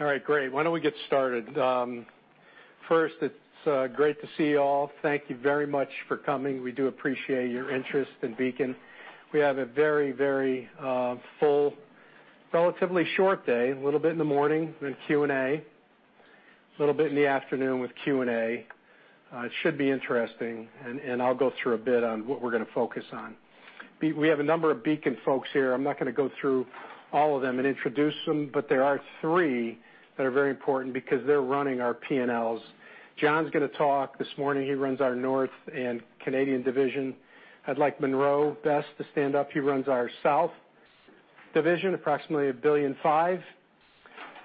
All right, great. Why don't we get started? First, it's great to see you all. Thank you very much for coming. We do appreciate your interest in Beacon. We have a very full, relatively short day, a little bit in the morning, then Q&A. A little bit in the afternoon with Q&A. It should be interesting. I'll go through a bit on what we're going to focus on. We have a number of Beacon folks here. I'm not going to go through all of them and introduce them, but there are three that are very important because they're running our P&Ls. John's going to talk this morning. He runs our North and Canadian division. I'd like Munroe Best to stand up. He runs our South division, approximately $1.5 billion.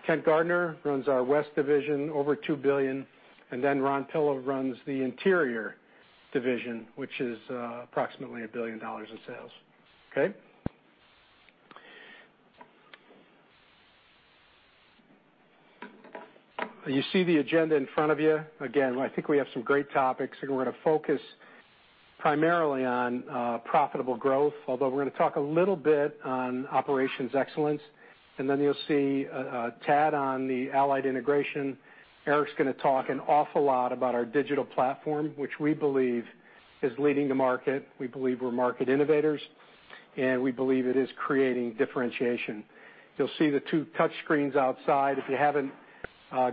Kent Gardner runs our West division, over $2 billion. Ron Pilla runs the Interior division, which is approximately $1 billion in sales. Okay? You see the agenda in front of you. Again, I think we have some great topics. We're going to focus primarily on profitable growth, although we're going to talk a little bit on operations excellence. You'll see a tad on the Allied integration. Eric's going to talk an awful lot about our digital platform, which we believe is leading the market. We believe we're market innovators. We believe it is creating differentiation. You'll see the two touch screens outside. If you haven't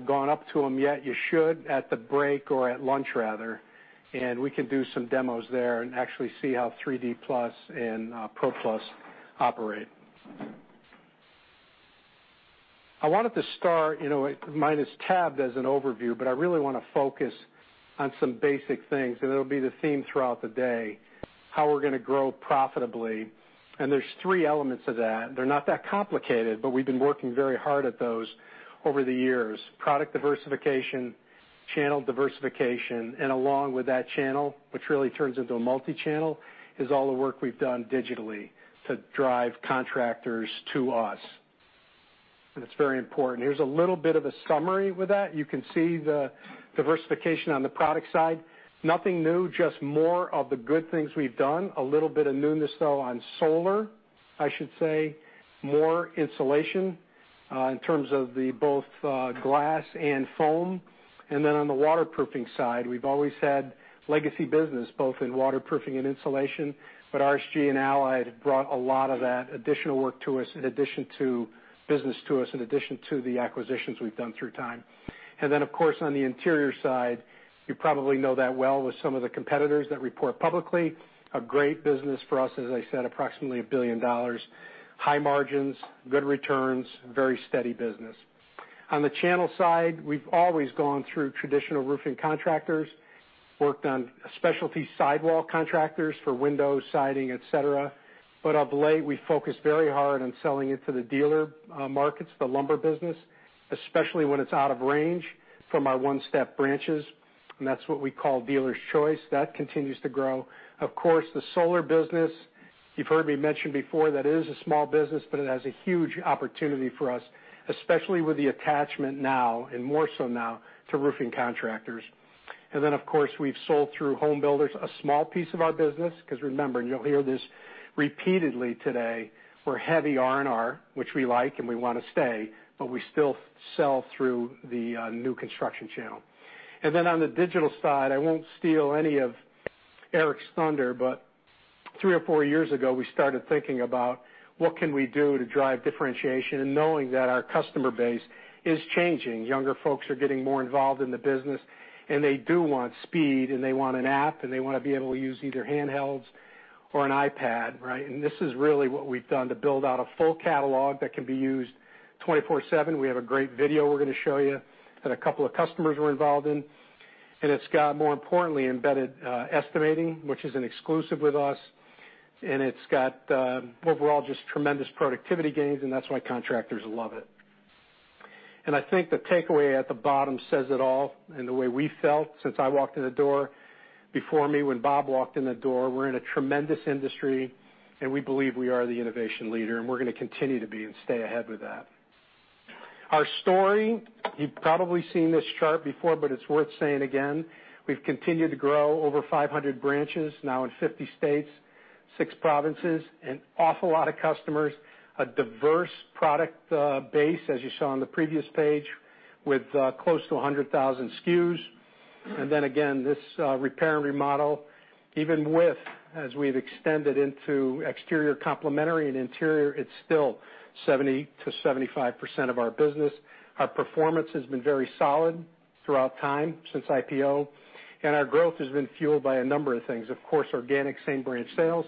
gone up to them yet, you should at the break or at lunch, rather. We can do some demos there and actually see how Beacon 3D+ and Beacon PRO+ operate. I wanted to start, mine is tabbed as an overview, but I really want to focus on some basic things. It'll be the theme throughout the day, how we're going to grow profitably. There's three elements of that. They're not that complicated, but we've been working very hard at those over the years. Product diversification, channel diversification, along with that channel, which really turns into a multi-channel, is all the work we've done digitally to drive contractors to us. It's very important. Here's a little bit of a summary with that. You can see the diversification on the product side. Nothing new, just more of the good things we've done. A little bit of newness, though, on solar, I should say. More insulation in terms of both glass and foam. On the waterproofing side, we've always had legacy business, both in waterproofing and insulation, but RSG and Allied have brought a lot of that additional work to us in addition to business to us, in addition to the acquisitions we've done through time. Of course, on the interior side, you probably know that well with some of the competitors that report publicly. A great business for us, as I said, approximately $1 billion. High margins, good returns, very steady business. On the channel side, we've always gone through traditional roofing contractors, worked on specialty sidewall contractors for windows, siding, et cetera. Of late, we focused very hard on selling it to the dealer markets, the lumber business, especially when it's out of range from our one-step branches. That's what we call Dealer's Choice. That continues to grow. The solar business, you've heard me mention before, that is a small business, but it has a huge opportunity for us, especially with the attachment now and more so now to roofing contractors. Of course, we've sold through home builders, a small piece of our business, because remember, and you'll hear this repeatedly today, we're heavy R&R, which we like and we want to stay, but we still sell through the new construction channel. On the digital side, I won't steal any of Eric's thunder, but three or four years ago, we started thinking about what can we do to drive differentiation and knowing that our customer base is changing. Younger folks are getting more involved in the business, and they do want speed, and they want an app, and they want to be able to use either handhelds or an iPad, right? This is really what we've done to build out a full catalog that can be used 24/7. We have a great video we're going to show you that a couple of customers were involved in. It's got, more importantly, embedded estimating, which is an exclusive with us. It's got, overall, just tremendous productivity gains, and that's why contractors love it. I think the takeaway at the bottom says it all, and the way we felt since I walked in the door, before me when Bob walked in the door. We're in a tremendous industry, and we believe we are the innovation leader, and we're going to continue to be and stay ahead with that. Our story, you've probably seen this chart before, but it's worth saying again. We've continued to grow over 500 branches, now in 50 states, six provinces, an awful lot of customers, a diverse product base, as you saw on the previous page, with close to 100,000 SKUs. Again, this repair and remodel, even with, as we've extended into exterior complementary and interior, it's still 70%-75% of our business. Our performance has been very solid throughout time since IPO, and our growth has been fueled by a number of things. Of course, organic same-branch sales,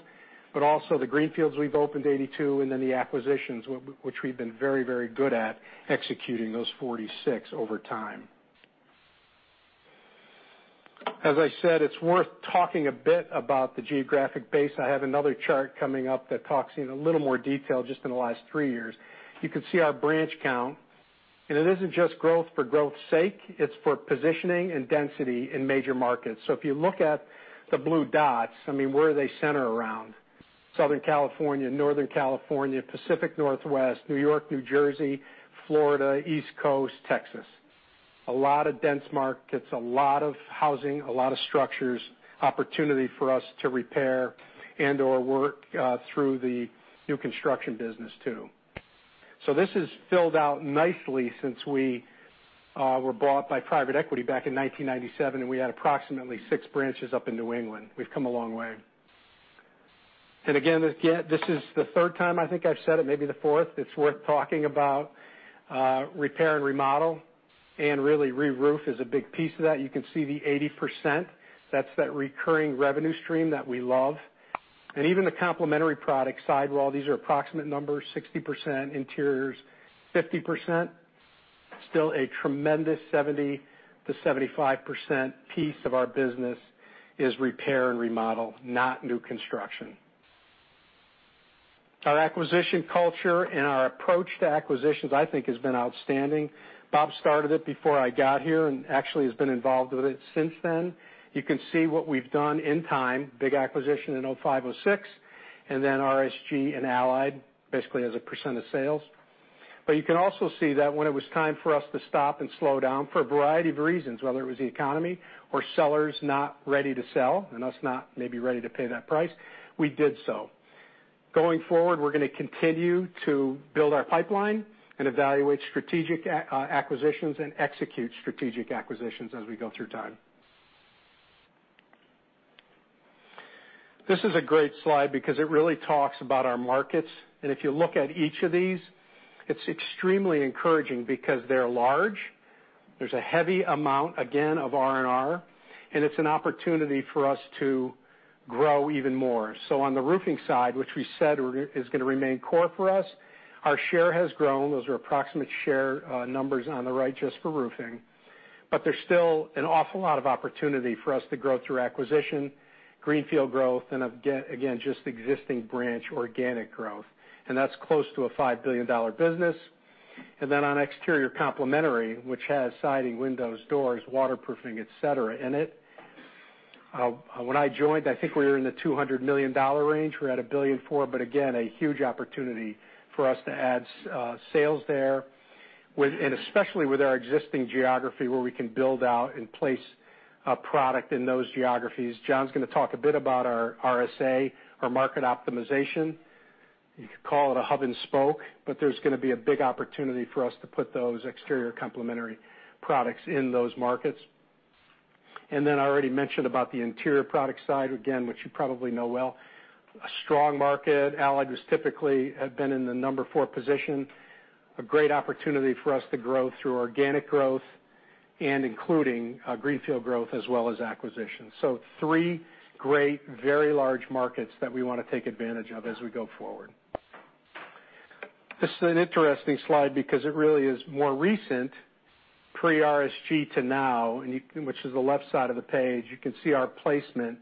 but also the greenfields we've opened, 82, and the acquisitions, which we've been very good at executing those 46 over time. As I said, it's worth talking a bit about the geographic base. I have another chart coming up that talks in a little more detail just in the last three years. You can see our branch count, it isn't just growth for growth's sake. It's for positioning and density in major markets. If you look at the blue dots, I mean, where do they center around? Southern California, Northern California, Pacific Northwest, New York, New Jersey, Florida, East Coast, Texas. A lot of dense markets, a lot of housing, a lot of structures. Opportunity for us to repair and/or work through the new construction business too. This has filled out nicely since we were bought by private equity back in 1997, and we had approximately six branches up in New England. We've come a long way. Again, this is the third time I think I've said it, maybe the fourth. It's worth talking about repair and remodel, and really reroof is a big piece of that. You can see the 80%. That's that recurring revenue stream that we love. Even the complementary product side, while these are approximate numbers, 60%, interiors 50%, still a tremendous 70%-75% piece of our business is R&R, not new construction. Our acquisition culture and our approach to acquisitions, I think, has been outstanding. Bob started it before I got here and actually has been involved with it since then. You can see what we've done in time, big acquisition in 2005, 2006, then RSG and Allied, basically as a % of sales. You can also see that when it was time for us to stop and slow down for a variety of reasons, whether it was the economy or sellers not ready to sell, and us not maybe ready to pay that price, we did so. Going forward, we're going to continue to build our pipeline and evaluate strategic acquisitions and execute strategic acquisitions as we go through time. This is a great slide because it really talks about our markets. If you look at each of these, it's extremely encouraging because they're large. There's a heavy amount, again, of R&R, and it's an opportunity for us to grow even more. On the roofing side, which we said is going to remain core for us, our share has grown. Those are approximate share numbers on the right just for roofing. There's still an awful lot of opportunity for us to grow through acquisition, greenfield growth, and again, just existing branch organic growth. That's close to a $5 billion business. On exterior complementary, which has siding, windows, doors, waterproofing, et cetera in it. When I joined, I think we were in the $200 million range. We're at $1.4 billion, but again, a huge opportunity for us to add sales there. Especially with our existing geography, where we can build out and place a product in those geographies. John's going to talk a bit about our RSA, our market optimization. You could call it a hub and spoke, but there's going to be a big opportunity for us to put those exterior complementary products in those markets. I already mentioned about the interior product side again, which you probably know well. A strong market. Allied Building Products has typically had been in the number 4 position. A great opportunity for us to grow through organic growth and including greenfield growth as well as acquisition. Three great, very large markets that we want to take advantage of as we go forward. This is an interesting slide because it really is more recent, pre-RSG to now, which is the left side of the page. You can see our placement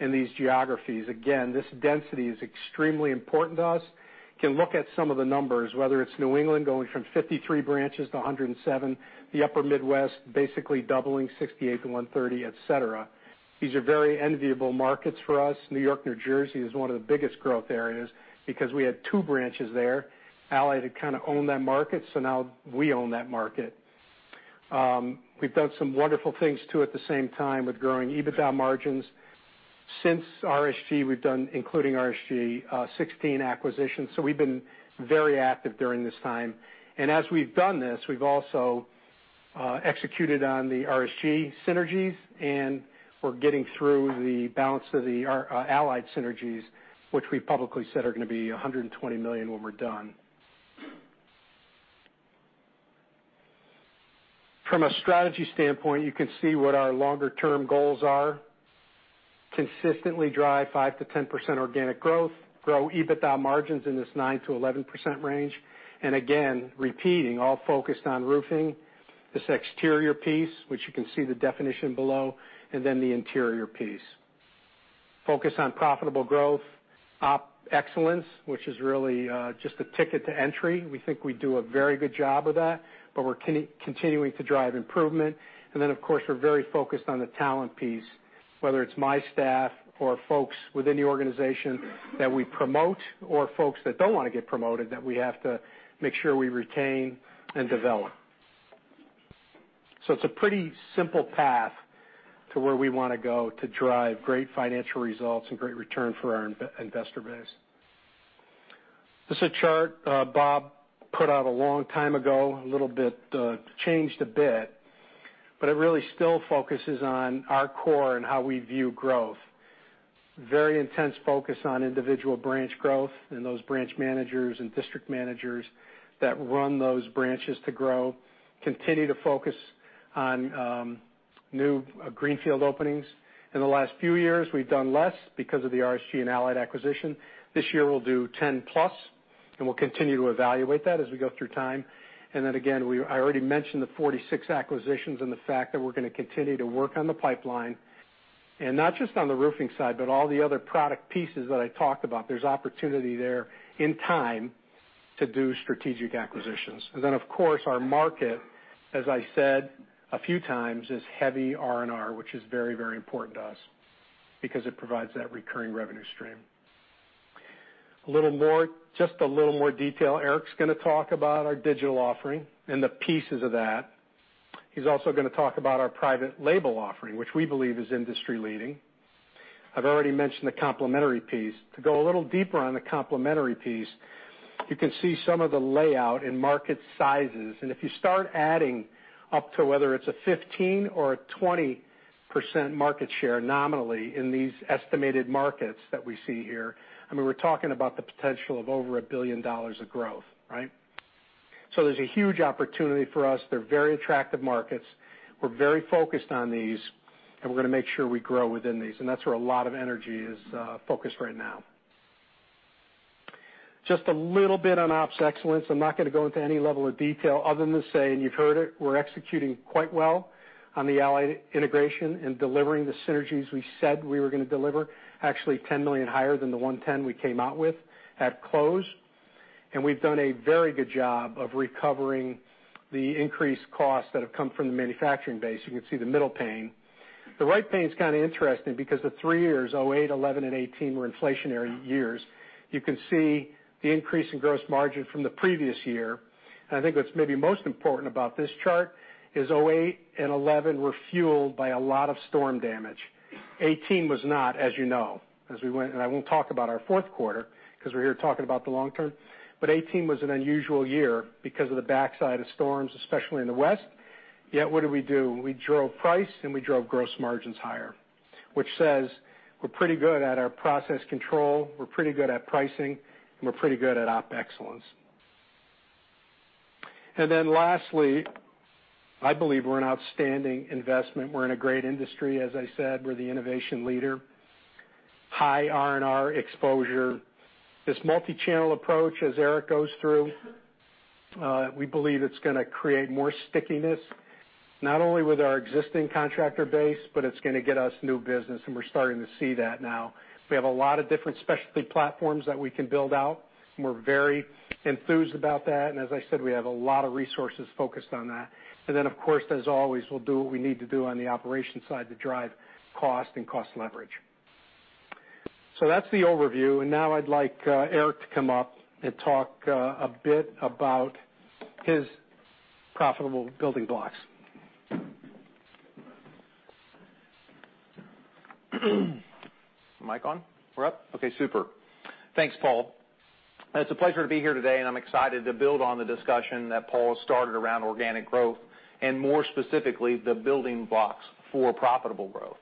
in these geographies. Again, this density is extremely important to us. You can look at some of the numbers, whether it's New England going from 53 branches to 107. The upper Midwest, basically doubling 68 to 130, et cetera. These are very enviable markets for us. New York, New Jersey is one of the biggest growth areas because we had two branches there. Allied Building Products had kind of owned that market, so now we own that market. We've done some wonderful things too, at the same time with growing EBITDA margins. Since RSG, we've done, including RSG, 16 acquisitions, we've been very active during this time. As we've done this, we've also executed on the RSG synergies, and we're getting through the balance of the Allied synergies, which we publicly said are going to be $120 million when we're done. From a strategy standpoint, you can see what our longer-term goals are. Consistently drive 5%-10% organic growth. Grow EBITDA margins in this 9%-11% range. Again, repeating, all focused on roofing. This exterior piece, which you can see the definition below, and then the interior piece. Focus on profitable growth. Op excellence, which is really just a ticket to entry. We think we do a very good job of that, but we're continuing to drive improvement. Then, of course, we're very focused on the talent piece. Whether it's my staff or folks within the organization that we promote, or folks that don't want to get promoted, that we have to make sure we retain and develop. It's a pretty simple path to where we want to go to drive great financial results and great return for our investor base. This is a chart Bob put out a long time ago, changed a bit. It really still focuses on our core and how we view growth. Very intense focus on individual branch growth and those branch managers and district managers that run those branches to grow. Continue to focus on new greenfield openings. In the last few years, we've done less because of the RSG and Allied acquisition. This year, we'll do 10+, and we'll continue to evaluate that as we go through time. Again, I already mentioned the 46 acquisitions and the fact that we're going to continue to work on the pipeline. Not just on the roofing side, but all the other product pieces that I talked about. There's opportunity there in time to do strategic acquisitions. Of course, our market, as I said a few times, is heavy R&R, which is very, very important to us because it provides that recurring revenue stream. A little more, just a little more detail. Eric's going to talk about our digital offering and the pieces of that. He's also going to talk about our private label offering, which we believe is industry-leading. I've already mentioned the complementary piece. To go a little deeper on the complementary piece, you can see some of the layout in market sizes, and if you start adding up to whether it's 15% or 20% market share nominally in these estimated markets that we see here, I mean, we're talking about the potential of over $1 billion of growth, right? There's a huge opportunity for us. They're very attractive markets. We're very focused on these, and we're going to make sure we grow within these, and that's where a lot of energy is focused right now. Just a little bit on Op excellence. I'm not going to go into any level of detail other than to say, and you've heard it, we're executing quite well on the Allied integration and delivering the synergies we said we were going to deliver. Actually, $10 million higher than the $110 we came out with at close. We've done a very good job of recovering the increased costs that have come from the manufacturing base. You can see the middle pane. The right pane's kind of interesting because the three years, 2008, 2011, and 2018, were inflationary years. You can see the increase in gross margin from the previous year. I think what's maybe most important about this chart is 2008 and 2011 were fueled by a lot of storm damage. 2018 was not, as you know, as we went, and I won't talk about our fourth quarter because we're here talking about the long term, but 2018 was an unusual year because of the backside of storms, especially in the West. Yet what did we do? We drove price, and we drove gross margins higher, which says we're pretty good at our process control, we're pretty good at pricing, and we're pretty good at op excellence. Lastly, I believe we're an outstanding investment. We're in a great industry. As I said, we're the innovation leader. High R&R exposure. This multi-channel approach, as Eric goes through, we believe it's going to create more stickiness, not only with our existing contractor base, but it's going to get us new business, and we're starting to see that now. We have a lot of different specialty platforms that we can build out, and we're very enthused about that. As I said, we have a lot of resources focused on that. Of course, as always, we'll do what we need to do on the operations side to drive cost and cost leverage. That's the overview, and now I'd like Eric to come up and talk a bit about his profitable building blocks. Mic on? We're up? Okay, super. Thanks, Paul. It's a pleasure to be here today, and I'm excited to build on the discussion that Paul has started around organic growth and, more specifically, the building blocks for profitable growth.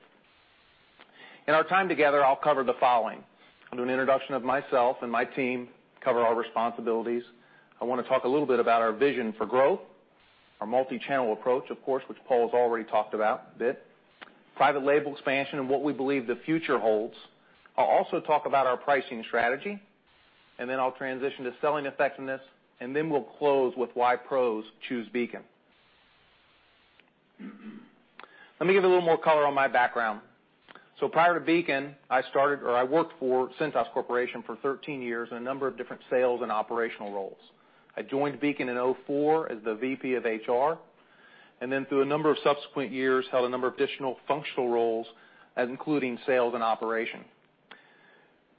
In our time together, I'll cover the following. I'll do an introduction of myself and my team, cover our responsibilities. I want to talk a little bit about our vision for growth, our multi-channel approach, of course, which Paul has already talked about a bit, private label expansion, and what we believe the future holds. I'll also talk about our pricing strategy, and then I'll transition to selling effectiveness, and then we'll close with why pros choose Beacon. Let me give a little more color on my background. Prior to Beacon, I started, or I worked for Cintas Corporation for 13 years in a number of different sales and operational roles. I joined Beacon in 2004 as the VP of HR, and then through a number of subsequent years, held a number of additional functional roles, including sales and operation.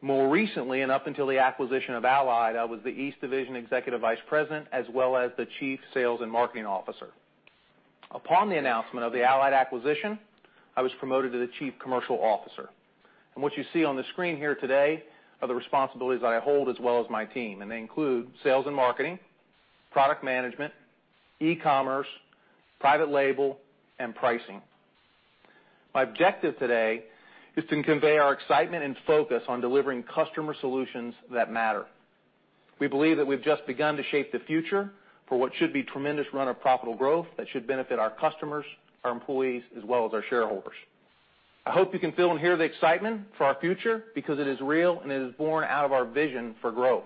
More recently, and up until the acquisition of Allied, I was the East Division Executive Vice President, as well as the Chief Sales and Marketing Officer. Upon the announcement of the Allied acquisition, I was promoted to the Chief Commercial Officer. What you see on the screen here today are the responsibilities that I hold as well as my team, and they include sales and marketing, product management, e-commerce, private label, and pricing. My objective today is to convey our excitement and focus on delivering customer solutions that matter. We believe that we've just begun to shape the future for what should be tremendous run of profitable growth that should benefit our customers, our employees, as well as our shareholders. I hope you can feel and hear the excitement for our future because it is real, and it is born out of our vision for growth.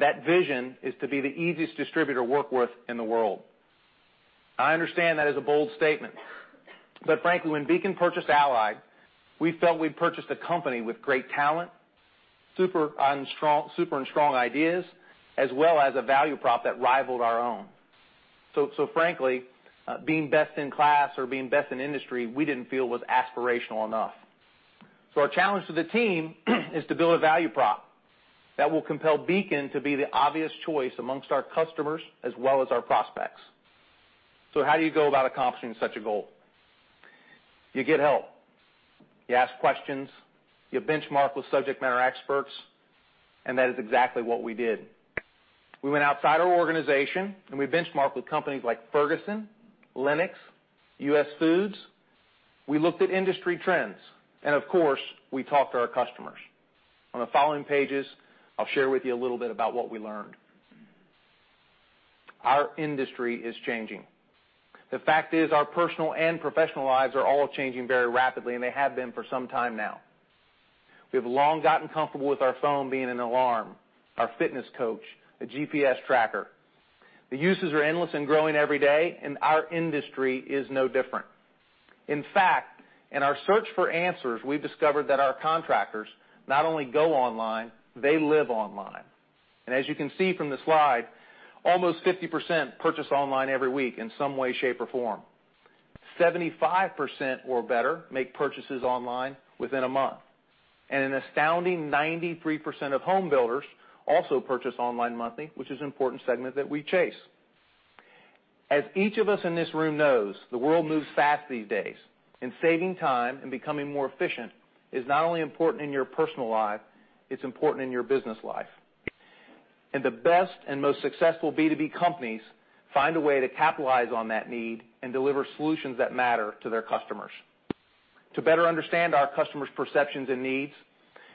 That vision is to be the easiest distributor to work with in the world. I understand that is a bold statement. Frankly, when Beacon purchased Allied, we felt we'd purchased a company with great talent, super and strong ideas, as well as a value prop that rivaled our own. Frankly, being best in class or being best in industry, we didn't feel was aspirational enough. Our challenge to the team is to build a value prop that will compel Beacon to be the obvious choice amongst our customers as well as our prospects. How do you go about accomplishing such a goal? You get help. You ask questions. You benchmark with subject matter experts, and that is exactly what we did. We went outside our organization, and we benchmarked with companies like Ferguson, Lennox, US Foods. We looked at industry trends, and of course, we talked to our customers. On the following pages, I'll share with you a little bit about what we learned. Our industry is changing. The fact is, our personal and professional lives are all changing very rapidly, and they have been for some time now. We've long gotten comfortable with our phone being an alarm, our fitness coach, a GPS tracker. The uses are endless and growing every day, our industry is no different. In fact, in our search for answers, we've discovered that our contractors not only go online, they live online. As you can see from the slide, almost 50% purchase online every week in some way, shape, or form. 75% or better make purchases online within a month, and an astounding 93% of home builders also purchase online monthly, which is an important segment that we chase. As each of us in this room knows, the world moves fast these days, and saving time and becoming more efficient is not only important in your personal life, it's important in your business life. The best and most successful B2B companies find a way to capitalize on that need and deliver solutions that matter to their customers. To better understand our customers' perceptions and needs,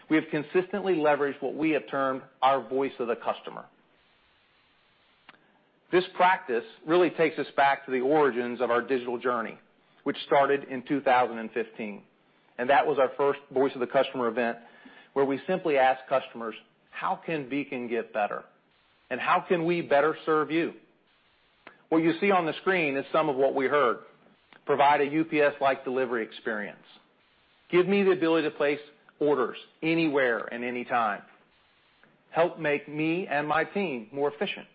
we have consistently leveraged what we have termed our voice of the customer. This practice really takes us back to the origins of our digital journey, which started in 2015, that was our first voice of the customer event, where we simply asked customers, "How can Beacon get better? How can we better serve you?" What you see on the screen is some of what we heard. Provide a UPS-like delivery experience. Give me the ability to place orders anywhere and anytime. Help make me and my team more efficient,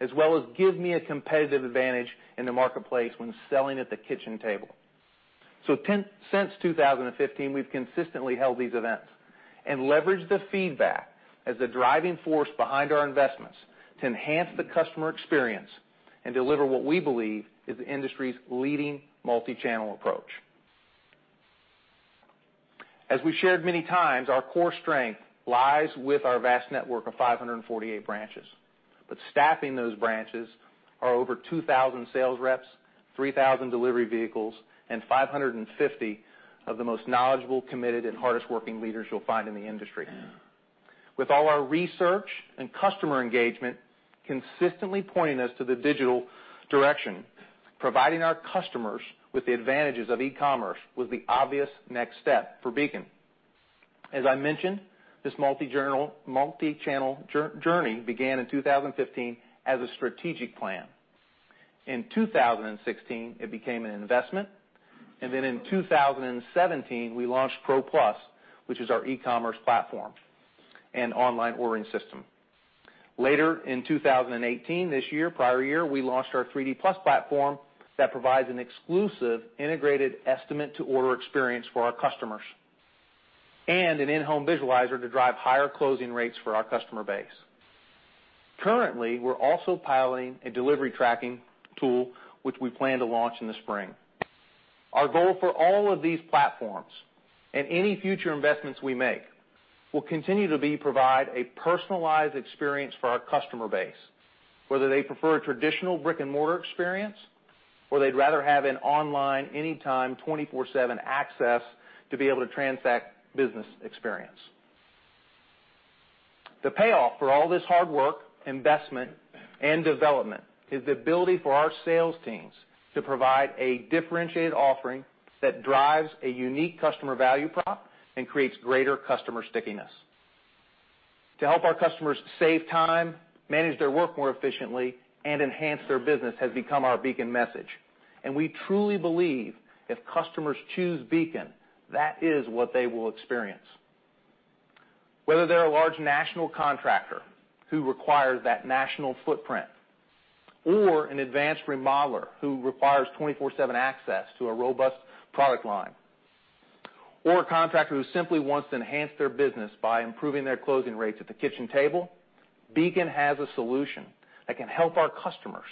as well as give me a competitive advantage in the marketplace when selling at the kitchen table. Since 2015, we've consistently held these events and leveraged the feedback as the driving force behind our investments to enhance the customer experience and deliver what we believe is the industry's leading multi-channel approach. As we shared many times, our core strength lies with our vast network of 548 branches. Staffing those branches are over 2,000 sales reps, 3,000 delivery vehicles, and 550 of the most knowledgeable, committed, and hardest-working leaders you'll find in the industry. With all our research and customer engagement consistently pointing us to the digital direction, providing our customers with the advantages of e-commerce was the obvious next step for Beacon. As I mentioned, this multi-channel journey began in 2015 as a strategic plan. In 2016, it became an investment, in 2017, we launched Beacon PRO+, which is our e-commerce platform and online ordering system. Later in 2018, this year, prior year, we launched our Beacon 3D+ platform that provides an exclusive integrated estimate to order experience for our customers and an in-home visualizer to drive higher closing rates for our customer base. Currently, we're also piloting a delivery tracking tool which we plan to launch in the spring. Our goal for all of these platforms and any future investments we make will continue to be provide a personalized experience for our customer base, whether they prefer a traditional brick-and-mortar experience or they'd rather have an online, anytime, 24/7 access to be able to transact business experience. The payoff for all this hard work, investment, and development is the ability for our sales teams to provide a differentiated offering that drives a unique customer value prop and creates greater customer stickiness. To help our customers save time, manage their work more efficiently, and enhance their business has become our Beacon message. We truly believe if customers choose Beacon, that is what they will experience. Whether they're a large national contractor who requires that national footprint or an advanced remodeler who requires 24/7 access to a robust product line or a contractor who simply wants to enhance their business by improving their closing rates at the kitchen table, Beacon has a solution that can help our customers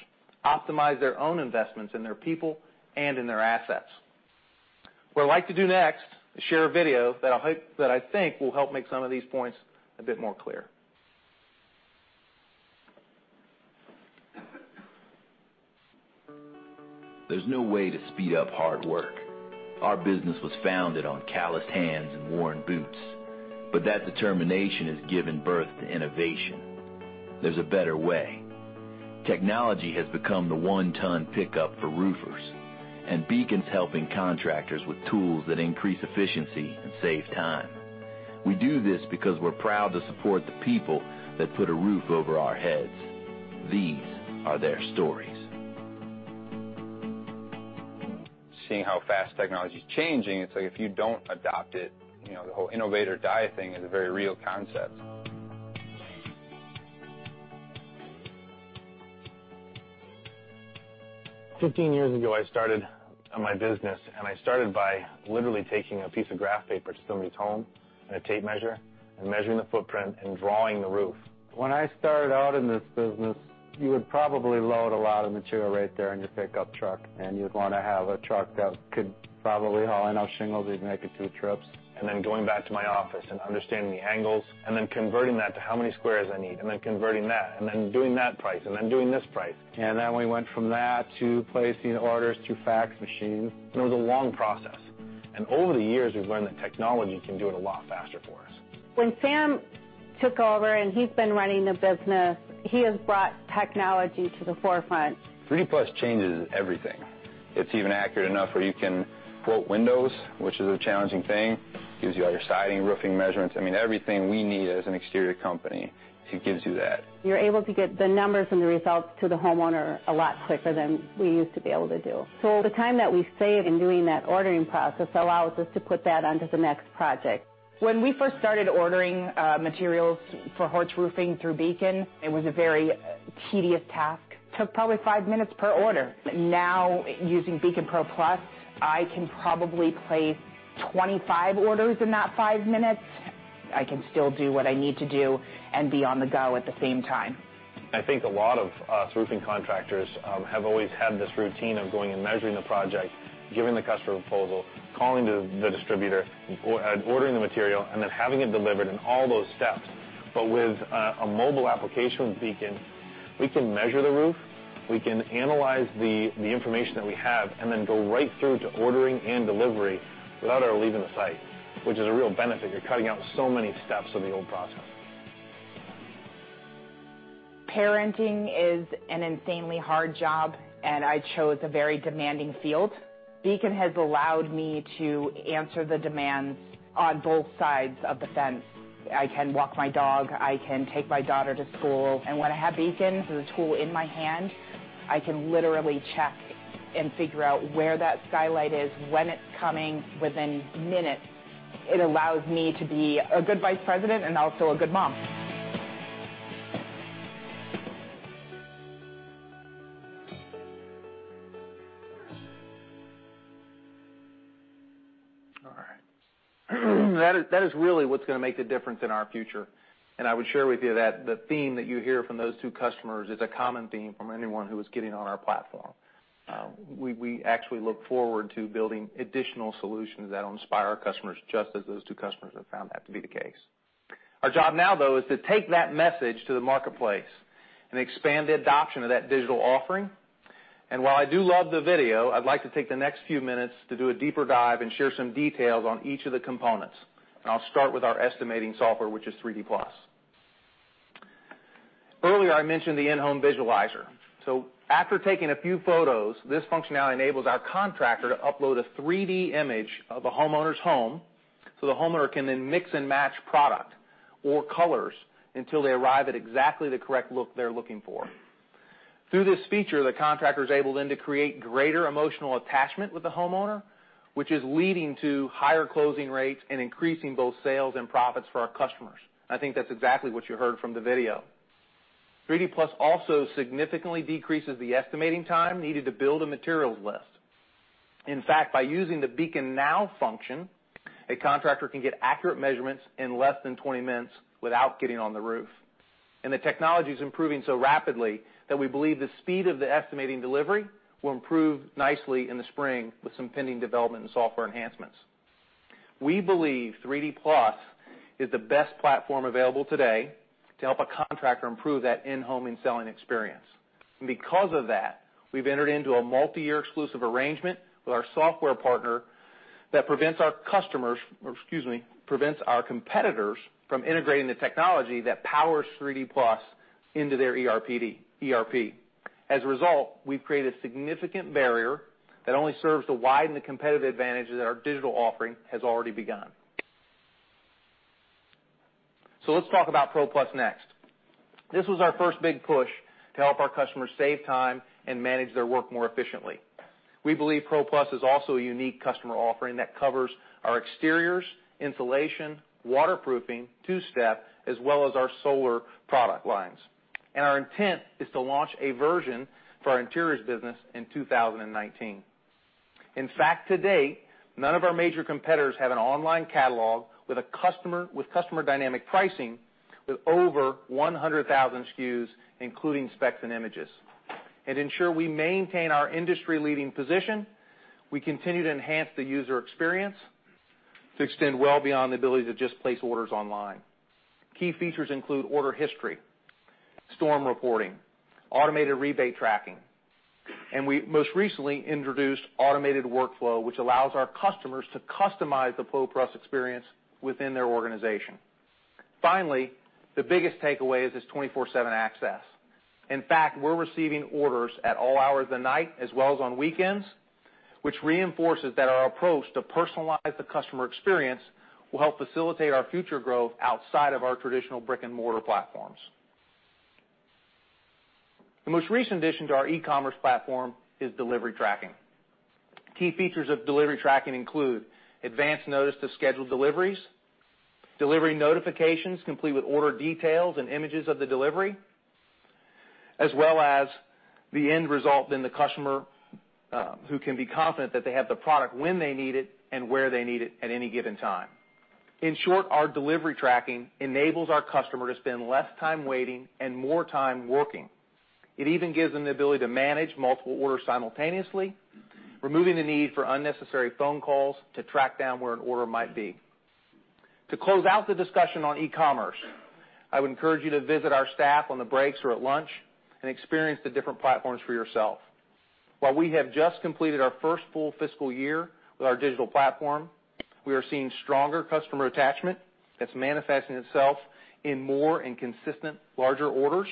optimize their own investments in their people and in their assets. What I'd like to do next is share a video that I think will help make some of these points a bit more clear. There's no way to speed up hard work. Our business was founded on calloused hands and worn boots, but that determination has given birth to innovation. There's a better way. Technology has become the one-ton pickup for roofers, and Beacon's helping contractors with tools that increase efficiency and save time. We do this because we're proud to support the people that put a roof over our heads. These are their stories. Seeing how fast technology's changing, it's like if you don't adopt it, the whole innovate or die thing is a very real concept. 15 years ago, I started my business, and I started by literally taking a piece of graph paper to somebody's home and a tape measure and measuring the footprint and drawing the roof. When I started out in this business, you would probably load a lot of material right there in your pickup truck, and you'd want to have a truck that could probably haul enough shingles, you'd make it two trips. Going back to my office and understanding the angles, converting that to how many squares I need, converting that, doing that price, doing this price. We went from that to placing orders through fax machines. It was a long process. Over the years, we've learned that technology can do it a lot faster for us. When Sam took over and he's been running the business, he has brought technology to the forefront. Beacon 3D+ changes everything. It's even accurate enough where you can quote windows, which is a challenging thing. Gives you all your siding, roofing measurements. I mean, everything we need as an exterior company, it gives you that. You're able to get the numbers and the results to the homeowner a lot quicker than we used to be able to do. The time that we save in doing that ordering process allows us to put that onto the next project. When we first started ordering materials for Horch Roofing through Beacon, it was a very tedious task. Took probably five minutes per order. Now using Beacon PRO+, I can probably place 25 orders in that five minutes. I can still do what I need to do and be on the go at the same time. I think a lot of us roofing contractors have always had this routine of going and measuring the project, giving the customer a proposal, calling the distributor, or ordering the material, and then having it delivered and all those steps. With a mobile application with Beacon, we can measure the roof, we can analyze the information that we have, and then go right through to ordering and delivery without our leaving the site, which is a real benefit. You're cutting out so many steps from the old process. Parenting is an insanely hard job. I chose a very demanding field. Beacon has allowed me to answer the demands on both sides of the fence. I can walk my dog, I can take my daughter to school. When I have Beacon as a tool in my hand, I can literally check and figure out where that skylight is, when it's coming, within minutes. It allows me to be a good vice president and also a good mom. All right. That is really what's gonna make the difference in our future. I would share with you that the theme that you hear from those two customers is a common theme from anyone who is getting on our platform. We actually look forward to building additional solutions that'll inspire our customers, just as those two customers have found that to be the case. Our job now, though, is to take that message to the marketplace and expand the adoption of that digital offering. While I do love the video, I'd like to take the next few minutes to do a deeper dive and share some details on each of the components. I'll start with our estimating software, which is 3D+. Earlier, I mentioned the in-home visualizer. After taking a few photos, this functionality enables our contractor to upload a 3D image of a homeowner's home. The homeowner can then mix and match product or colors until they arrive at exactly the correct look they're looking for. Through this feature, the contractor is able then to create greater emotional attachment with the homeowner, which is leading to higher closing rates and increasing both sales and profits for our customers. I think that's exactly what you heard from the video. 3D+ also significantly decreases the estimating time needed to build a materials list. In fact, by using the Beacon Now function, a contractor can get accurate measurements in less than 20 minutes without getting on the roof. The technology's improving so rapidly that we believe the speed of the estimating delivery will improve nicely in the spring with some pending development and software enhancements. We believe 3D+ is the best platform available today to help a contractor improve that in-home and selling experience. Because of that, we've entered into a multiyear exclusive arrangement with our software partner that prevents our customers, or excuse me, prevents our competitors from integrating the technology that powers 3D+ into their ERP. As a result, we've created a significant barrier that only serves to widen the competitive advantage that our digital offering has already begun. Let's talk about PRO+ next. This was our first big push to help our customers save time and manage their work more efficiently. We believe PRO+ is also a unique customer offering that covers our exteriors, insulation, waterproofing, two step, as well as our solar product lines. Our intent is to launch a version for our interiors business in 2019. In fact, to date, none of our major competitors have an online catalog with customer dynamic pricing with over 100,000 SKUs, including specs and images. To ensure we maintain our industry-leading position, we continue to enhance the user experience to extend well beyond the ability to just place orders online. Key features include order history, storm reporting, automated rebate tracking, and we most recently introduced automated workflow, which allows our customers to customize the Beacon PRO+ experience within their organization. Finally, the biggest takeaway is this 24/7 access. In fact, we're receiving orders at all hours of the night, as well as on weekends, which reinforces that our approach to personalize the customer experience will help facilitate our future growth outside of our traditional brick-and-mortar platforms. The most recent addition to our e-commerce platform is delivery tracking. Key features of delivery tracking include advanced notice to scheduled deliveries, delivery notifications complete with order details and images of the delivery, as well as the end result in the customer, who can be confident that they have the product when they need it and where they need it at any given time. In short, our delivery tracking enables our customer to spend less time waiting and more time working. It even gives them the ability to manage multiple orders simultaneously, removing the need for unnecessary phone calls to track down where an order might be. To close out the discussion on e-commerce, I would encourage you to visit our staff on the breaks or at lunch and experience the different platforms for yourself. While we have just completed our first full fiscal year with our digital platform, we are seeing stronger customer attachment that's manifesting itself in more and consistent larger orders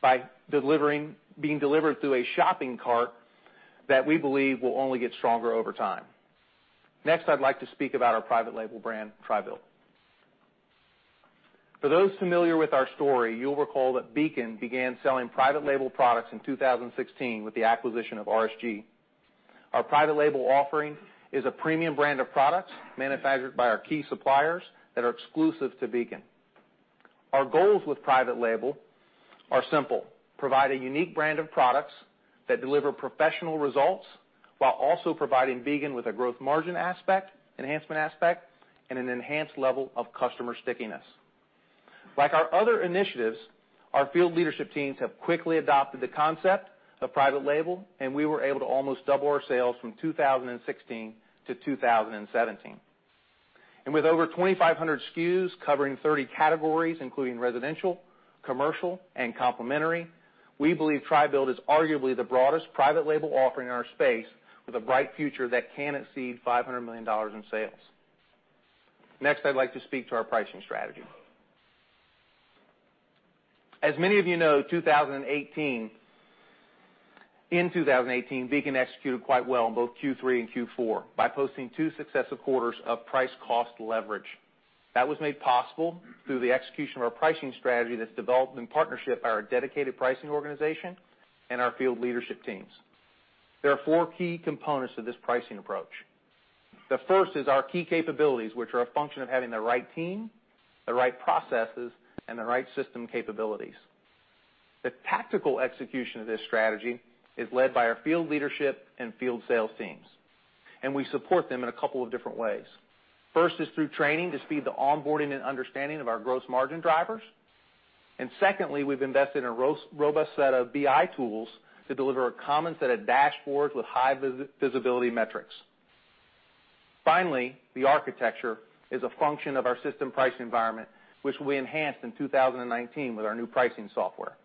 by being delivered through a shopping cart that we believe will only get stronger over time. Next, I'd like to speak about our private label brand, TRI-BUILT. For those familiar with our story, you'll recall that Beacon began selling private label products in 2016 with the acquisition of RSG. Our private label offering is a premium brand of products manufactured by our key suppliers that are exclusive to Beacon. Our goals with private label are simple: provide a unique brand of products that deliver professional results while also providing Beacon with a growth margin aspect, enhancement aspect, and an enhanced level of customer stickiness. Like our other initiatives, our field leadership teams have quickly adopted the concept of private label, and we were able to almost double our sales from 2016 to 2017. With over 2,500 SKUs covering 30 categories, including residential, commercial, and complementary, we believe TRI-BUILT is arguably the broadest private label offering in our space, with a bright future that can exceed $500 million in sales. Next, I'd like to speak to our pricing strategy. As many of you know, in 2018, Beacon executed quite well in both Q3 and Q4 by posting two successive quarters of price cost leverage. That was made possible through the execution of our pricing strategy that's developed in partnership by our dedicated pricing organization and our field leadership teams. There are four key components to this pricing approach. The first is our key capabilities, which are a function of having the right team, the right processes, and the right system capabilities. The tactical execution of this strategy is led by our field leadership and field sales teams, we support them in a couple of different ways. First is through training to speed the onboarding and understanding of our gross margin drivers. Secondly, we've invested in a robust set of BI tools to deliver a common set of dashboards with high visibility metrics. Finally, the architecture is a function of our system pricing environment, which we enhanced in 2019 with our new pricing software.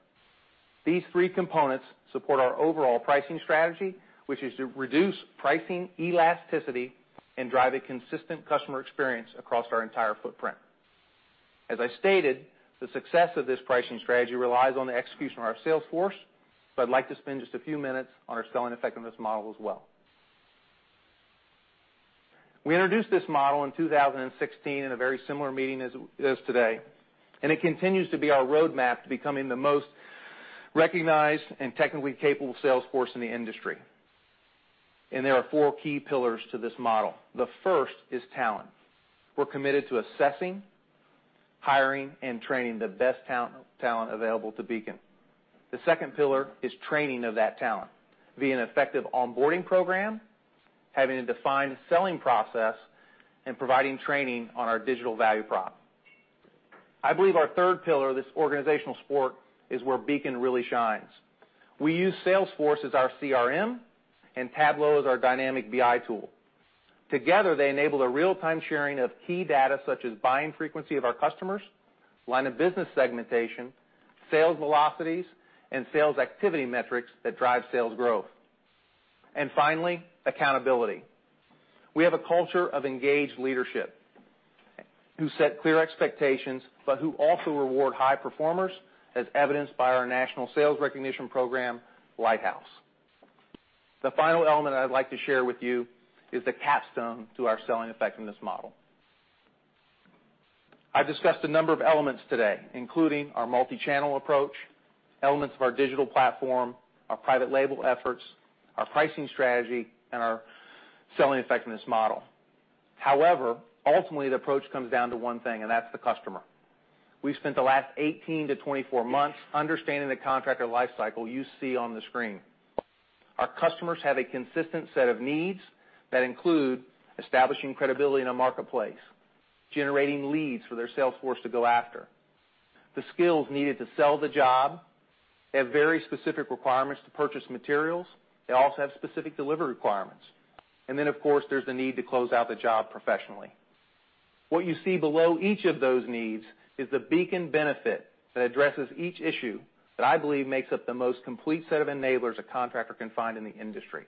These three components support our overall pricing strategy, which is to reduce pricing elasticity and drive a consistent customer experience across our entire footprint. As I stated, the success of this pricing strategy relies on the execution of our sales force. I'd like to spend just a few minutes on our selling effectiveness model as well. We introduced this model in 2016 in a very similar meeting as today. It continues to be our roadmap to becoming the most recognized and technically capable sales force in the industry. There are four key pillars to this model. The first is talent. We're committed to assessing, hiring, and training the best talent available to Beacon. The second pillar is training of that talent via an effective onboarding program, having a defined selling process, and providing training on our digital value prop. I believe our third pillar of this organizational support is where Beacon really shines. We use Salesforce as our CRM and Tableau as our dynamic BI tool. Together, they enable the real-time sharing of key data such as buying frequency of our customers, line of business segmentation, sales velocities, and sales activity metrics that drive sales growth. Finally, accountability. We have a culture of engaged leadership who set clear expectations, who also reward high performers, as evidenced by our national sales recognition program, Lighthouse. The final element I'd like to share with you is the capstone to our selling effectiveness model. I've discussed a number of elements today, including our multi-channel approach, elements of our digital platform, our private label efforts, our pricing strategy, and our selling effectiveness model. However, ultimately, the approach comes down to one thing, and that's the customer. We've spent the last 18 to 24 months understanding the contractor life cycle you see on the screen. Our customers have a consistent set of needs that include establishing credibility in a marketplace, generating leads for their sales force to go after, the skills needed to sell the job. They have very specific requirements to purchase materials. They also have specific delivery requirements. Then, of course, there's the need to close out the job professionally. What you see below each of those needs is the Beacon benefit that addresses each issue that I believe makes up the most complete set of enablers a contractor can find in the industry.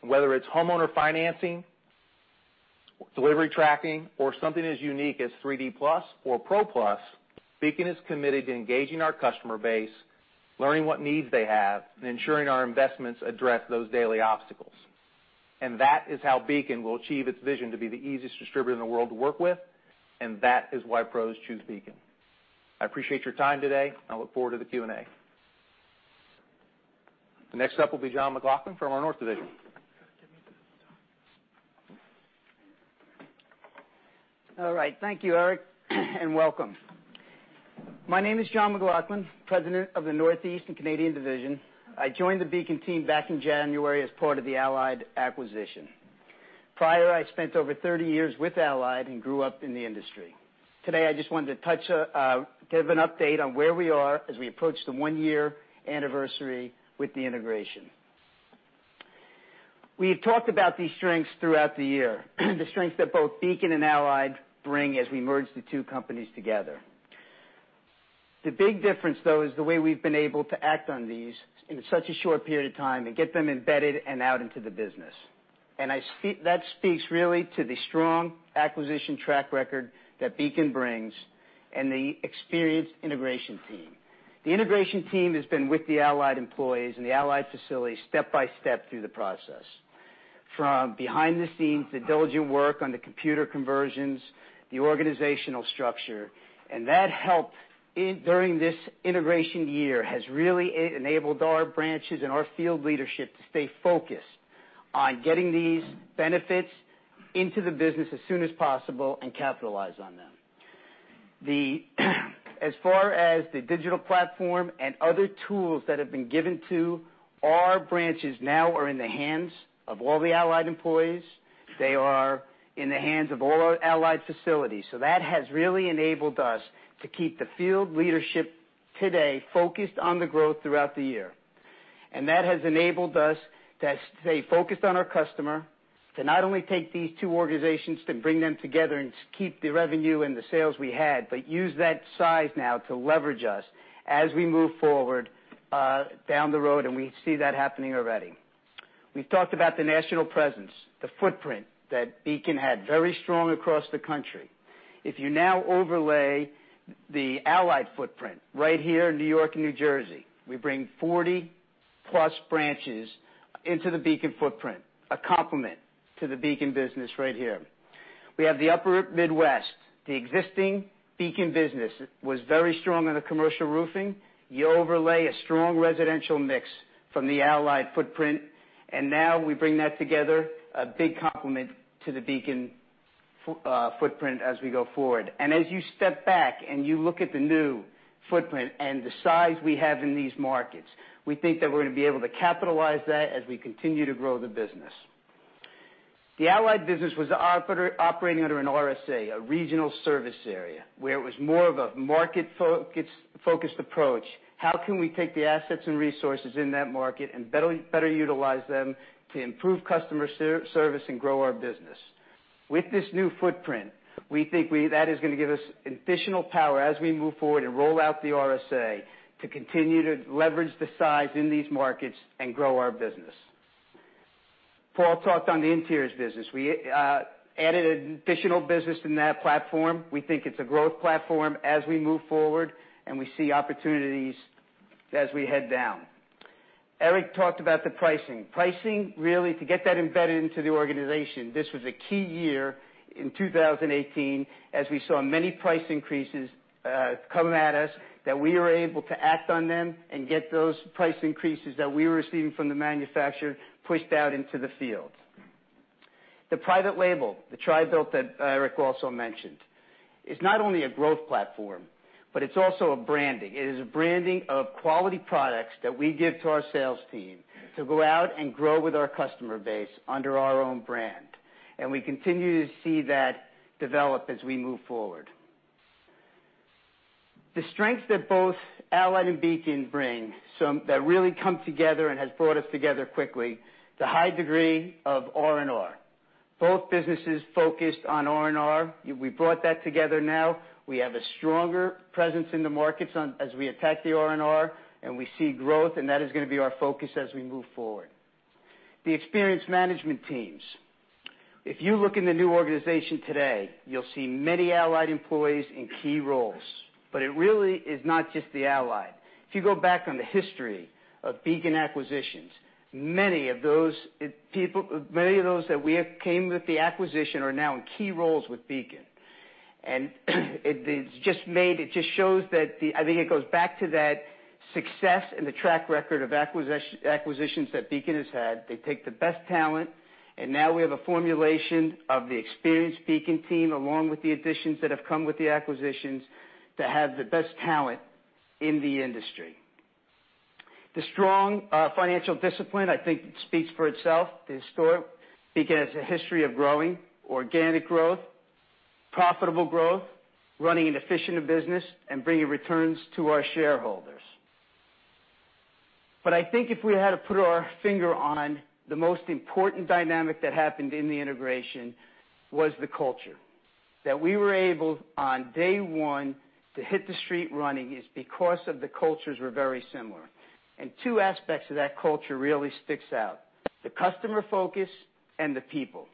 Whether it's homeowner financing, delivery tracking, or something as unique as 3D+ or PRO+, Beacon is committed to engaging our customer base, learning what needs they have, and ensuring our investments address those daily obstacles. That is how Beacon will achieve its vision to be the easiest distributor in the world to work with. That is why pros choose Beacon. I appreciate your time today, and I look forward to the Q&A. Next up will be John McLaughlin from our north division. All right. Thank you, Eric, and welcome. My name is John McLaughlin, President of the Northeast & Canadian Division. I joined the Beacon team back in January as part of the Allied acquisition. Prior, I spent over 30 years with Allied and grew up in the industry. Today, I just wanted to give an update on where we are as we approach the one-year anniversary with the integration. We've talked about these strengths throughout the year, the strengths that both Beacon and Allied bring as we merge the two companies together. The big difference, though, is the way we've been able to act on these in such a short period of time and get them embedded and out into the business. That speaks really to the strong acquisition track record that Beacon brings and the experienced integration team. The integration team has been with the Allied employees and the Allied facilities step by step through the process. From behind the scenes, the diligent work on the computer conversions, the organizational structure. That help during this integration year has really enabled our branches and our field leadership to stay focused on getting these benefits into the business as soon as possible and capitalize on them. As far as the digital platform and other tools that have been given to our branches now are in the hands of all the Allied employees. They are in the hands of all our Allied facilities. That has really enabled us to keep the field leadership today focused on the growth throughout the year. That has enabled us to stay focused on our customer, to not only take these two organizations, to bring them together and to keep the revenue and the sales we had, but use that size now to leverage us as we move forward down the road, and we see that happening already. We've talked about the national presence, the footprint that Beacon had, very strong across the country. If you now overlay the Allied footprint right here in New York and New Jersey, we bring 40-plus branches into the Beacon footprint, a complement to the Beacon business right here. We have the Upper Midwest. The existing Beacon business was very strong in the commercial roofing. You overlay a strong residential mix from the Allied footprint, now we bring that together, a big complement to the Beacon footprint as we go forward. As you step back and you look at the new footprint and the size we have in these markets, we think that we're going to be able to capitalize that as we continue to grow the business. The Allied business was operating under an RSA, a regional service area, where it was more of a market-focused approach. How can we take the assets and resources in that market and better utilize them to improve customer service and grow our business? With this new footprint, we think that is going to give us additional power as we move forward and roll out the RSA to continue to leverage the size in these markets and grow our business. Paul talked on the interiors business. We added additional business from that platform. We think it's a growth platform as we move forward, and we see opportunities as we head down. Eric talked about the pricing. Pricing, really, to get that embedded into the organization. This was a key year in 2018 as we saw many price increases come at us, that we were able to act on them and get those price increases that we were receiving from the manufacturer pushed out into the field. The private label, the TRI-BUILT that Eric also mentioned, is not only a growth platform, but it's also a branding. It is a branding of quality products that we give to our sales team to go out and grow with our customer base under our own brand. We continue to see that develop as we move forward. The strengths that both Allied and Beacon bring, that really come together and has brought us together quickly, the high degree of R&R. Both businesses focused on R&R. We brought that together now. We have a stronger presence in the markets as we attack the R&R, and we see growth, and that is going to be our focus as we move forward. The experienced management teams. If you look in the new organization today, you'll see many Allied employees in key roles. It really is not just the Allied. If you go back on the history of Beacon acquisitions, many of those that we acquired came with the acquisition are now in key roles with Beacon. I think it goes back to that success and the track record of acquisitions that Beacon has had. They take the best talent, and now we have a formulation of the experienced Beacon team, along with the additions that have come with the acquisitions to have the best talent in the industry. The strong financial discipline, I think speaks for itself. Beacon has a history of growing, organic growth, profitable growth, running an efficient business and bringing returns to our shareholders. I think if we had to put our finger on the most important dynamic that happened in the integration was the culture. That we were able, on day one, to hit the street running is because of the cultures were very similar. Two aspects of that culture really sticks out, the customer focus and the people.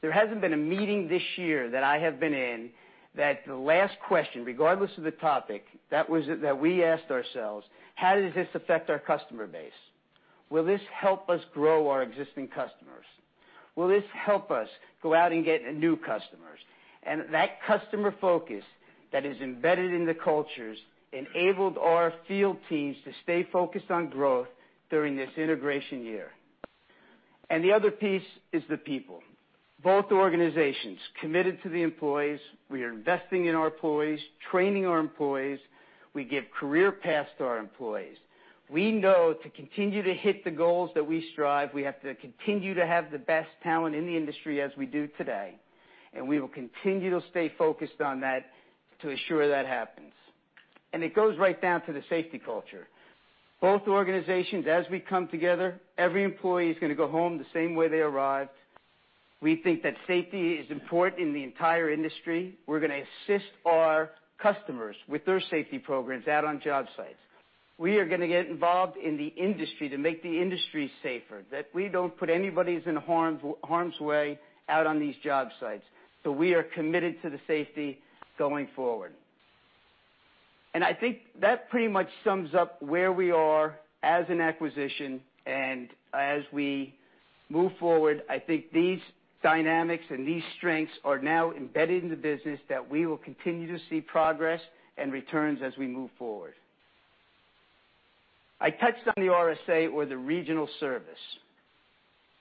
There hasn't been a meeting this year that I have been in that the last question, regardless of the topic, that we asked ourselves, "How does this affect our customer base? Will this help us grow our existing customers? Will this help us go out and get new customers?" That customer focus that is embedded in the cultures enabled our field teams to stay focused on growth during this integration year. The other piece is the people. Both organizations committed to the employees. We are investing in our employees, training our employees. We give career paths to our employees. We know to continue to hit the goals that we strive, we have to continue to have the best talent in the industry as we do today, and we will continue to stay focused on that to ensure that happens. It goes right down to the safety culture. Both organizations, as we come together, every employee is going to go home the same way they arrived. We think that safety is important in the entire industry. We're going to assist our customers with their safety programs out on job sites. We are going to get involved in the industry to make the industry safer, that we don't put anybody in harm's way out on these job sites. We are committed to the safety going forward. I think that pretty much sums up where we are as an acquisition. As we move forward, I think these dynamics and these strengths are now embedded in the business that we will continue to see progress and returns as we move forward. I touched on the RSA or the regional service.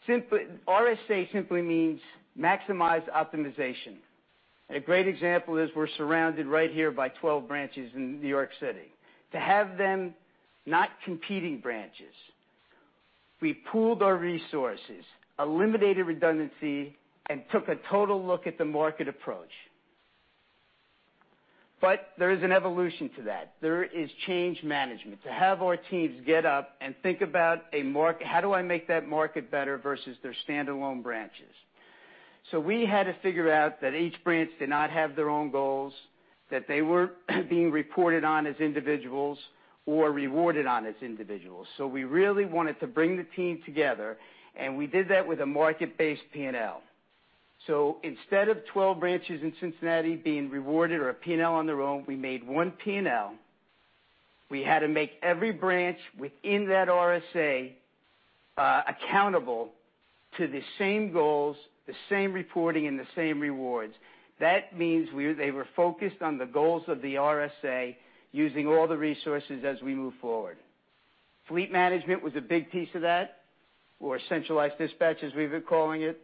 RSA simply means maximize optimization. A great example is we're surrounded right here by 12 branches in New York City. To have them not competing branches, we pooled our resources, eliminated redundancy, and took a total look at the market approach. There is an evolution to that. There is change management. To have our teams get up and think about how do I make that market better versus their standalone branches. We had to figure out that each branch did not have their own goals, that they weren't being reported on as individuals or rewarded on as individuals. We really wanted to bring the team together, and we did that with a market-based P&L. Instead of 12 branches in Cincinnati being rewarded or a P&L on their own, we made one P&L. We had to make every branch within that RSA accountable to the same goals, the same reporting, and the same rewards. That means they were focused on the goals of the RSA, using all the resources as we move forward. Fleet management was a big piece of that, or centralized dispatch as we've been calling it.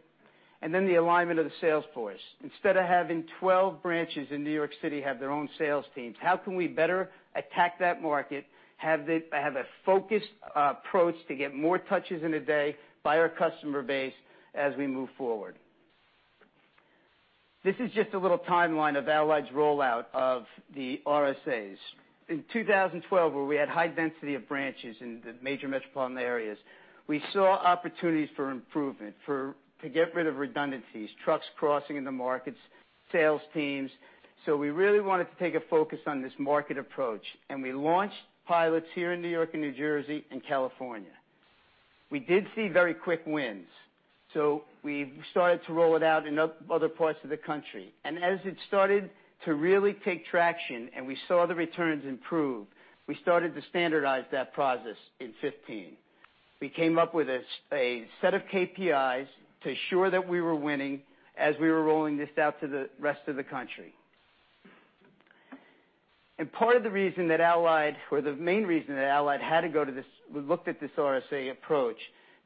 Then the alignment of the sales force. Instead of having 12 branches in New York City have their own sales teams, how can we better attack that market, have a focused approach to get more touches in a day by our customer base as we move forward? This is just a little timeline of Allied's rollout of the RSAs. In 2012, where we had high density of branches in the major metropolitan areas, we saw opportunities for improvement, to get rid of redundancies, trucks crossing in the markets, sales teams. We really wanted to take a focus on this market approach, and we launched pilots here in New York and New Jersey and California. We did see very quick wins. We started to roll it out in other parts of the country. As it started to really take traction, and we saw the returns improve, we started to standardize that process in 2015. We came up with a set of KPIs to assure that we were winning as we were rolling this out to the rest of the country. Part of the reason that Allied, or the main reason that Allied had to go to this, we looked at this RSA approach.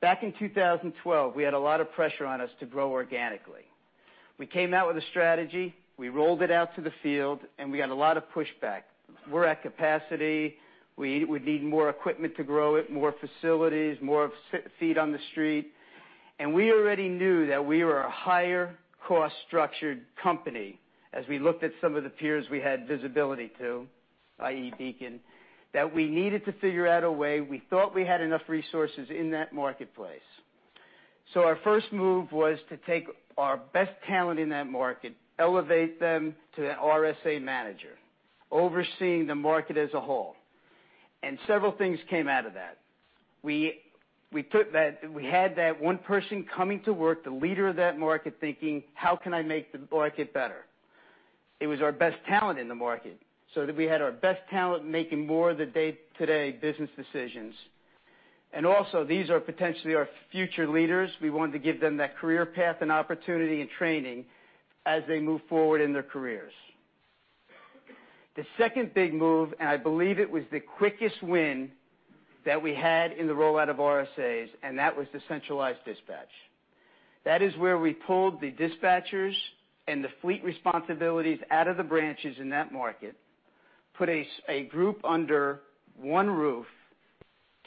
Back in 2012, we had a lot of pressure on us to grow organically. We came out with a strategy, we rolled it out to the field, and we got a lot of pushback. We're at capacity. We'd need more equipment to grow it, more facilities, more feet on the street. We already knew that we were a higher cost-structured company as we looked at some of the peers we had visibility to, i.e., Beacon, that we needed to figure out a way. We thought we had enough resources in that marketplace. Our first move was to take our best talent in that market, elevate them to an RSA manager, overseeing the market as a whole. Several things came out of that. We had that one person coming to work, the leader of that market, thinking, "How can I make the market better?" It was our best talent in the market, so that we had our best talent making more of the day-to-day business decisions. Also, these are potentially our future leaders. We wanted to give them that career path and opportunity and training as they move forward in their careers. The second big move, and I believe it was the quickest win that we had in the rollout of RSAs, and that was the centralized dispatch. That is where we pulled the dispatchers and the fleet responsibilities out of the branches in that market, put a group under one roof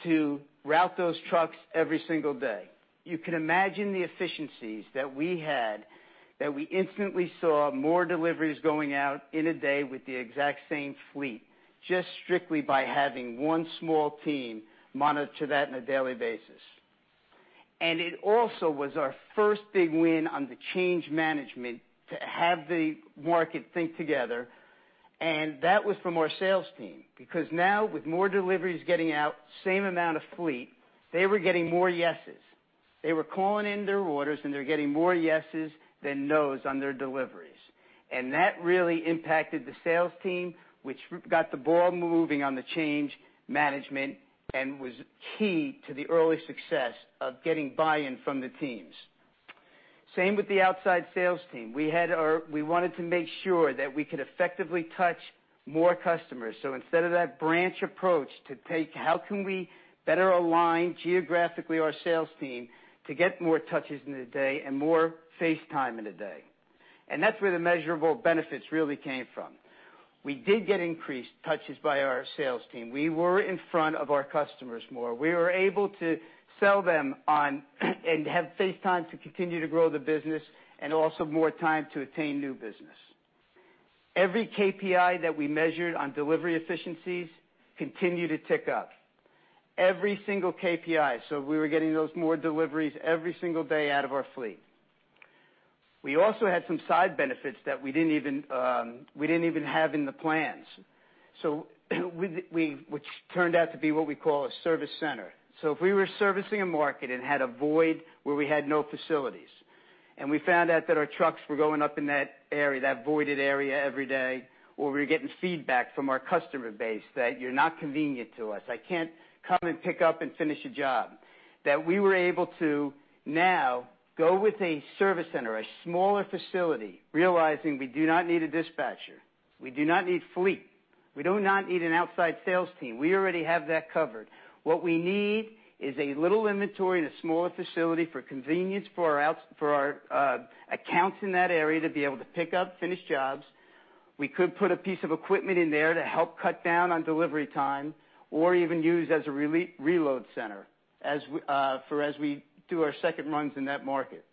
to route those trucks every single day. You can imagine the efficiencies that we had, that we instantly saw more deliveries going out in a day with the exact same fleet, just strictly by having one small team monitor that on a daily basis. It also was our first big win on the change management to have the market think together, and that was from our sales team. Now with more deliveries getting out, same amount of fleet, they were getting more yeses. They were calling in their orders, and they're getting more yeses than nos on their deliveries. That really impacted the sales team, which got the ball moving on the change management and was key to the early success of getting buy-in from the teams. Same with the outside sales team. We wanted to make sure that we could effectively touch more customers. Instead of that branch approach to take, how can we better align geographically our sales team to get more touches in a day and more face time in a day? That's where the measurable benefits really came from. We did get increased touches by our sales team. We were in front of our customers more. We were able to sell them on and have face time to continue to grow the business and also more time to attain new business. Every KPI that we measured on delivery efficiencies continued to tick up. Every single KPI. We were getting those more deliveries every single day out of our fleet. We also had some side benefits that we didn't even have in the plans, which turned out to be what we call a service center. If we were servicing a market and had a void where we had no facilities. And we found out that our trucks were going up in that area, that voided area every day, or we were getting feedback from our customer base that, "You're not convenient to us. I can't come and pick up and finish a job." That we were able to now go with a service center, a smaller facility, realizing we do not need a dispatcher. We do not need fleet. We do not need an outside sales team. We already have that covered. What we need is a little inventory and a smaller facility for convenience for our accounts in that area to be able to pick up finished jobs. We could put a piece of equipment in there to help cut down on delivery time or even use as a reload center for as we do our second runs in that market.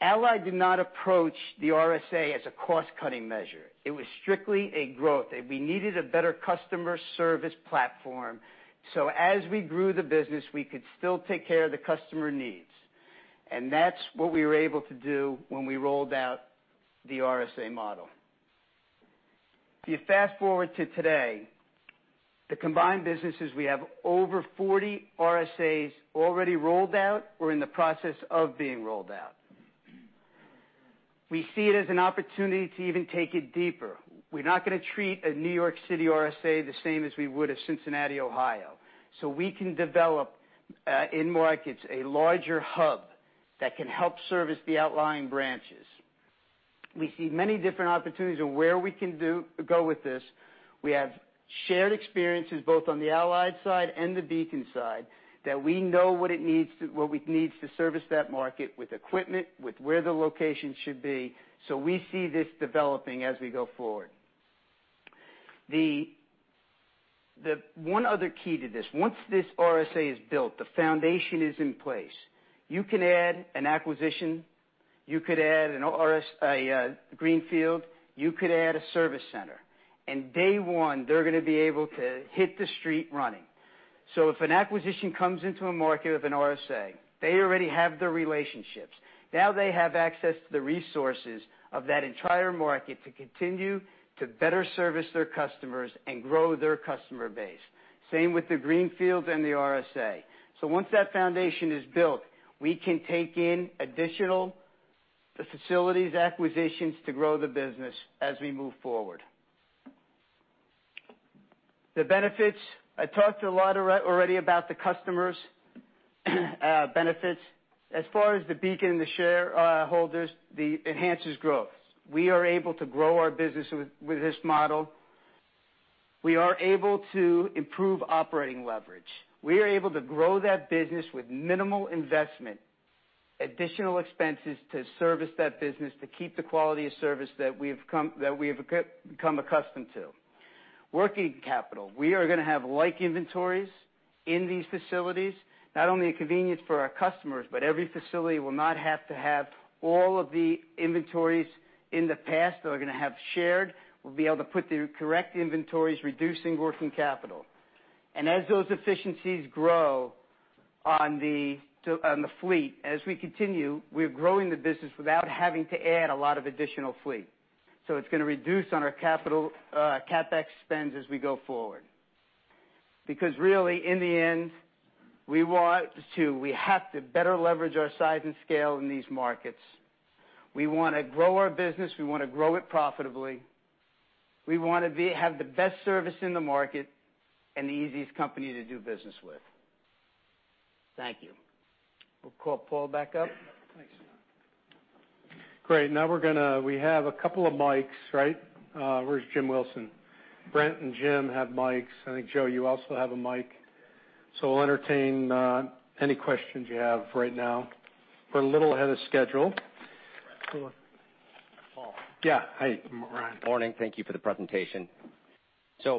Allied did not approach the RSA as a cost-cutting measure. It was strictly a growth. We needed a better customer service platform, so as we grew the business, we could still take care of the customer needs. That's what we were able to do when we rolled out the RSA model. If you fast-forward to today, the combined businesses, we have over 40 RSAs already rolled out or in the process of being rolled out. We see it as an opportunity to even take it deeper. We're not going to treat a New York City RSA the same as we would a Cincinnati, Ohio. We can develop, in markets, a larger hub that can help service the outlying branches. We see many different opportunities of where we can go with this. We have shared experiences, both on the Allied side and the Beacon side, that we know what we need to service that market with equipment, with where the location should be. We see this developing as we go forward. The one other key to this, once this RSA is built, the foundation is in place. You can add an acquisition, you could add a greenfield, you could add a service center. Day one, they're going to be able to hit the street running. If an acquisition comes into a market with an RSA, they already have the relationships. Now they have access to the resources of that entire market to continue to better service their customers and grow their customer base. Same with the greenfields and the RSA. Once that foundation is built, we can take in additional facilities, acquisitions to grow the business as we move forward. The benefits, I talked a lot already about the customers' benefits. As far as the Beacon and the shareholders, it enhances growth. We are able to grow our business with this model. We are able to improve operating leverage. We are able to grow that business with minimal investment, additional expenses to service that business, to keep the quality of service that we have become accustomed to. Working capital, we are going to have like inventories in these facilities, not only a convenience for our customers, but every facility will not have to have all of the inventories in the past. They are going to have shared, we'll be able to put the correct inventories, reducing working capital. As those efficiencies grow on the fleet, as we continue, we're growing the business without having to add a lot of additional fleet. It's going to reduce on our CapEx spend as we go forward. Really, in the end, we have to better leverage our size and scale in these markets. We want to grow our business. We want to grow it profitably. We want to have the best service in the market and the easiest company to do business with. Thank you. We'll call Paul back up. Thanks. Great. We have a couple of mics, right? Where's Jim Wilson? Brent and Jim have mics. I think, Joe, you also have a mic. Yeah. We'll entertain any questions you have right now. We're a little ahead of schedule. Cool. Paul. Yeah. Hi, Ryan. Morning. Thank you for the presentation.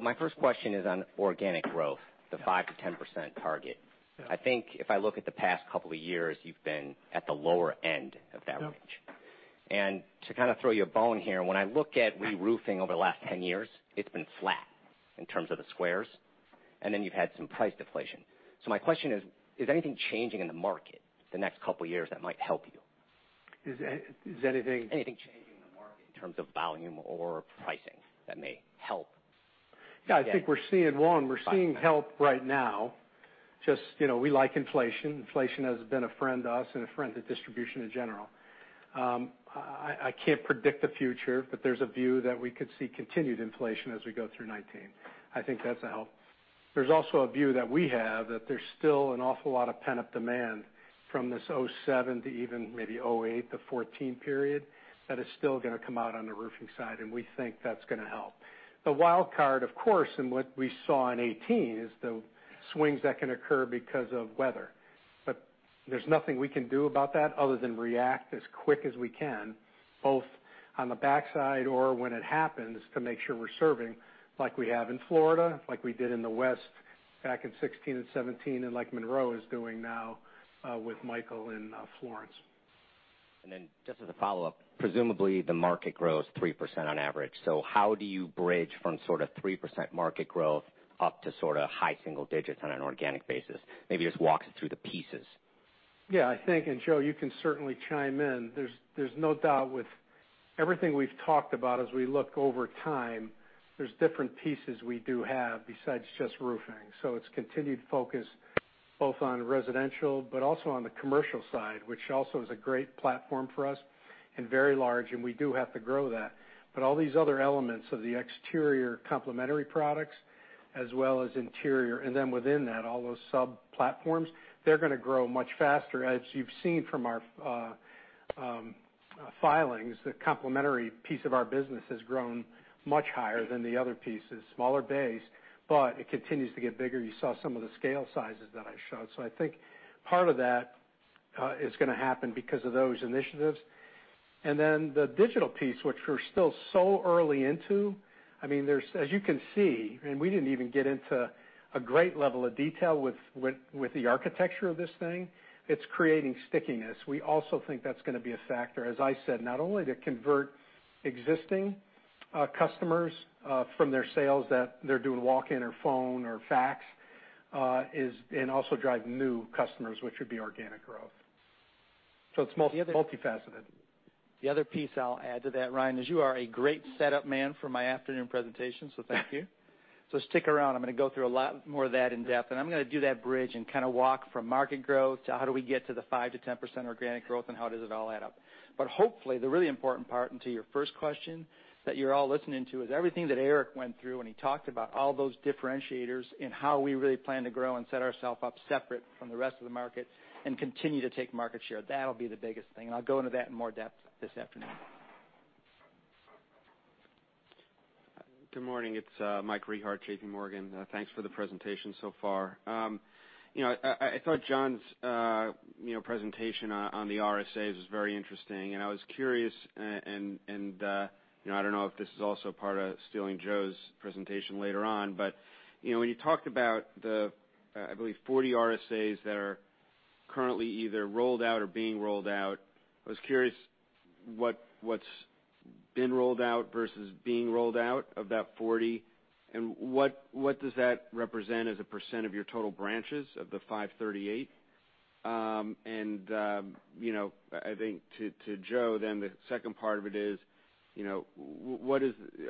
My first question is on organic growth- Yeah the 5%-10% target. Yeah. I think if I look at the past couple of years, you've been at the lower end of that range. Yeah. To kind of throw you a bone here, when I look at re-roofing over the last 10 years, it's been flat in terms of the squares, and then you've had some price deflation. My question is anything changing in the market the next couple of years that might help you? Is anything- Anything changing in the market in terms of volume or pricing that may help? I think we're seeing help right now. We like inflation. Inflation has been a friend to us and a friend to distribution in general. I can't predict the future. There's a view that we could see continued inflation as we go through 2019. I think that's a help. There's also a view that we have that there's still an awful lot of pent-up demand from this 2007 to even maybe 2008 to 2014 period that is still going to come out on the roofing side, and we think that's going to help. The wild card, of course, and what we saw in 2018 is the swings that can occur because of weather. There's nothing we can do about that other than react as quick as we can, both on the backside or when it happens, to make sure we're serving like we have in Florida, like we did in the West back in 2016 and 2017, and like Munroe is doing now with Michael and Florence. Just as a follow-up, presumably the market grows 3% on average. How do you bridge from sort of 3% market growth up to sort of high single digits on an organic basis? Maybe just walk us through the pieces. I think, Joe, you can certainly chime in. There's no doubt with everything we've talked about as we look over time, there's different pieces we do have besides just roofing. It's continued focus both on residential, but also on the commercial side, which also is a great platform for us and very large, and we do have to grow that. All these other elements of the exterior complementary products as well as interior, and then within that, all those sub-platforms, they're going to grow much faster. As you've seen from our filings, the complementary piece of our business has grown much higher than the other pieces. Smaller base, but it continues to get bigger. You saw some of the scale sizes that I showed. I think part of that is going to happen because of those initiatives. The digital piece, which we're still so early into. As you can see, and we didn't even get into a great level of detail with the architecture of this thing, it's creating stickiness. We also think that's going to be a factor, as I said, not only to convert existing customers from their sales that they're doing walk-in or phone or fax, and also drive new customers, which would be organic growth. It's multi-faceted. The other piece I'll add to that, Ryan, is you are a great setup man for my afternoon presentation, thank you. Stick around. I'm going to go through a lot more of that in depth, and I'm going to do that bridge and kind of walk from market growth to how do we get to the 5%-10% organic growth and how does it all add up. Hopefully the really important part, and to your first question that you're all listening to, is everything that Eric went through when he talked about all those differentiators and how we really plan to grow and set ourself up separate from the rest of the market and continue to take market share. That'll be the biggest thing, and I'll go into that in more depth this afternoon. Good morning. It's Mike Rehaut, JPMorgan. Thanks for the presentation so far. I thought John's presentation on the RSAs was very interesting, and I was curious, and I don't know if this is also part of stealing Joe's presentation later on, but when you talked about the, I believe, 40 RSAs that are currently either rolled out or being rolled out, I was curious what's been rolled out versus being rolled out of that 40. What does that represent as a % of your total branches of the 538? I think to Joe, the second part of it is, are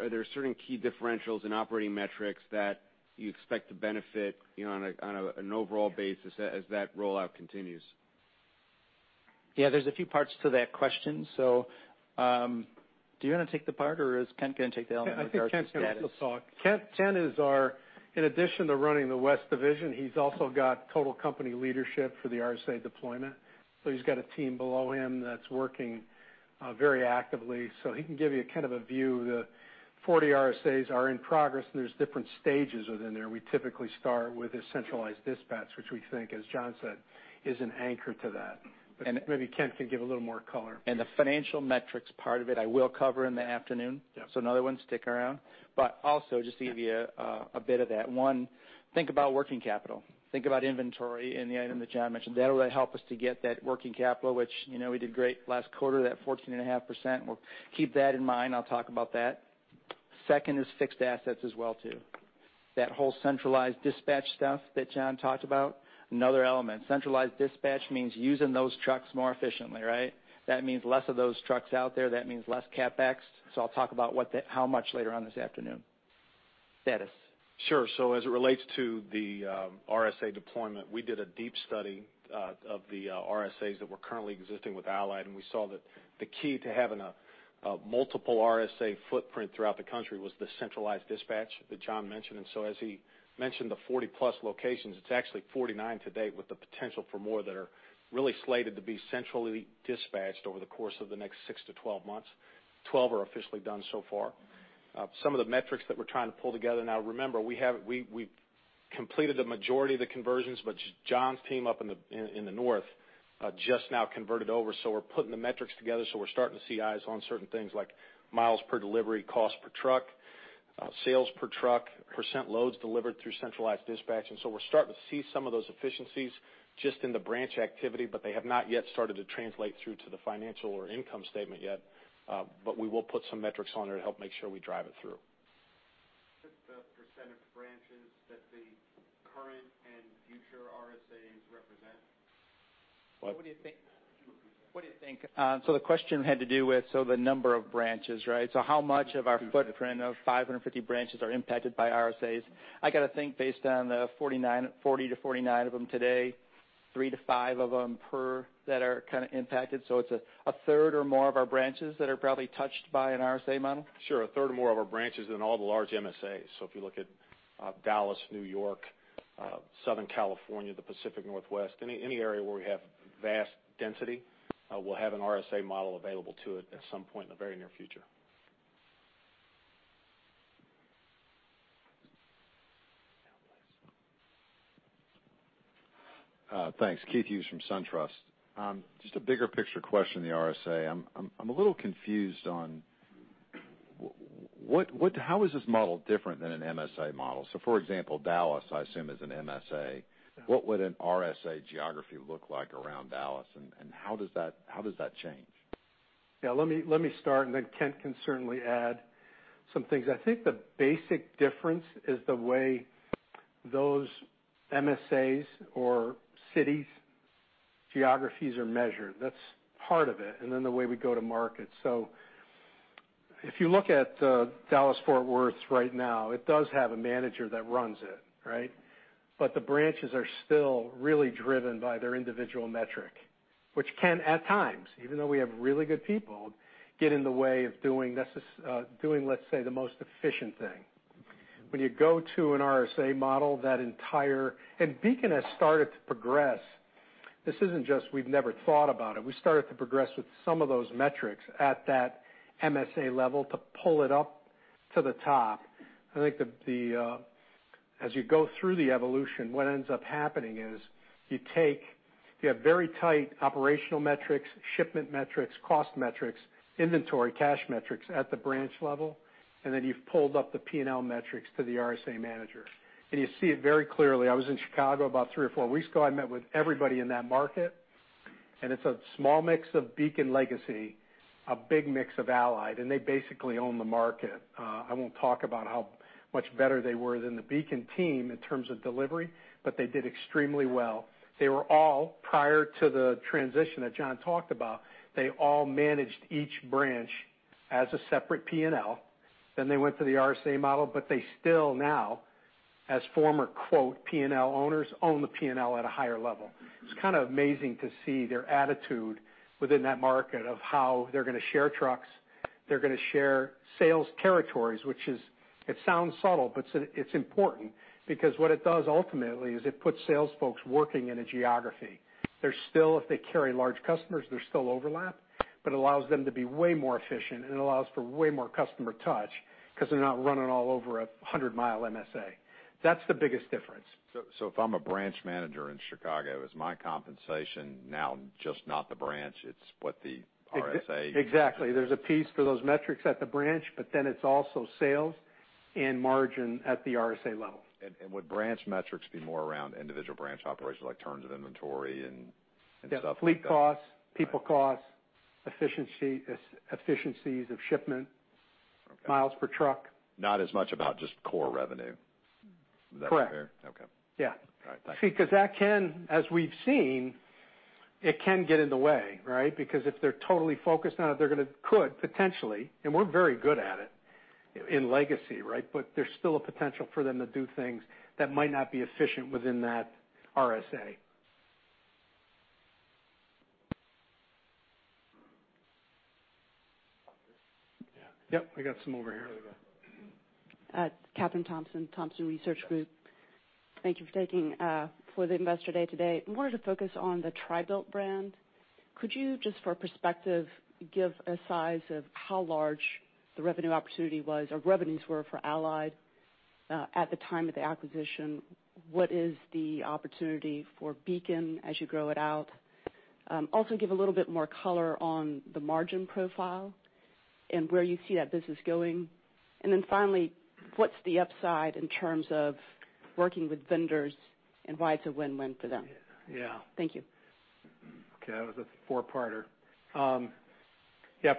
there certain key differentials in operating metrics that you expect to benefit on an overall basis as that rollout continues? Yeah, there's a few parts to that question. Do you want to take the part, or is Kent going to take the element of our status? I think Kent can also talk. Kent is our, in addition to running the West Division, he's also got total company leadership for the RSA deployment. He's got a team below him that's working very actively, he can give you a kind of a view. The 40 RSAs are in progress, and there's different stages within there. We typically start with a centralized dispatch, which we think, as John said, is an anchor to that. Maybe Kent can give a little more color. The financial metrics part of it, I will cover in the afternoon. Yeah. Another one, stick around. Also, just to give you a bit of that, one, think about working capital. Think about inventory and the item that John mentioned. That'll help us to get that working capital, which we did great last quarter, that 14.5%. Keep that in mind. I'll talk about that. Second is fixed assets as well, too. That whole centralized dispatch stuff that John talked about, another element. Centralized dispatch means using those trucks more efficiently, right? That means less of those trucks out there. That means less CapEx. I'll talk about how much later on this afternoon. Status. Sure. As it relates to the RSA deployment, we did a deep study of the RSAs that were currently existing with Allied, we saw that the key to having a multiple RSA footprint throughout the country was the centralized dispatch that John mentioned. As he mentioned, the 40-plus locations, it's actually 49 to date, with the potential for more that are really slated to be centrally dispatched over the course of the next 6 to 12 months. 12 are officially done so far. Some of the metrics that we're trying to pull together now, remember, we've completed the majority of the conversions, John's team up in the north just now converted over. We're putting the metrics together, we're starting to see eyes on certain things like miles per delivery, cost per truck, sales per truck, % loads delivered through centralized dispatch. We're starting to see some of those efficiencies just in the branch activity, but they have not yet started to translate through to the financial or income statement yet. We will put some metrics on there to help make sure we drive it through. What's the % of branches that the current and future RSAs represent? What? What do you think? Can you repeat that? What do you think? The question had to do with the number of branches, right? How much of our footprint of 550 branches are impacted by RSAs? I got to think, based on the 40 to 49 of them today, 3 to 5 of them per that are kind of impacted. It's a third or more of our branches that are probably touched by an RSA model. Sure. A third or more of our branches in all the large MSAs. If you look at Dallas, New York, Southern California, the Pacific Northwest, any area where we have vast density, we'll have an RSA model available to it at some point in the very near future. Yeah, thanks. Thanks. Keith Hughes from SunTrust. Just a bigger picture question on the RSA. I'm a little confused on how is this model different than an MSA model? For example, Dallas, I assume, is an MSA. What would an RSA geography look like around Dallas, and how does that change? Let me start. Kent can certainly add some things. I think the basic difference is the way those MSAs or cities geographies are measured. That's part of it. The way we go to market. If you look at Dallas-Fort Worth right now, it does have a manager that runs it, right? The branches are still really driven by their individual metric, which can, at times, even though we have really good people, get in the way of doing, let's say, the most efficient thing. When you go to an RSA model, Beacon has started to progress. This isn't just we've never thought about it. We started to progress with some of those metrics at that MSA level to pull it up to the top. I think as you go through the evolution, what ends up happening is you have very tight operational metrics, shipment metrics, cost metrics, inventory, cash metrics at the branch level. You've pulled up the P&L metrics to the RSA manager. You see it very clearly. I was in Chicago about three or four weeks ago. I met with everybody in that market. It's a small mix of Beacon legacy, a big mix of Allied, and they basically own the market. I won't talk about how much better they were than the Beacon team in terms of delivery. They did extremely well. They were all, prior to the transition that John talked about, they all managed each branch as a separate P&L. They went to the RSA model. They still now, as former, quote, P&L owners, own the P&L at a higher level. It's kind of amazing to see their attitude within that market of how they're going to share trucks, they're going to share sales territories. It sounds subtle. It's important because what it does ultimately is it puts sales folks working in a geography. If they carry large customers, they're still overlap. It allows them to be way more efficient and it allows for way more customer touch because they're not running all over a 100-mile MSA. That's the biggest difference. If I'm a branch manager in Chicago, is my compensation now just not the branch, it's what the RSA- Exactly. There's a piece for those metrics at the branch, but then it's also sales and margin at the RSA level. Would branch metrics be more around individual branch operations like terms of inventory and stuff like that? Yeah. Fleet costs, people costs, efficiencies of shipment. Okay Miles per truck. Not as much about just core revenue. Is that fair? Correct. Okay. Yeah. All right. Thanks. That can, as we've seen, it can get in the way, right? If they're totally focused on it, they could, potentially, and we're very good at it in legacy, right? There's still a potential for them to do things that might not be efficient within that RSA. Yeah. Yep. I got some over here. There we go. Kathryn Thompson, Thompson Research Group. Thank you for taking for the investor day today. I wanted to focus on the TRI-BUILT brand. Could you, just for perspective, give a size of how large the revenue opportunity was or revenues were for Allied, at the time of the acquisition? What is the opportunity for Beacon as you grow it out? Also, give a little bit more color on the margin profile and where you see that business going. Finally, what's the upside in terms of working with vendors and why it's a win-win for them? Yeah. Thank you. Okay. That was a four-parter.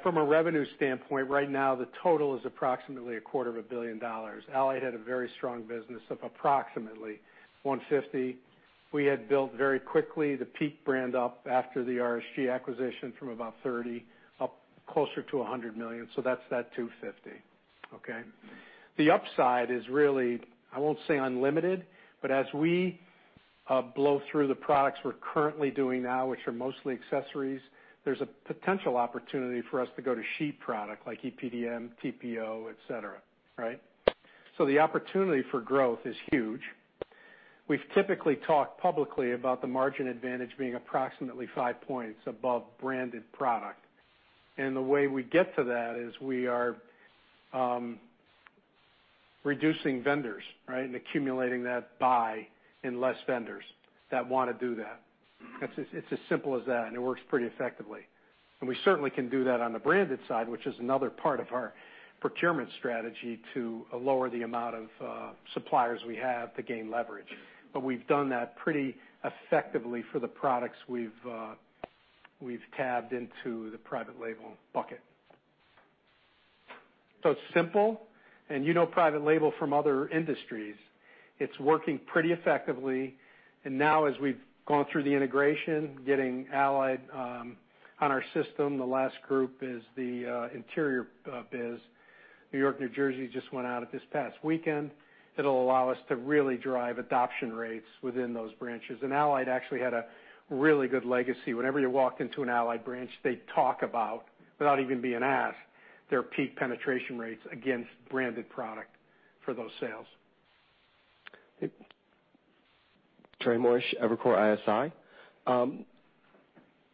From a revenue standpoint, right now, the total is approximately a quarter of a billion dollars. Allied had a very strong business of approximately $150 million. We had built very quickly the Peak brand up after the RSG acquisition from about $30 million up closer to $100 million. That's that $250 million, okay? The upside is really, I won't say unlimited, but as we blow through the products we're currently doing now, which are mostly accessories, there's a potential opportunity for us to go to sheet product like EPDM, TPO, et cetera, right? The opportunity for growth is huge. We've typically talked publicly about the margin advantage being approximately five points above branded product. The way we get to that is we are reducing vendors, right? Accumulating that buy in less vendors that want to do that. It's as simple as that, it works pretty effectively. We certainly can do that on the branded side, which is another part of our procurement strategy to lower the amount of suppliers we have to gain leverage. We've done that pretty effectively for the products we've tabbed into the private label bucket. It's simple, and you know private label from other industries. It's working pretty effectively, now as we've gone through the integration, getting Allied on our system, the last group is the interior biz. N.Y., N.J. just went out at this past weekend. It'll allow us to really drive adoption rates within those branches. Allied actually had a really good legacy. Whenever you walk into an Allied branch, they talk about, without even being asked, their Peak penetration rates against branded product for those sales. Trey Morrish, Evercore ISI.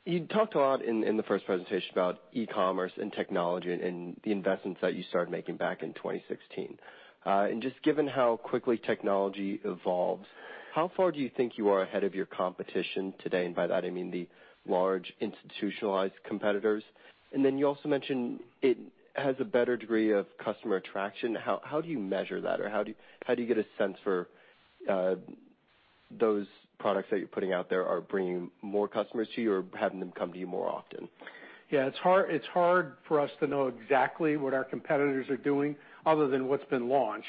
You talked a lot in the first presentation about e-commerce and technology and the investments that you started making back in 2016. Just given how quickly technology evolves, how far do you think you are ahead of your competition today? By that I mean the large institutionalized competitors. Then you also mentioned it has a better degree of customer attraction. How do you measure that or how do you get a sense for those products that you're putting out there are bringing more customers to you or having them come to you more often? Yeah. It's hard for us to know exactly what our competitors are doing other than what's been launched.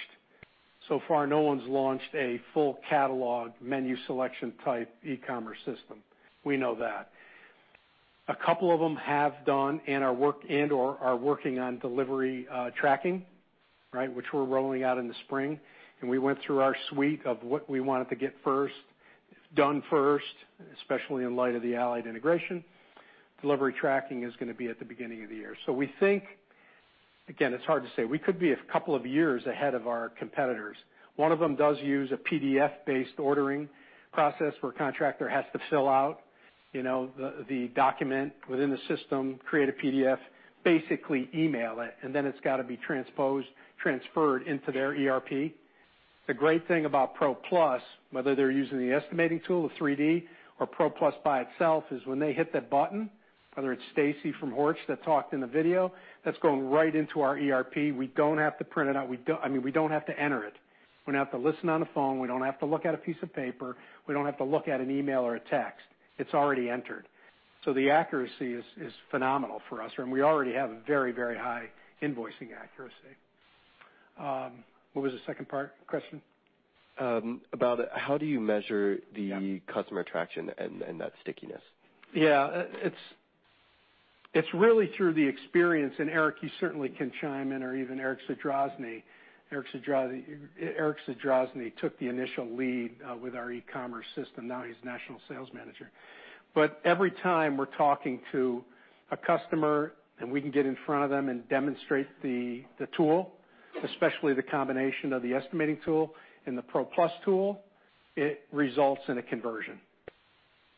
So far, no one's launched a full catalog menu selection type e-commerce system. We know that. A couple of them have done and/or are working on delivery tracking, which we're rolling out in the spring, we went through our suite of what we wanted to get done first, especially in light of the Allied integration. Delivery tracking is going to be at the beginning of the year. We think, again, it's hard to say. We could be a couple of years ahead of our competitors. One of them does use a PDF-based ordering process where a contractor has to fill out the document within the system, create a PDF, basically email it, then it's got to be transposed, transferred into their ERP. The great thing about PRO+, whether they're using the estimating tool, the 3D or PRO+ by itself, is when they hit that button, whether it's Stacy from Horch that talked in the video, that's going right into our ERP. We don't have to print it out. We don't have to enter it. We don't have to listen on the phone. We don't have to look at a piece of paper. We don't have to look at an email or a text. It's already entered. The accuracy is phenomenal for us, and we already have a very high invoicing accuracy. What was the second part of the question? About how do you measure the customer traction and that stickiness? Yeah. It's really through the experience, Eric, you certainly can chime in, or even Erik Zadrozny. Erik Zadrozny took the initial lead with our e-commerce system. Now he's national sales manager. Every time we're talking to a customer, and we can get in front of them and demonstrate the tool, especially the combination of the estimating tool and the PRO+ tool, it results in a conversion.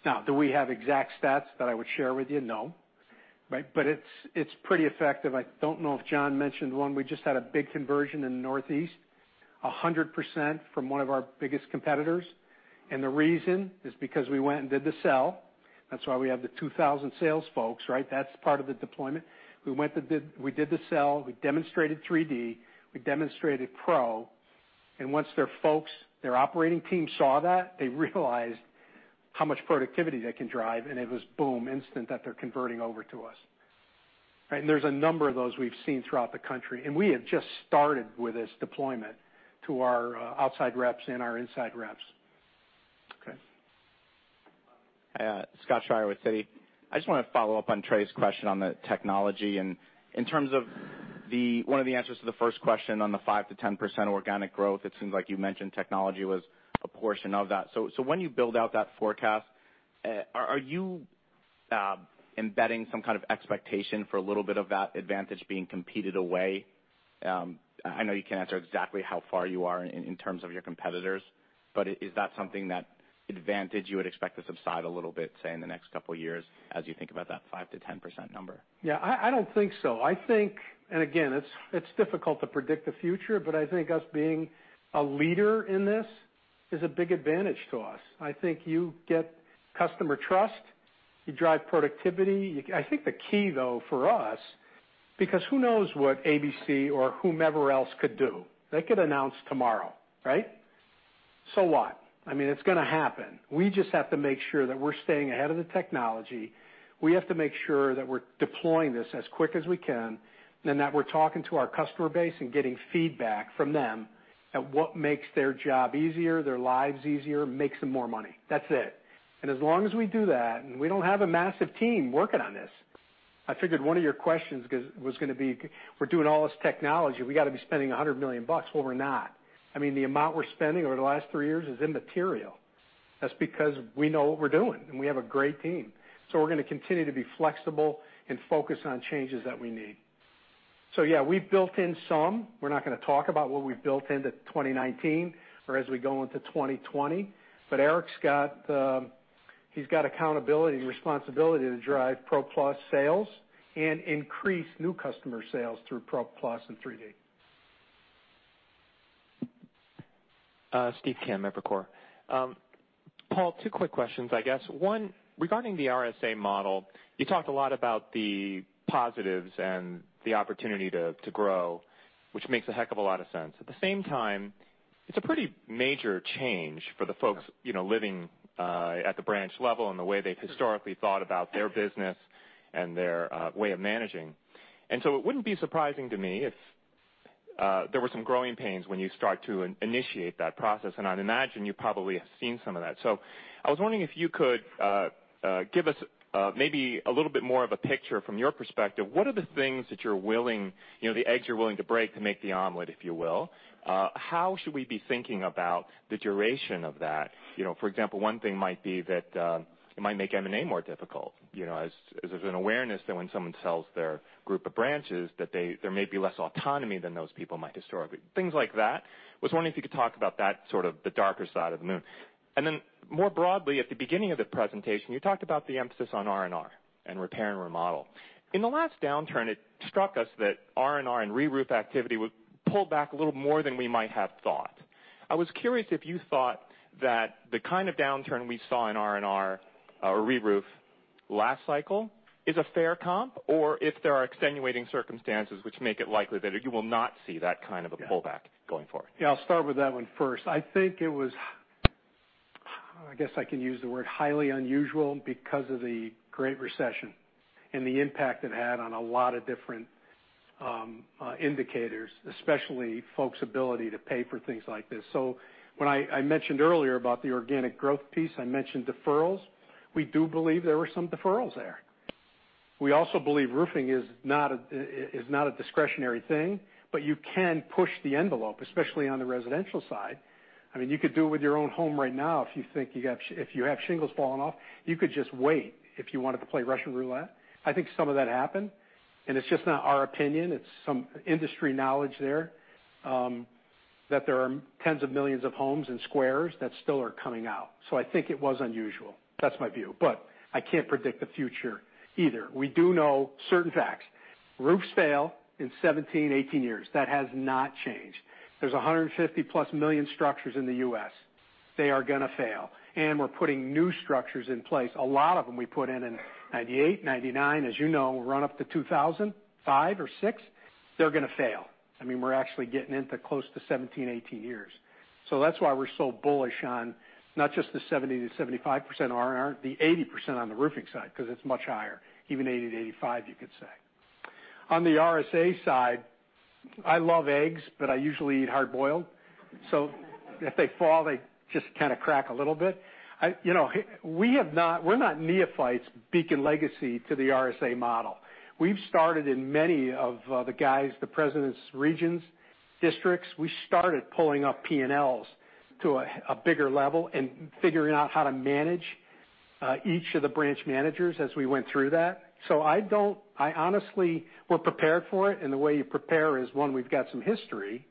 Now, do we have exact stats that I would share with you? No. It's pretty effective. I don't know if John mentioned one. We just had a big conversion in the Northeast, 100% from one of our biggest competitors. The reason is because we went and did the sell. That's why we have the 2,000 sales folks. That's part of the deployment. We did the sell, we demonstrated 3D, we demonstrated PRO, once their folks, their operating team, saw that, they realized how much productivity they can drive, and it was boom, instant, that they're converting over to us. There's a number of those we've seen throughout the country. We have just started with this deployment to our outside reps and our inside reps. Okay. Scott Shire with Citi. I just want to follow up on Trey Morrish's question on the technology and in terms of one of the answers to the first question on the 5%-10% organic growth, it seems like you mentioned technology was a portion of that. When you build out that forecast, are you embedding some kind of expectation for a little bit of that advantage being competed away? I know you can't answer exactly how far you are in terms of your competitors, but is that something, that advantage, you would expect to subside a little bit, say, in the next couple of years as you think about that 5%-10% number? Yeah, I don't think so. Again, it's difficult to predict the future, but I think us being a leader in this is a big advantage to us. I think you get customer trust, you drive productivity. I think the key, though, for us, because who knows what ABC or whomever else could do? They could announce tomorrow. What? It's going to happen. We just have to make sure that we're staying ahead of the technology. We have to make sure that we're deploying this as quick as we can, and that we're talking to our customer base and getting feedback from them at what makes their job easier, their lives easier, makes them more money. That's it. As long as we do that, and we don't have a massive team working on this. I figured one of your questions was going to be, we're doing all this technology, we got to be spending $100 million. Well, we're not. The amount we're spending over the last three years is immaterial. That's because we know what we're doing, and we have a great team. We're going to continue to be flexible and focused on changes that we need. Yeah, we've built in some. We're not going to talk about what we've built into 2019 or as we go into 2020. Eric's got accountability and responsibility to drive PRO+ sales and increase new customer sales through PRO+ and 3D+. Steve Kim, Evercore. Paul, two quick questions, I guess. One, regarding the RSA model, you talked a lot about the positives and the opportunity to grow, which makes a heck of a lot of sense. At the same time, it's a pretty major change for the folks living at the branch level and the way they've historically thought about their business and their way of managing. It wouldn't be surprising to me if there were some growing pains when you start to initiate that process, and I'd imagine you probably have seen some of that. I was wondering if you could give us maybe a little bit more of a picture from your perspective. What are the things, the eggs you're willing to break to make the omelet, if you will? How should we be thinking about the duration of that? For example, one thing might be that it might make M&A more difficult, as there's an awareness that when someone sells their group of branches, that there may be less autonomy than those people might historically. Things like that. I was wondering if you could talk about that sort of the darker side of the moon. More broadly, at the beginning of the presentation, you talked about the emphasis on R&R and repair and remodel. In the last downturn, it struck us that R&R and reroof activity would pull back a little more than we might have thought. I was curious if you thought that the kind of downturn we saw in R&R or reroof last cycle is a fair comp, or if there are extenuating circumstances which make it likely that you will not see that kind of a pullback going forward. I'll start with that one first. I think I guess I can use the word highly unusual because of the Great Recession and the impact it had on a lot of different indicators, especially folks' ability to pay for things like this. When I mentioned earlier about the organic growth piece, I mentioned deferrals. We do believe there were some deferrals there. We also believe roofing is not a discretionary thing, but you can push the envelope, especially on the residential side. You could do it with your own home right now if you have shingles falling off, you could just wait if you wanted to play Russian roulette. I think some of that happened, and it's just not our opinion, it's some industry knowledge there, that there are tens of millions of homes and squares that still are coming out. I think it was unusual. That's my view, I can't predict the future either. We do know certain facts. Roofs fail in 17, 18 years. That has not changed. There's 150+ million structures in the U.S. They are going to fail, we're putting new structures in place. A lot of them we put in in 1998, 1999, as you know, run up to 2005 or 2006. They're going to fail. We're actually getting into close to 17, 18 years. That's why we're so bullish on not just the 70%-75% R&R, the 80% on the roofing side, because it's much higher, even 80%-85%, you could say. On the RSA side, I love eggs, I usually eat hard-boiled. If they fall, they just kind of crack a little bit. We're not neophytes, Beacon Legacy, to the RSA model. We've started in many of the guys, the presidents, regions, districts. We started pulling up P&Ls to a bigger level and figuring out how to manage each of the branch managers as we went through that. Honestly, we're prepared for it, the way you prepare is, one, we've got some history.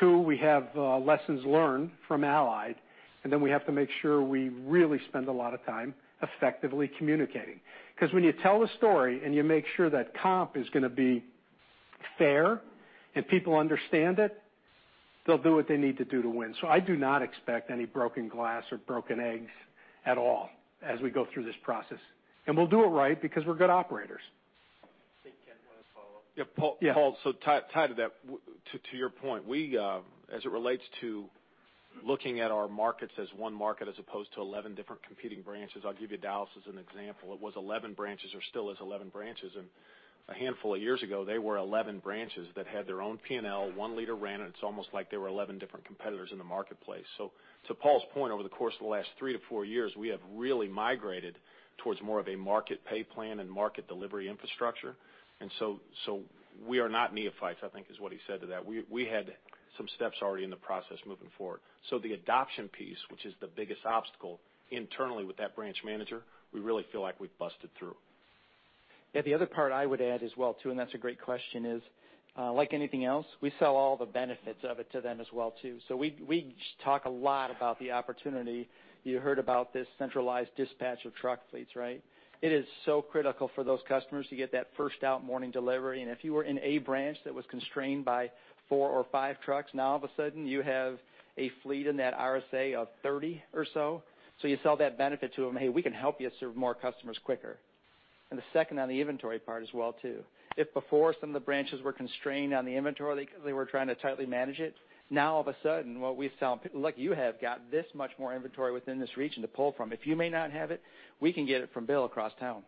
Two, we have lessons learned from Allied, we have to make sure we really spend a lot of time effectively communicating. When you tell a story, you make sure that comp is going to be fair, people understand it, they'll do what they need to do to win. I do not expect any broken glass or broken eggs at all as we go through this process. We'll do it right because we're good operators. I think Kent wants to follow up. Yeah, Paul. Yeah. Tied to that, to your point, as it relates to looking at our markets as one market as opposed to 11 different competing branches, I'll give you Dallas as an example. It was 11 branches, or still is 11 branches, and a handful of years ago, they were 11 branches that had their own P&L. One leader ran it, and it's almost like they were 11 different competitors in the marketplace. To Paul's point, over the course of the last three to four years, we have really migrated towards more of a market pay plan and market delivery infrastructure. We are not neophytes, I think is what he said to that. We had some steps already in the process moving forward. The adoption piece, which is the biggest obstacle internally with that branch manager, we really feel like we've busted through. Yeah, the other part I would add as well, too, and that's a great question, is like anything else, we sell all the benefits of it to them as well, too. We talk a lot about the opportunity. You heard about this centralized dispatch of truck fleets, right? It is so critical for those customers to get that first-out morning delivery, and if you were in a branch that was constrained by four or five trucks, now all of a sudden, you have a fleet in that RSA of 30 or so. You sell that benefit to them, "Hey, we can help you serve more customers quicker." The second on the inventory part as well, too. If before some of the branches were constrained on the inventory, they were trying to tightly manage it. Now, all of a sudden, what we sell, "Look, you have got this much more inventory within this region to pull from. If you may not have it, we can get it from Bill across town."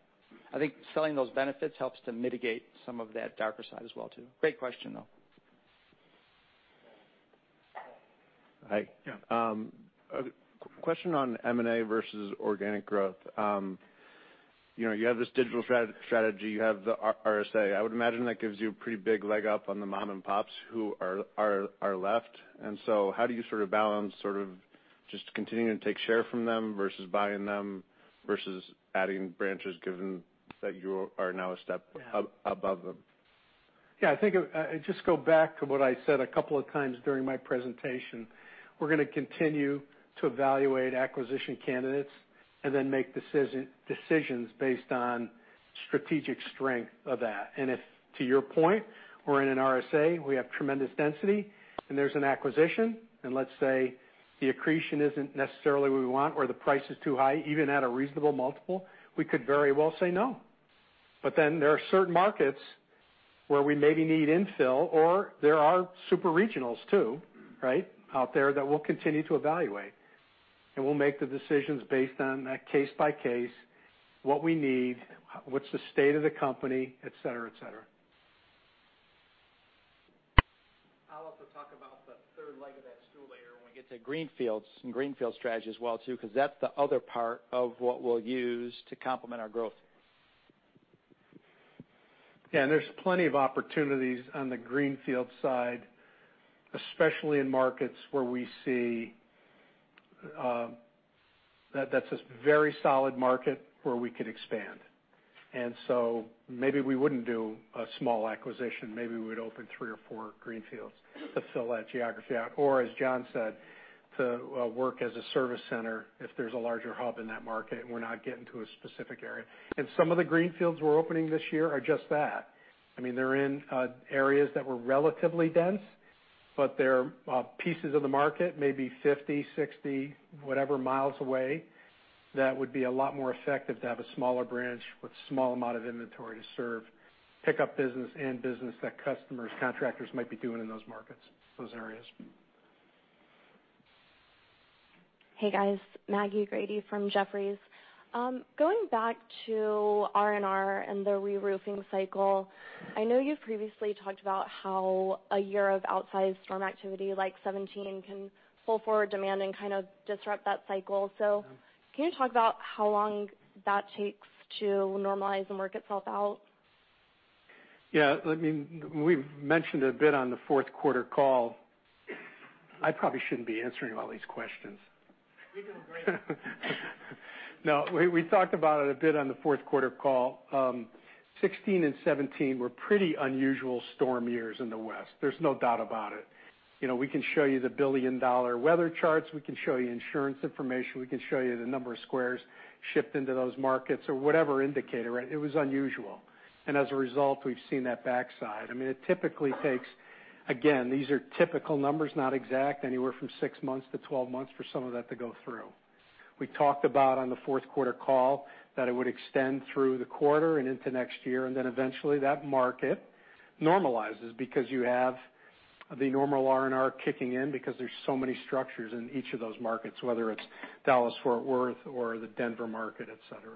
I think selling those benefits helps to mitigate some of that darker side as well, too. Great question, though. Hi. Yeah. A question on M&A versus organic growth. You have this digital strategy. You have the RSA. I would imagine that gives you a pretty big leg up on the mom and pops who are left. How do you balance just continuing to take share from them versus buying them, versus adding branches, given that you are now a step above them? I think I just go back to what I said a couple of times during my presentation. We're going to continue to evaluate acquisition candidates and then make decisions based on strategic strength of that. If, to your point, we're in an RSA, we have tremendous density, and there's an acquisition, and let's say the accretion isn't necessarily what we want, or the price is too high, even at a reasonable multiple, we could very well say no. There are certain markets where we maybe need infill, or there are super regionals too, out there that we'll continue to evaluate. We'll make the decisions based on that case by case, what we need, what's the state of the company, et cetera. I'll also talk about the third leg of that stool later when we get to greenfields and greenfields strategy as well, too, because that's the other part of what we'll use to complement our growth. There's plenty of opportunities on the greenfields side, especially in markets where we see that that's a very solid market where we could expand. Maybe we wouldn't do a small acquisition. Maybe we'd open three or four greenfields to fill that geography out. Or, as John said, to work as a service center if there's a larger hub in that market, and we're not getting to a specific area. Some of the greenfields we're opening this year are just that. They're in areas that were relatively dense, but they're pieces of the market, maybe 50, 60, whatever miles away. That would be a lot more effective to have a smaller branch with a small amount of inventory to serve pickup business and business that customers, contractors might be doing in those markets, those areas. Hey, guys. Maggie Grady from Jefferies. Going back to R&R and the reroofing cycle, I know you've previously talked about how a year of outsized storm activity like 2017 can pull forward demand and kind of disrupt that cycle. Yeah. Can you talk about how long that takes to normalize and work itself out? Yeah. We mentioned a bit on the fourth quarter call. I probably shouldn't be answering all these questions. You're doing great. No. We talked about it a bit on the fourth quarter call. 2016 and 2017 were pretty unusual storm years in the West. There's no doubt about it. We can show you the billion-dollar weather charts, we can show you insurance information, we can show you the number of squares shipped into those markets, or whatever indicator. It was unusual. As a result, we've seen that backside. It typically takes, again, these are typical numbers, not exact, anywhere from six months to 12 months for some of that to go through. We talked about on the fourth quarter call that it would extend through the quarter and into next year, eventually, that market normalizes because you have the normal R&R kicking in because there's so many structures in each of those markets, whether it's Dallas-Fort Worth or the Denver market, et cetera.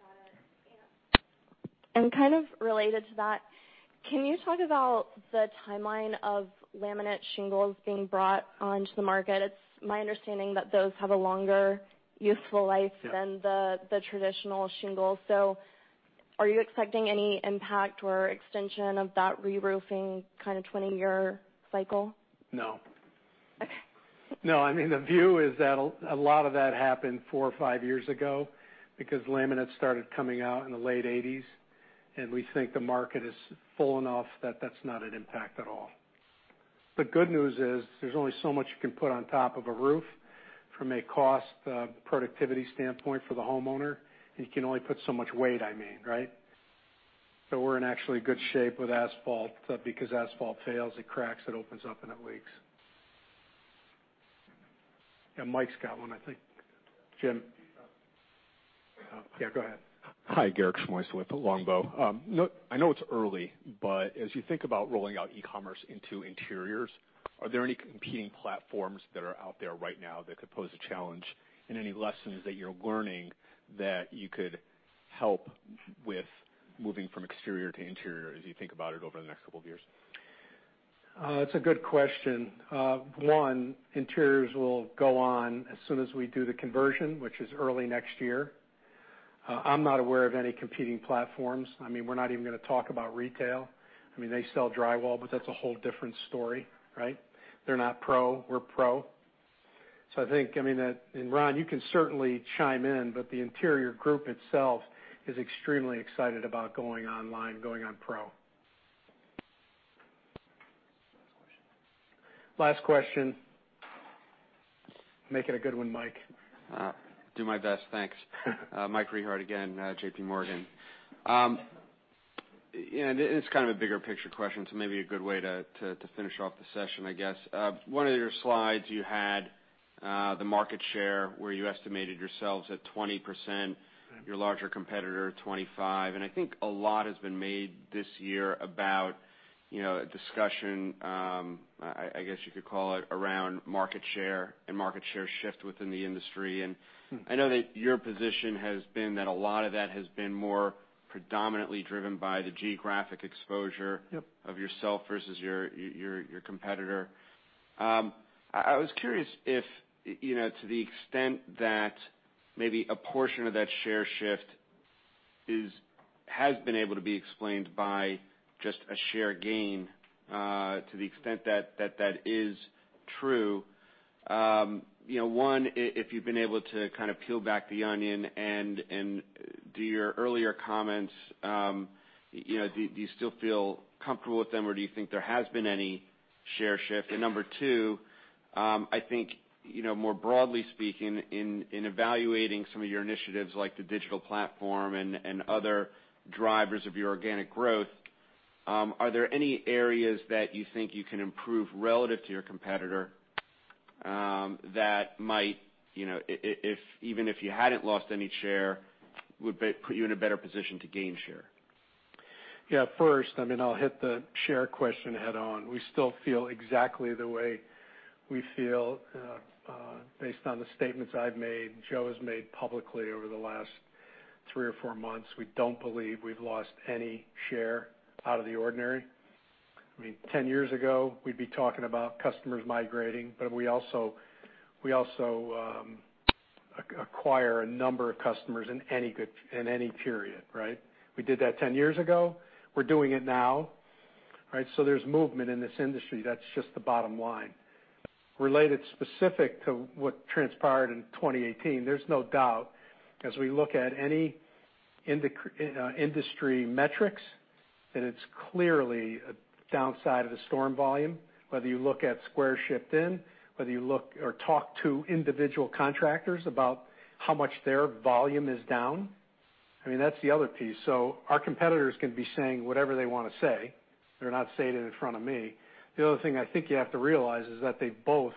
Got it. Yeah. Kind of related to that, can you talk about the timeline of laminate shingles being brought onto the market? It's my understanding that those have a longer useful life- Yeah than the traditional shingles. Are you expecting any impact or extension of that reroofing kind of 20-year cycle? No. Okay. No, the view is that a lot of that happened four or five years ago, because laminate started coming out in the late '80s, we think the market is full enough that that's not an impact at all. The good news is, there's only so much you can put on top of a roof from a cost, productivity standpoint for the homeowner, and you can only put so much weight, I mean. We're in actually good shape with asphalt, because asphalt fails, it cracks, it opens up, and it leaks. Yeah, Mike's got one, I think. Jim. Yeah, go ahead. Hi, Garrick Schmoys with Longbow. I know it's early, as you think about rolling out e-commerce into interiors, are there any competing platforms that are out there right now that could pose a challenge, and any lessons that you're learning that you could help with moving from exterior to interior as you think about it over the next couple of years? It's a good question. One, interiors will go on as soon as we do the conversion, which is early next year. I'm not aware of any competing platforms. We're not even going to talk about retail. They sell drywall, but that's a whole different story. They're not pro. We're pro. I think, and Ron, you can certainly chime in, but the interior group itself is extremely excited about going online, going on pro. Last question. Last question. Make it a good one, Mike. Do my best, thanks. Mike Rehaut again, JPMorgan. It's kind of a bigger picture question, so maybe a good way to finish off the session, I guess. One of your slides, you had the market share where you estimated yourselves at 20%- Right your larger competitor, 25%. I think a lot has been made this year about a discussion, I guess you could call it, around market share and market share shift within the industry. I know that your position has been that a lot of that has been more predominantly driven by the geographic exposure. Yep of yourself versus your competitor. I was curious if, to the extent that maybe a portion of that share shift has been able to be explained by just a share gain. To the extent that that is true, one, if you've been able to kind of peel back the onion and do your earlier comments, do you still feel comfortable with them or do you think there has been any share shift? Number two, I think more broadly speaking, in evaluating some of your initiatives like the digital platform and other drivers of your organic growth, are there any areas that you think you can improve relative to your competitor, that might, even if you hadn't lost any share, would put you in a better position to gain share? Yeah. First, I'll hit the share question head-on. We still feel exactly the way we feel based on the statements I've made, Joe has made publicly over the last three or four months. We don't believe we've lost any share out of the ordinary. 10 years ago, we'd be talking about customers migrating, but we also acquire a number of customers in any period. We did that 10 years ago. We're doing it now. There's movement in this industry. That's just the bottom line. Related specific to what transpired in 2018, there's no doubt, as we look at any industry metrics, that it's clearly a downside of the storm volume, whether you look at squares shipped in, whether you look or talk to individual contractors about how much their volume is down. That's the other piece. Our competitors can be saying whatever they want to say. They're not saying it in front of me. The other thing I think you have to realize is that they both,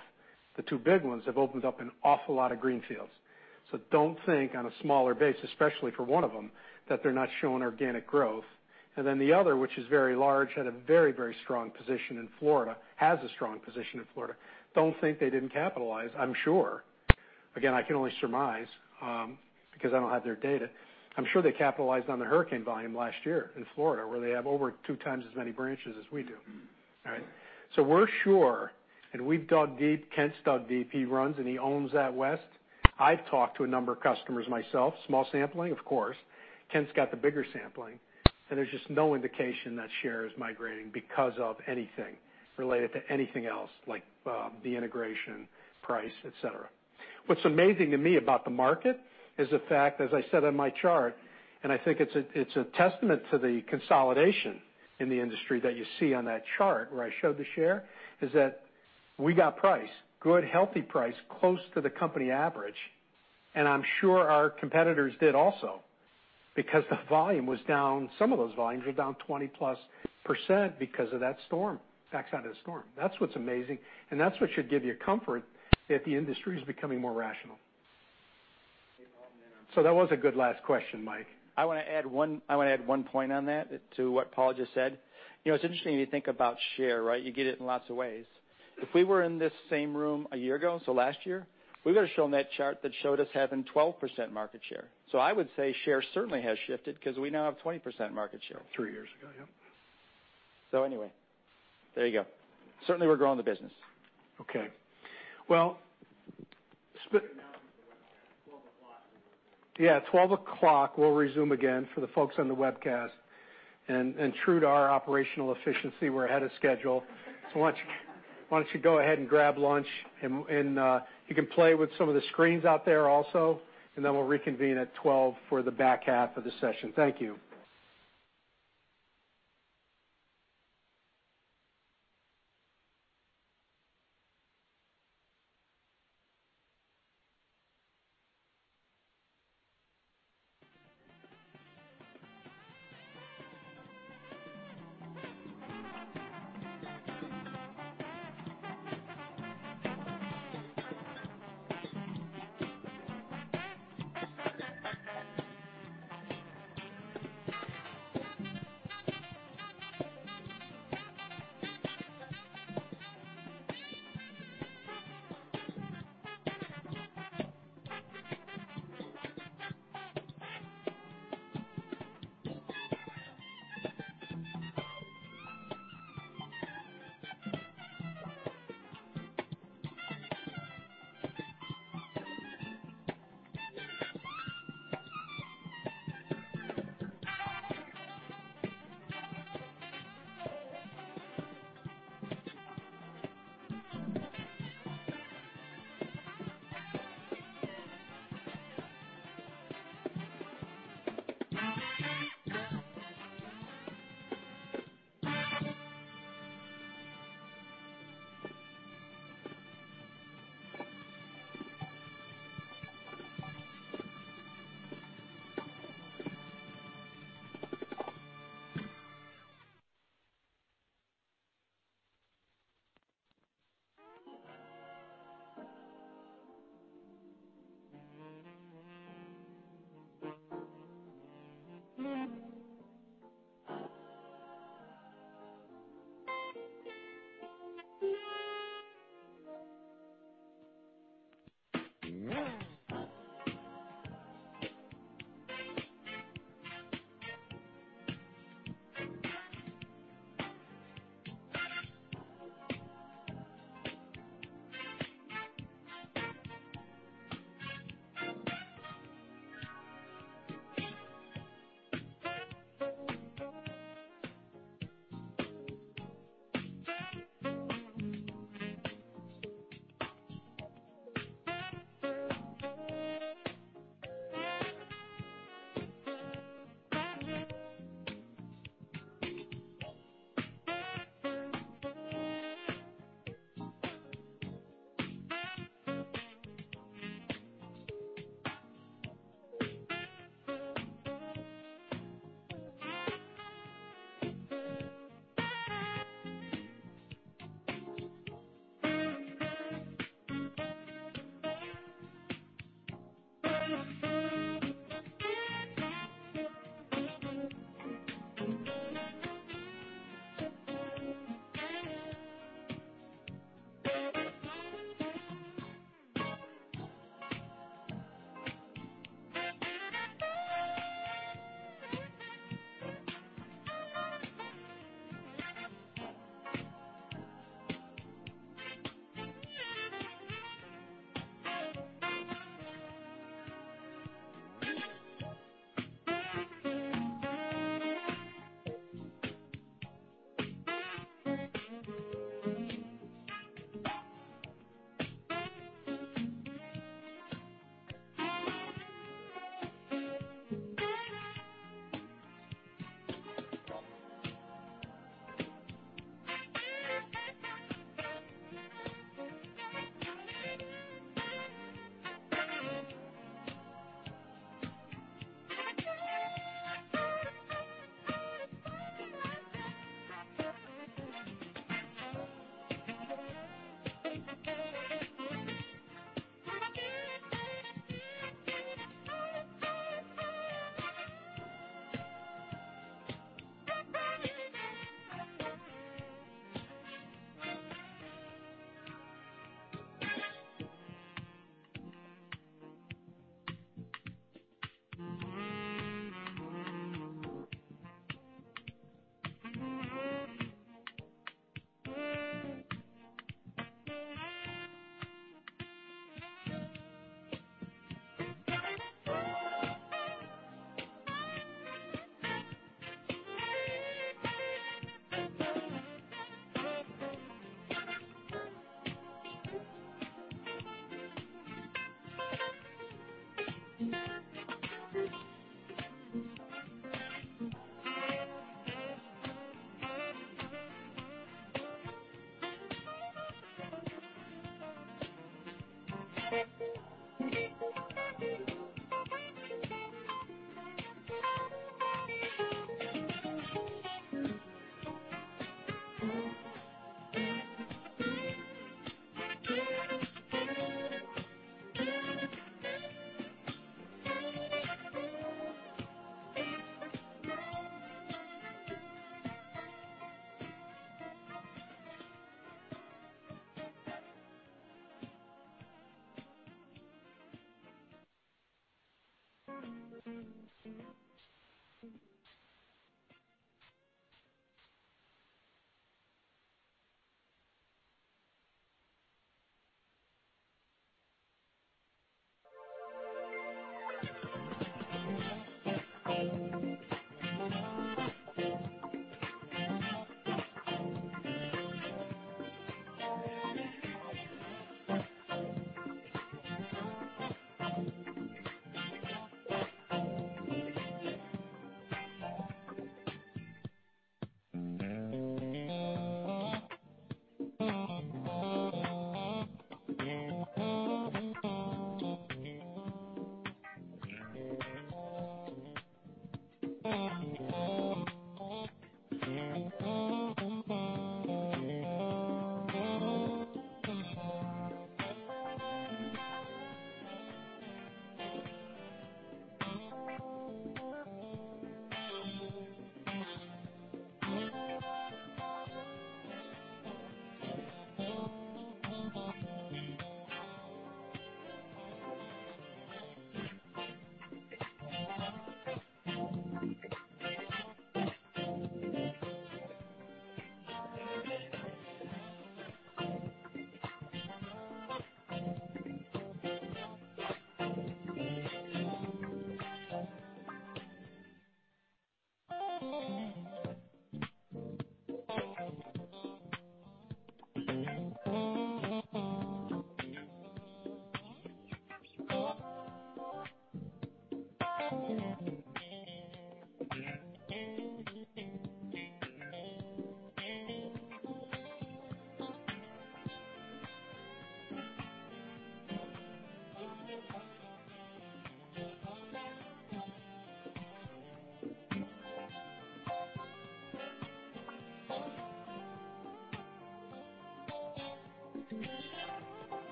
the two big ones, have opened up an awful lot of greenfields. Don't think on a smaller base, especially for one of them, that they're not showing organic growth. Then the other, which is very large, had a very strong position in Florida, has a strong position in Florida. Don't think they didn't capitalize. I'm sure, again, I can only surmise, because I don't have their data. I'm sure they capitalized on the hurricane volume last year in Florida, where they have over two times as many branches as we do. All right. We're sure, and we've dug deep. Kent's dug deep. He runs and he owns that West. I've talked to a number of customers myself. Small sampling, of course. Kent's got the bigger sampling, there's just no indication that share is migrating because of anything related to anything else, like the integration, price, et cetera. What's amazing to me about the market is the fact, as I said on my chart, I think it's a testament to the consolidation in the industry that you see on that chart where I showed the share, is that we got price, good, healthy price, close to the company average. I'm sure our competitors did also, because the volume was down. Some of those volumes were down 20+% because of that storm, effects out of the storm. That's what's amazing, that's what should give you comfort that the industry is becoming more rational. That was a good last question, Mike. I want to add one point on that to what Paul just said. It's interesting when you think about share, right? You get it in lots of ways. If we were in this same room a year ago, so last year, we would've shown that chart that showed us having 12% market share. I would say share certainly has shifted because we now have 20% market share. Three years ago, yep. Anyway, there you go. Certainly, we're growing the business. Okay. Announcement for the webcast, 12:00. Yeah, 12:00 we'll resume again for the folks on the webcast. True to our operational efficiency, we're ahead of schedule. Why don't you go ahead and grab lunch, and you can play with some of the screens out there also, and then we'll reconvene at 12:00 for the back half of the session.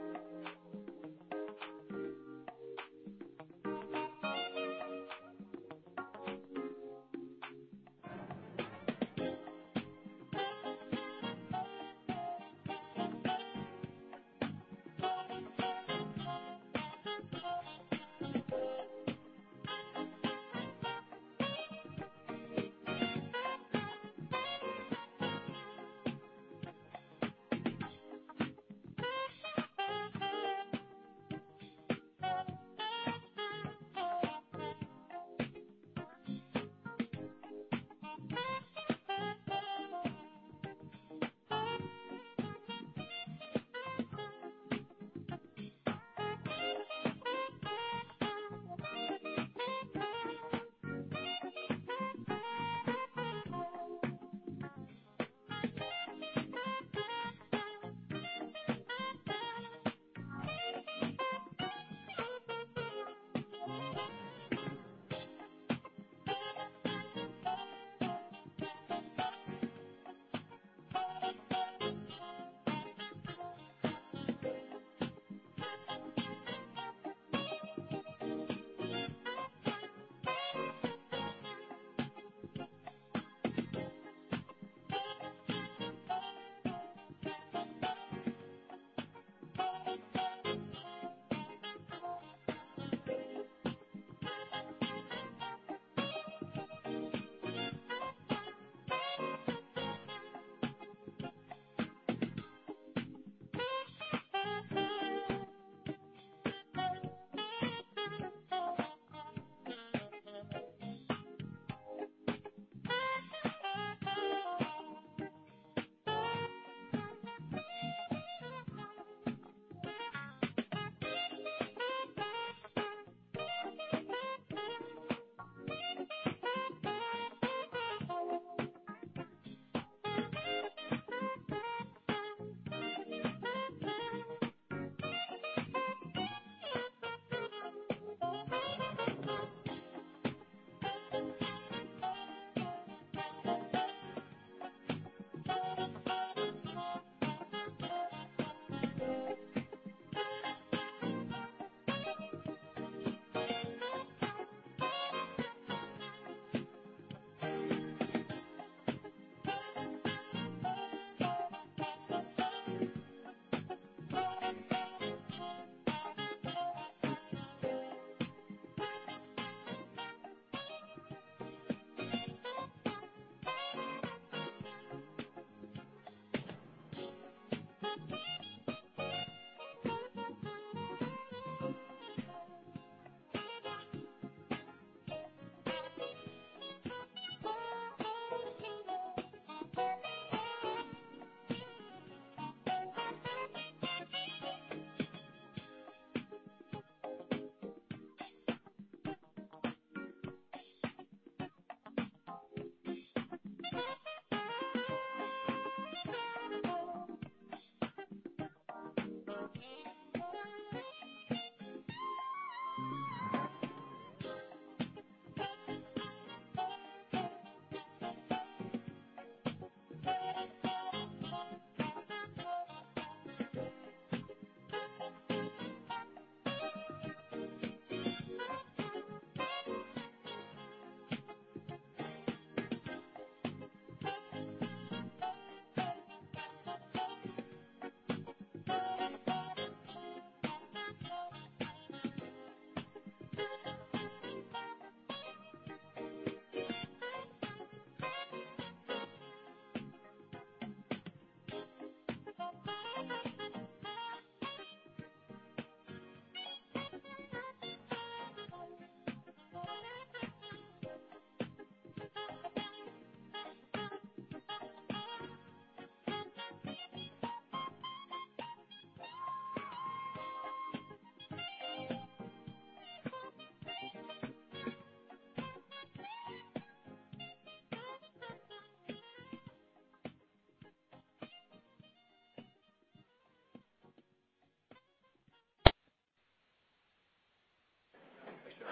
Thank you.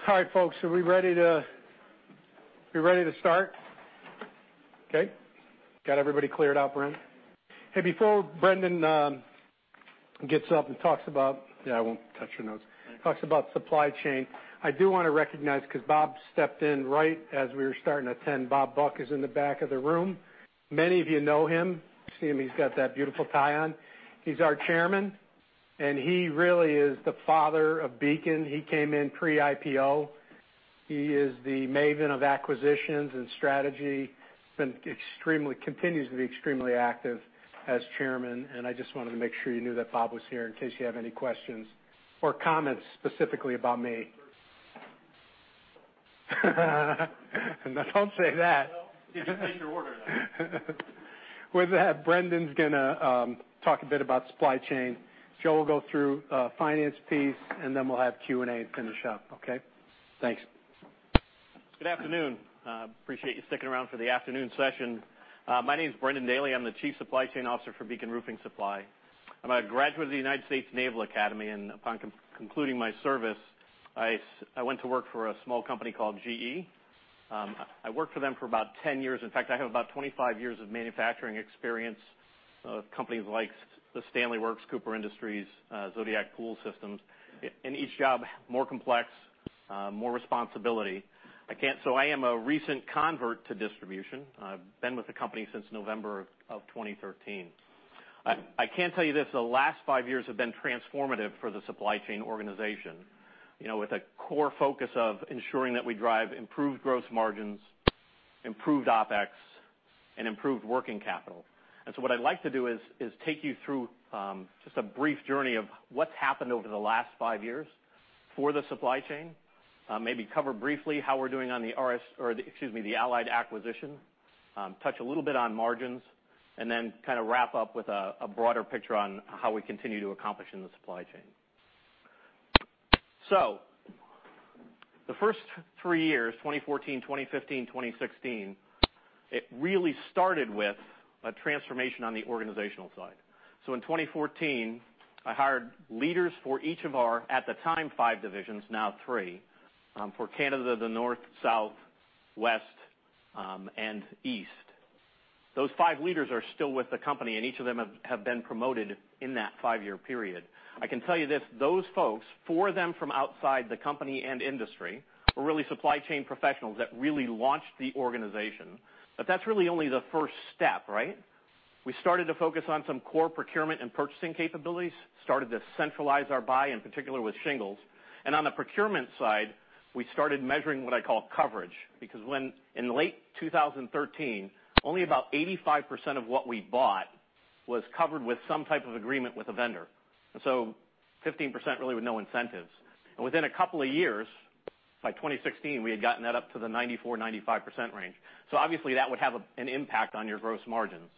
All right, folks. Are we ready to start? Okay. Got everybody cleared out, Bren. Hey, before Brendan gets up and talks about. I won't touch your notes. Okay. Talks about supply chain. I do want to recognize, because Bob stepped in right as we were starting to attend. Robert Buck is in the back of the room. Many of you know him. See him, he's got that beautiful tie on. He's our Chairman, and he really is the father of Beacon. He came in pre-IPO. He is the maven of acquisitions and strategy. Continues to be extremely active as chairman, I just wanted to make sure you knew that Bob was here in case you have any questions or comments specifically about me. No, don't say that. Well, you should take your order, though. With that, Brendan's going to talk a bit about supply chain. Joe will go through finance piece. We'll have Q&A and finish up. Okay. Thanks. Good afternoon. Appreciate you sticking around for the afternoon session. My name is Brendan Daly, I'm the Chief Supply Chain Officer for Beacon Roofing Supply. I'm a graduate of the United States Naval Academy. Upon concluding my service, I went to work for a small company called GE. I worked for them for about 10 years. In fact, I have about 25 years of manufacturing experience with companies like The Stanley Works, Cooper Industries, Zodiac Pool Systems. In each job, more complex, more responsibility. I am a recent convert to distribution. I've been with the company since November of 2013. I can tell you this, the last five years have been transformative for the supply chain organization, with a core focus of ensuring that we drive improved gross margins, improved OpEx, and improved working capital. What I'd like to do is take you through just a brief journey of what's happened over the last five years for the supply chain. Maybe cover briefly how we're doing on the Allied acquisition. Touch a little bit on margins. Kind of wrap up with a broader picture on how we continue to accomplish in the supply chain. The first three years, 2014, 2015, 2016, it really started with a transformation on the organizational side. In 2014, I hired leaders for each of our, at the time, five divisions, now three, for Canada, the North, South, West, and East. Those five leaders are still with the company, and each of them have been promoted in that five-year period. I can tell you this, those folks, four of them from outside the company and industry, were really supply chain professionals that really launched the organization. That's really only the first step, right? We started to focus on some core procurement and purchasing capabilities, started to centralize our buy, in particular with shingles. On the procurement side, we started measuring what I call coverage. Because when, in late 2013, only about 85% of what we bought was covered with some type of agreement with a vendor, 15% really with no incentives. Within a couple of years, by 2016, we had gotten that up to the 94%-95% range. Obviously that would have an impact on your gross margins.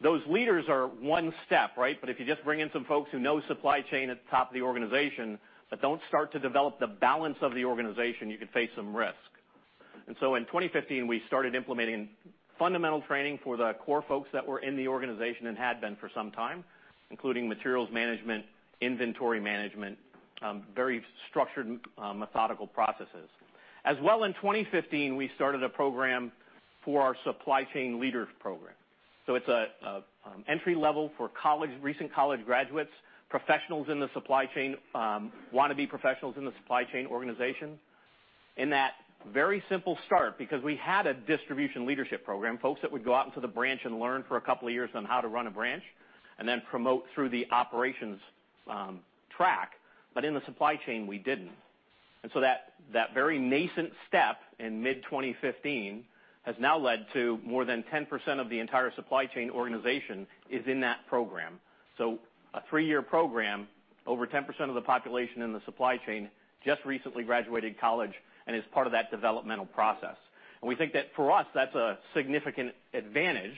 Those leaders are one step, right? If you just bring in some folks who know supply chain at the top of the organization, but don't start to develop the balance of the organization, you could face some risk. In 2015, we started implementing fundamental training for the core folks that were in the organization and had been for some time, including materials management, inventory management, very structured, methodical processes. As well in 2015, we started a program for our Supply Chain Leaders Program. It is an entry level for recent college graduates, professionals in the supply chain, want-to-be professionals in the supply chain organization. In that very simple start, because we had a Distribution Leadership Program, folks that would go out into the branch and learn for a couple of years on how to run a branch, and then promote through the operations track. In the supply chain, we didn't. That very nascent step in mid-2015 has now led to more than 10% of the entire supply chain organization is in that program. A three-year program, over 10% of the population in the supply chain just recently graduated college and is part of that developmental process. We think that for us, that's a significant advantage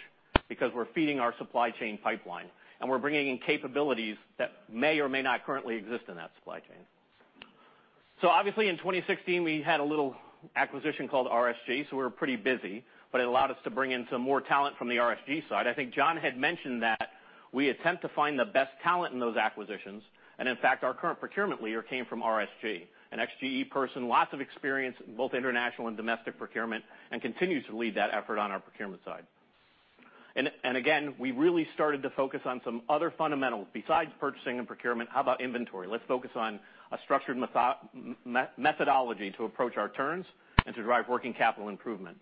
because we're feeding our supply chain pipeline, and we're bringing in capabilities that may or may not currently exist in that supply chain. Obviously in 2016, we had a little acquisition called RSG, so we were pretty busy. It allowed us to bring in some more talent from the RSG side. I think John had mentioned that we attempt to find the best talent in those acquisitions. In fact, our current procurement leader came from RSG. An ex-GE person, lots of experience in both international and domestic procurement, and continues to lead that effort on our procurement side. Again, we really started to focus on some other fundamentals besides purchasing and procurement. How about inventory? Let's focus on a structured methodology to approach our turns and to drive working capital improvement.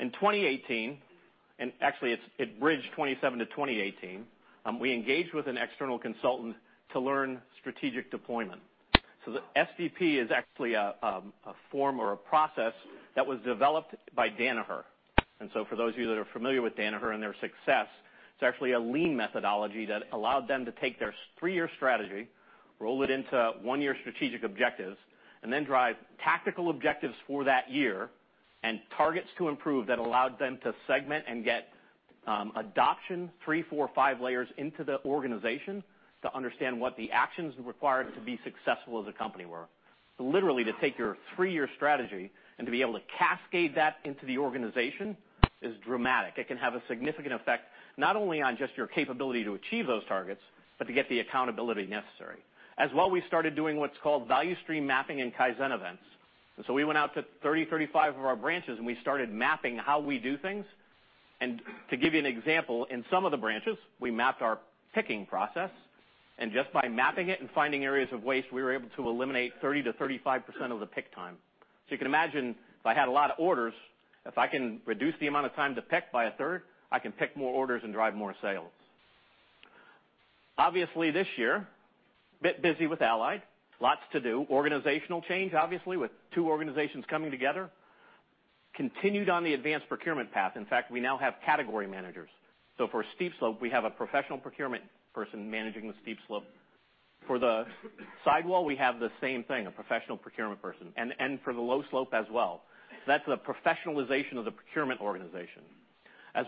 In 2018, and actually it bridged 2017 to 2018, we engaged with an external consultant to learn strategic deployment. The SDP is actually a form or a process that was developed by Danaher. For those of you that are familiar with Danaher and their success, it's actually a lean methodology that allowed them to take their three-year strategy, roll it into one-year strategic objectives, and then drive tactical objectives for that year and targets to improve that allowed them to segment and get adoption three, four, five layers into the organization to understand what the actions required to be successful as a company were. Literally to take your three-year strategy and to be able to cascade that into the organization is dramatic. It can have a significant effect, not only on just your capability to achieve those targets, but to get the accountability necessary. As well, we started doing what's called value stream mapping and Kaizen events. We went out to 30, 35 of our branches, and we started mapping how we do things. To give you an example, in some of the branches, we mapped our picking process. Just by mapping it and finding areas of waste, we were able to eliminate 30%-35% of the pick time. You can imagine if I had a lot of orders, if I can reduce the amount of time to pick by a third, I can pick more orders and drive more sales. Obviously this year, bit busy with Allied. Lots to do. Organizational change, obviously with two organizations coming together. Continued on the advanced procurement path. In fact, we now have category managers. For steep slope, we have a professional procurement person managing the steep slope. For the sidewall, we have the same thing, a professional procurement person. For the low slope as well. That's the professionalization of the procurement organization.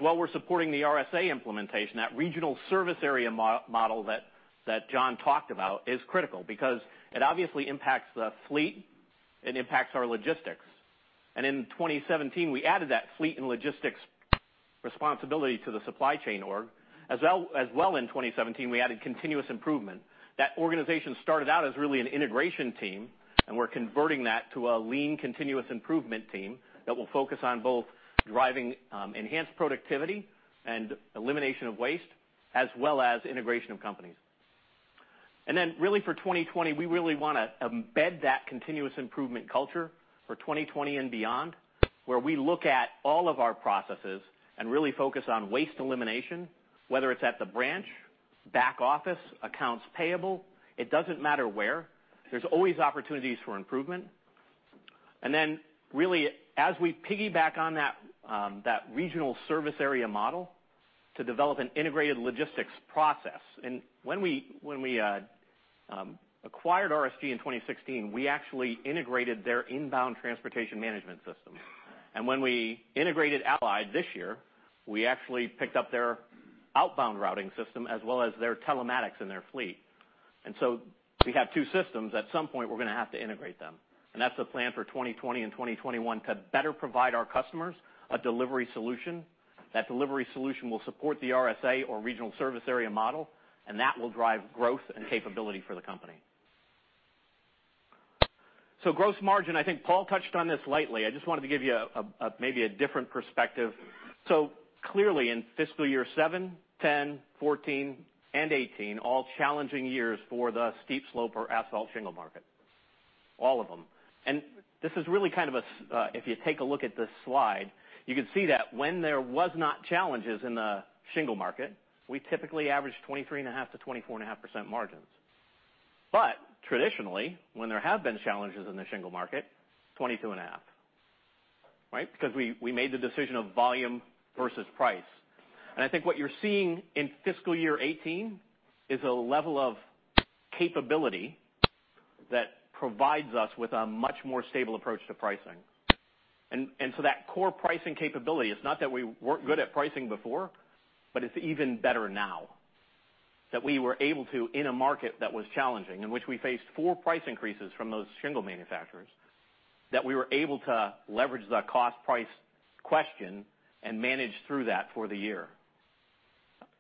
We're supporting the RSA implementation. That regional service area model that John talked about is critical because it obviously impacts the fleet, it impacts our logistics. In 2017, we added that fleet and logistics responsibility to the supply chain org. In 2017, we added continuous improvement. That organization started out as really an integration team, and we're converting that to a lean continuous improvement team that will focus on both driving enhanced productivity and elimination of waste, as well as integration of companies. Really for 2020, we really want to embed that continuous improvement culture for 2020 and beyond, where we look at all of our processes and really focus on waste elimination. Whether it's at the branch, back office, accounts payable, it doesn't matter where. There's always opportunities for improvement. Then really, as we piggyback on that regional service area model to develop an integrated logistics process. When we acquired RSG in 2016, we actually integrated their inbound transportation management system. When we integrated Allied this year, we actually picked up their outbound routing system as well as their telematics and their fleet. We have two systems. At some point, we're going to have to integrate them. That's the plan for 2020 and 2021, to better provide our customers a delivery solution. That delivery solution will support the RSA or regional service area model, that will drive growth and capability for the company. Gross margin, I think Paul touched on this lightly. I just wanted to give you maybe a different perspective. Clearly in fiscal year seven, 10, 14, and 18, all challenging years for the steep slope or asphalt shingle market, all of them. This is really kind of a. If you take a look at this slide, you can see that when there was not challenges in the shingle market, we typically averaged 23.5%-24.5% margins. Traditionally, when there have been challenges in the shingle market, 22.5%, right? Because we made the decision of volume versus price. I think what you're seeing in fiscal year 18 is a level of capability that provides us with a much more stable approach to pricing. That core pricing capability, it's not that we weren't good at pricing before, but it's even better now. That we were able to, in a market that was challenging, in which we faced four price increases from those shingle manufacturers, that we were able to leverage the cost-price question and manage through that for the year.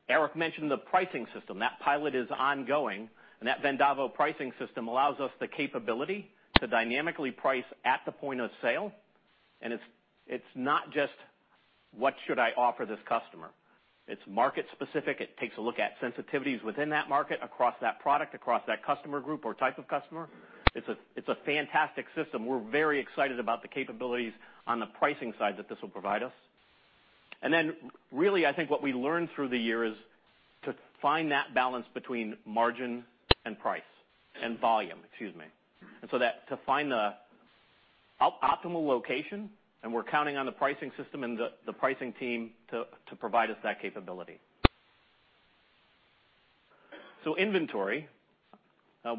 Eric mentioned the pricing system. That pilot is ongoing, that Vendavo pricing system allows us the capability to dynamically price at the point of sale, it's not just, "What should I offer this customer?" It's market specific. It takes a look at sensitivities within that market, across that product, across that customer group or type of customer. It's a fantastic system. We're very excited about the capabilities on the pricing side that this will provide us. Really, I think what we learned through the year is to find that balance between margin and price and volume, excuse me. To find the optimal location, and we're counting on the pricing system and the pricing team to provide us that capability. Inventory.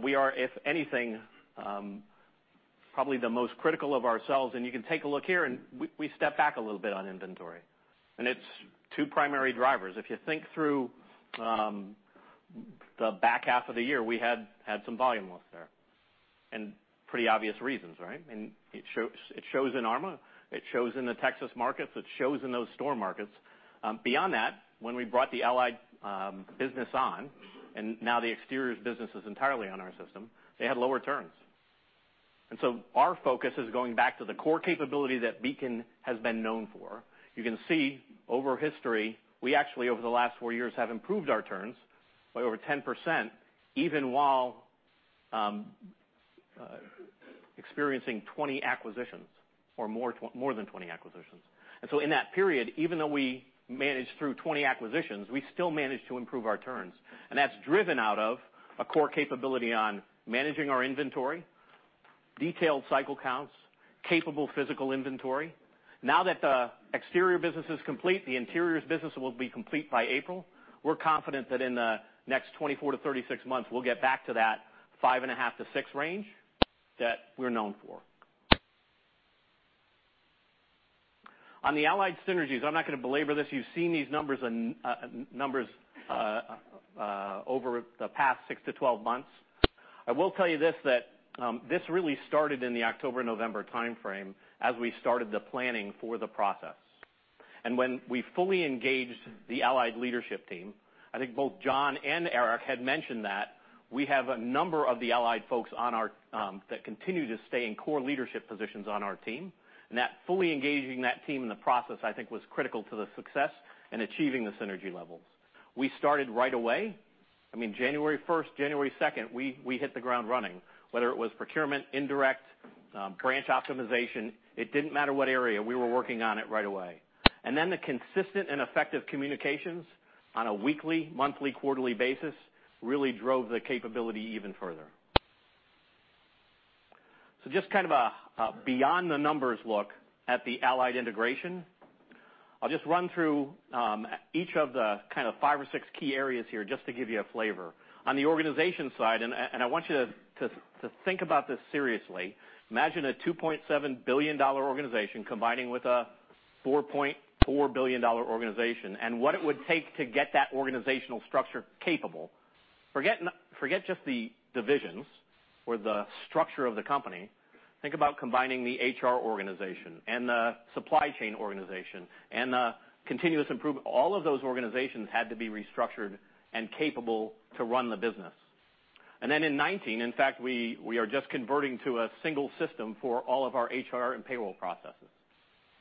We are, if anything, probably the most critical of ourselves, and you can take a look here, and we stepped back a little on inventory. It's two primary drivers. If you think through the back half of the year, we had some volume loss there and pretty obvious reasons, right? It shows in ARMA. It shows in the Texas markets. It shows in those store markets. Beyond that, when we brought the Allied business on, and now the Exteriors business is entirely on our system, they had lower turns. Our focus is going back to the core capability that Beacon has been known for. You can see over history, we actually, over the last four years, have improved our turns by over 10%, even while experiencing 20 acquisitions or more than 20 acquisitions. In that period, even though we managed through 20 acquisitions, we still managed to improve our turns. That's driven out of a core capability on managing our inventory, detailed cycle counts, capable physical inventory. Now that the Exterior business is complete, the Interiors business will be complete by April. We're confident that in the next 24-36 months, we'll get back to that 5.5%-6% range that we're known for. On the Allied synergies, I'm not going to belabor this. You've seen these numbers over the past 6-12 months. I will tell you this, that this really started in the October-November timeframe as we started the planning for the process. When we fully engaged the Allied leadership team, I think both John and Eric had mentioned that we have a number of the Allied folks that continue to stay in core leadership positions on our team. That fully engaging that team in the process, I think, was critical to the success in achieving the synergy levels. We started right away. January 1st, January 2nd, we hit the ground running, whether it was procurement, indirect, branch optimization. It didn't matter what area. We were working on it right away. The consistent and effective communications on a weekly, monthly, quarterly basis really drove the capability even further. Just kind of a beyond the numbers look at the Allied integration. I'll just run through each of the kind of five or six key areas here just to give you a flavor. On the organization side, I want you to think about this seriously. Imagine a $2.7 billion organization combining with a $4.4 billion organization, what it would take to get that organizational structure capable. Forget just the divisions or the structure of the company. Think about combining the HR organization and the supply chain organization and the continuous improvement. All of those organizations had to be restructured and capable to run the business. In 2019, in fact, we are just converting to a single system for all of our HR and payroll processes.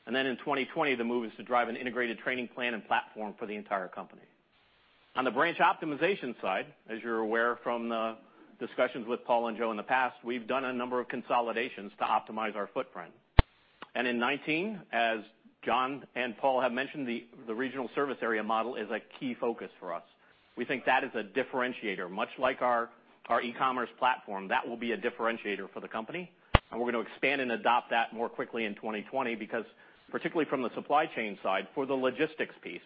In 2020, the move is to drive an integrated training plan and platform for the entire company. On the branch optimization side, as you're aware from the discussions with Paul and Joe in the past, we've done a number of consolidations to optimize our footprint. In 2019, as John and Paul have mentioned, the regional service area model is a key focus for us. We think that is a differentiator. Much like our e-commerce platform, that will be a differentiator for the company. We're going to expand and adopt that more quickly in 2020 because particularly from the supply chain side, for the logistics piece,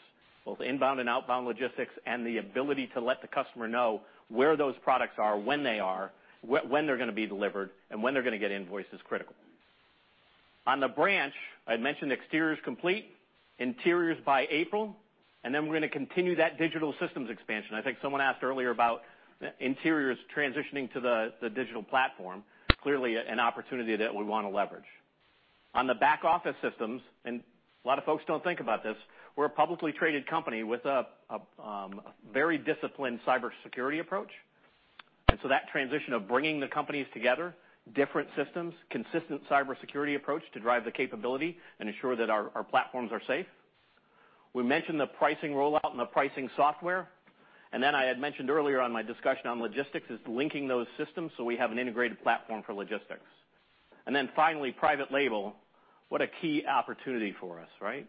both inbound and outbound logistics and the ability to let the customer know where those products are, when they are, when they're going to be delivered, and when they're going to get invoiced is critical. On the branch, I had mentioned exterior is complete, interior is by April. We're going to continue that digital systems expansion. I think someone asked earlier about interiors transitioning to the digital platform. Clearly, an opportunity that we want to leverage. On the back-office systems, a lot of folks don't think about this, we're a publicly traded company with a very disciplined cybersecurity approach. That transition of bringing the companies together, different systems, consistent cybersecurity approach to drive the capability and ensure that our platforms are safe. We mentioned the pricing rollout and the pricing software. I had mentioned earlier on my discussion on logistics is linking those systems so we have an integrated platform for logistics. Finally, private label, what a key opportunity for us, right?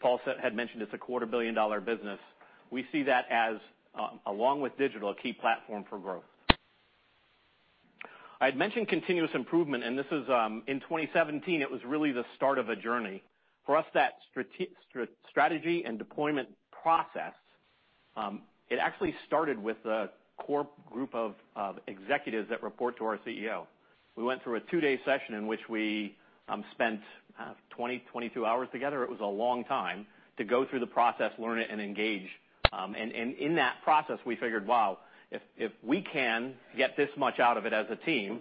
Paul had mentioned it's a quarter billion dollar business. We see that as, along with digital, a key platform for growth. I had mentioned continuous improvement. In 2017, it was really the start of a journey. For us, that strategy and deployment process, it actually started with a core group of executives that report to our CEO. We went through a two-day session in which we spent 20, 22 hours together. It was a long time to go through the process, learn it, and engage. In that process, we figured, wow, if we can get this much out of it as a team,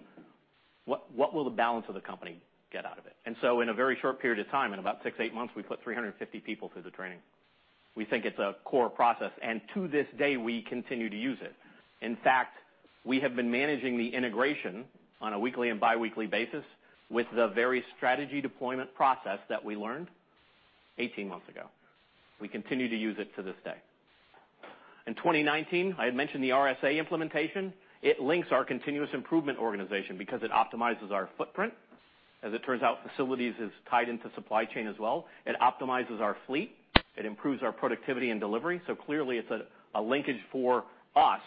what will the balance of the company get out of it? In a very short period of time, in about six, eight months, we put 350 people through the training. We think it's a core process. To this day, we continue to use it. In fact, we have been managing the integration on a weekly and biweekly basis with the very strategy deployment process that we learned 18 months ago. We continue to use it to this day. In 2019, I had mentioned the RSA implementation. It links our continuous improvement organization because it optimizes our footprint. As it turns out, facilities is tied into supply chain as well. It optimizes our fleet. It improves our productivity and delivery. Clearly it's a linkage for us,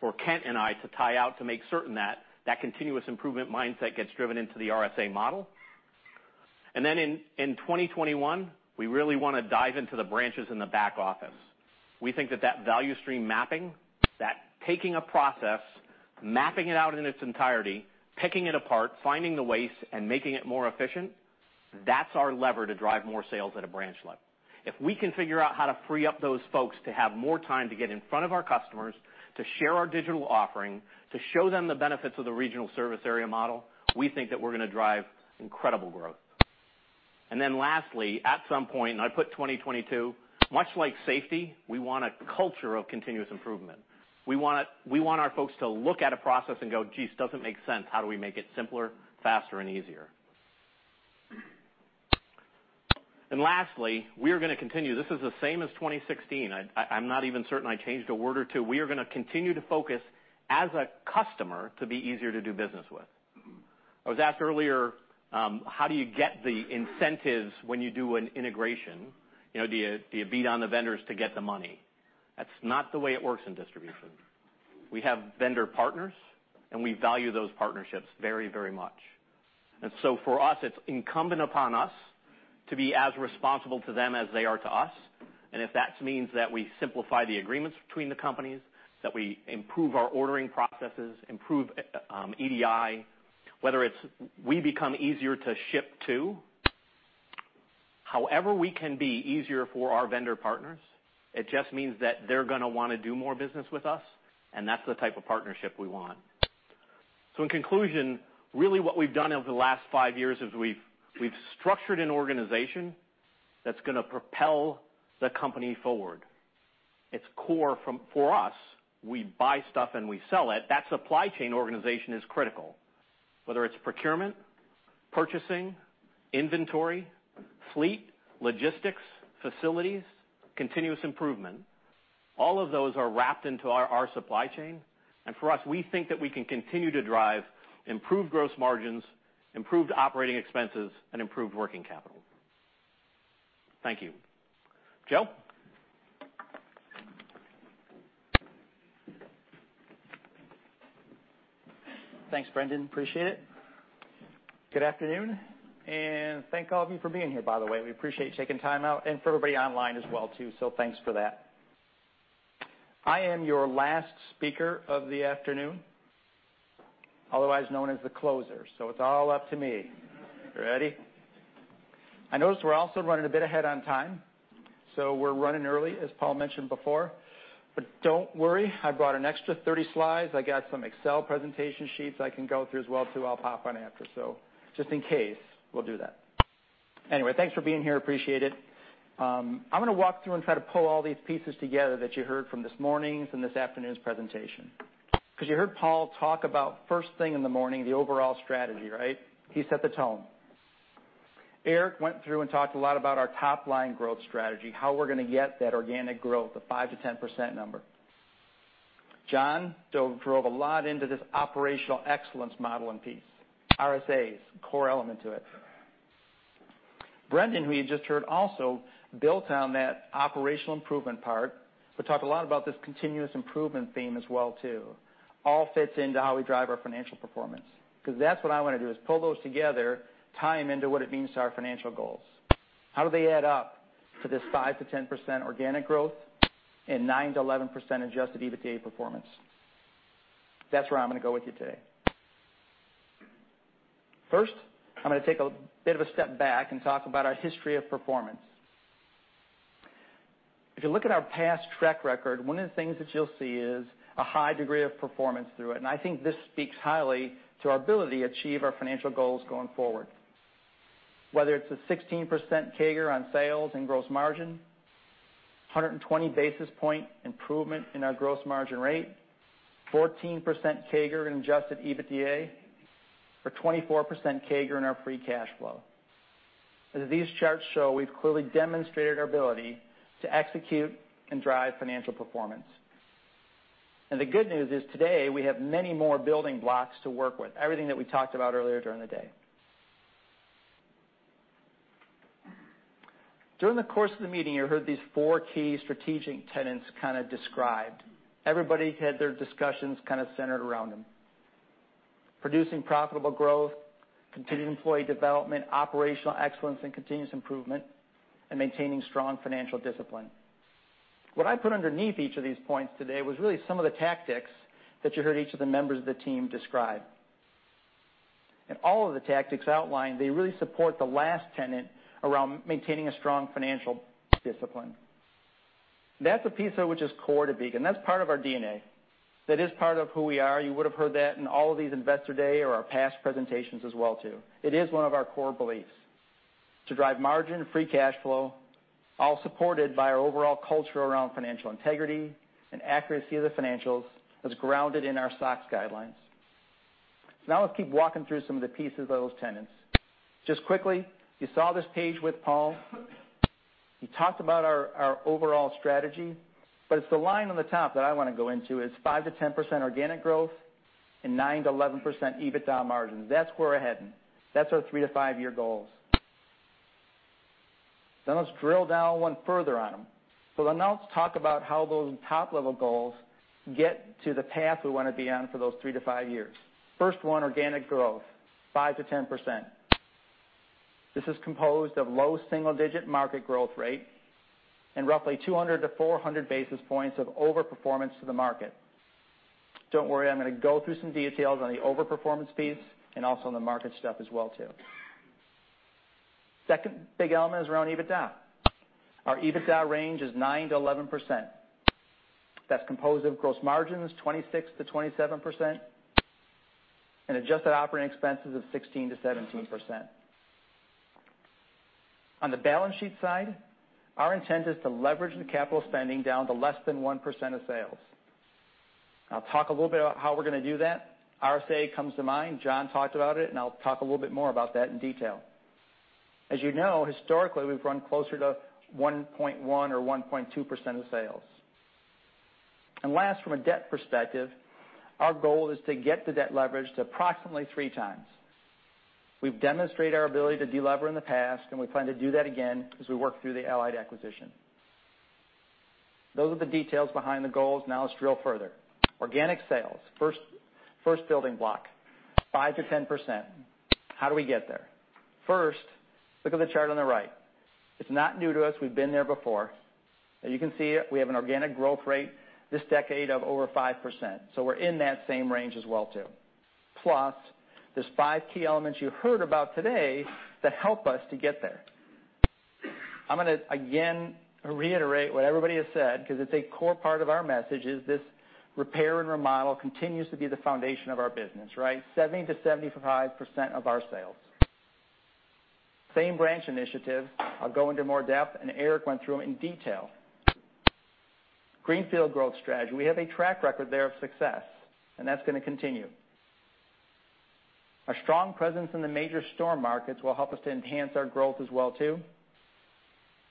for Kent and I to tie out to make certain that that continuous improvement mindset gets driven into the RSA model. In 2021, we really want to dive into the branches in the back office. We think that that value stream mapping, that taking a process, mapping it out in its entirety, picking it apart, finding the waste, and making it more efficient, that's our lever to drive more sales at a branch level. If we can figure out how to free up those folks to have more time to get in front of our customers, to share our digital offering, to show them the benefits of the regional service area model, we think that we're going to drive incredible growth. Lastly, at some point, and I put 2022, much like safety, we want a culture of continuous improvement. We want our folks to look at a process and go, "Geez, doesn't make sense. How do we make it simpler, faster, and easier?" Lastly, we are going to continue. This is the same as 2016. I'm not even certain I changed a word or two. We are going to continue to focus as a customer to be easier to do business with. I was asked earlier, how do you get the incentives when you do an integration? Do you beat on the vendors to get the money? That's not the way it works in distribution. We have vendor partners, and we value those partnerships very much. For us, it's incumbent upon us to be as responsible to them as they are to us. If that means that we simplify the agreements between the companies, that we improve our ordering processes, improve EDI, whether it's we become easier to ship to. However we can be easier for our vendor partners, it just means that they're going to want to do more business with us, and that's the type of partnership we want. In conclusion, really what we've done over the last five years is we've structured an organization that's going to propel the company forward. It's core for us. We buy stuff and we sell it. That supply chain organization is critical. Whether it's procurement, purchasing, inventory, fleet, logistics, facilities, continuous improvement, all of those are wrapped into our supply chain. For us, we think that we can continue to drive improved gross margins, improved operating expenses, and improved working capital. Thank you. Joe? Thanks, Brendan. Appreciate it. Good afternoon, thank all of you for being here, by the way. We appreciate you taking time out and for everybody online as well too, thanks for that. I am your last speaker of the afternoon, otherwise known as the closer. It's all up to me. You ready? I noticed we're also running a bit ahead on time, we're running early, as Paul mentioned before. Don't worry, I brought an extra 30 slides. I got some Excel presentation sheets I can go through as well, too. I'll pop on after. Just in case, we'll do that. Anyway, thanks for being here. Appreciate it. I'm going to walk through and try to pull all these pieces together that you heard from this morning's and this afternoon's presentation. You heard Paul talk about first thing in the morning, the overall strategy, right? He set the tone. Eric went through, talked a lot about our top-line growth strategy, how we're going to get that organic growth, the 5%-10% number. John drove a lot into this operational excellence modeling piece. RSA is a core element to it. Brendan, who you just heard built on that operational improvement part, talked a lot about this continuous improvement theme as well, too. All fits into how we drive our financial performance. That's what I want to do, is pull those together, tie them into what it means to our financial goals. How do they add up to this 5%-10% organic growth and 9%-11% adjusted EBITDA performance? That's where I'm going to go with you today. I'm going to take a bit of a step back and talk about our history of performance. If you look at our past track record, one of the things that you'll see is a high degree of performance through it, and I think this speaks highly to our ability to achieve our financial goals going forward. Whether it's a 16% CAGR on sales and gross margin, 120 basis point improvement in our gross margin rate, 14% CAGR in adjusted EBITDA, or 24% CAGR in our free cash flow. As these charts show, we've clearly demonstrated our ability to execute and drive financial performance. The good news is today, we have many more building blocks to work with, everything that we talked about earlier during the day. During the course of the meeting, you heard these four key strategic tenets kind of described. Everybody had their discussions kind of centered around them. Producing profitable growth, continued employee development, operational excellence, and continuous improvement, and maintaining strong financial discipline. What I put underneath each of these points today was really some of the tactics that you heard each of the members of the team describe. All of the tactics outlined, they really support the last tenet around maintaining a strong financial discipline. That's a piece, though, which is core to Beacon. That's part of our DNA. That is part of who we are. You would have heard that in all of these Investor Day or our past presentations as well, too. It is one of our core beliefs to drive margin and free cash flow, all supported by our overall culture around financial integrity and accuracy of the financials as grounded in our SOX guidelines. Let's keep walking through some of the pieces of those tenets. Just quickly, you saw this page with Paul. He talked about our overall strategy, it's the line on the top that I want to go into, is 5%-10% organic growth and 9%-11% EBITDA margins. That's where we're heading. That's our three- to five-year goals. Let's drill down one further on them. Let's talk about how those top-level goals get to the path we want to be on for those three to five years. Organic growth, 5%-10%. This is composed of low single-digit market growth rate and roughly 200-400 basis points of overperformance to the market. Don't worry, I'm going to go through some details on the overperformance piece and also on the market stuff as well, too. Second big element is around EBITDA. Our EBITDA range is 9%-11%. That's composed of gross margins 26%-27% and adjusted operating expenses of 16%-17%. On the balance sheet side, our intent is to leverage the capital spending down to less than 1% of sales. I'll talk a little bit about how we're going to do that. RSA comes to mind. John talked about it, and I'll talk a little bit more about that in detail. As you know, historically, we've run closer to 1.1% or 1.2% of sales. Last, from a debt perspective, our goal is to get the debt leverage to approximately three times. We've demonstrated our ability to de-lever in the past, and we plan to do that again as we work through the Allied acquisition. Those are the details behind the goals. Let's drill further. Organic sales. First building block. 5%-10%. How do we get there? First, look at the chart on the right. It's not new to us. We've been there before. As you can see, we have an organic growth rate this decade of over 5%, so we're in that same range as well, too. Plus, there are five key elements you heard about today that help us to get there. I'm going to, again, reiterate what everybody has said, because it's a core part of our message, is this repair and remodel continues to be the foundation of our business, right? 70%-75% of our sales. Same-branch initiative. I'll go into more depth, and Eric went through them in detail. Greenfield growth strategy. We have a track record there of success, and that's going to continue. Our strong presence in the major storm markets will help us to enhance our growth as well, too.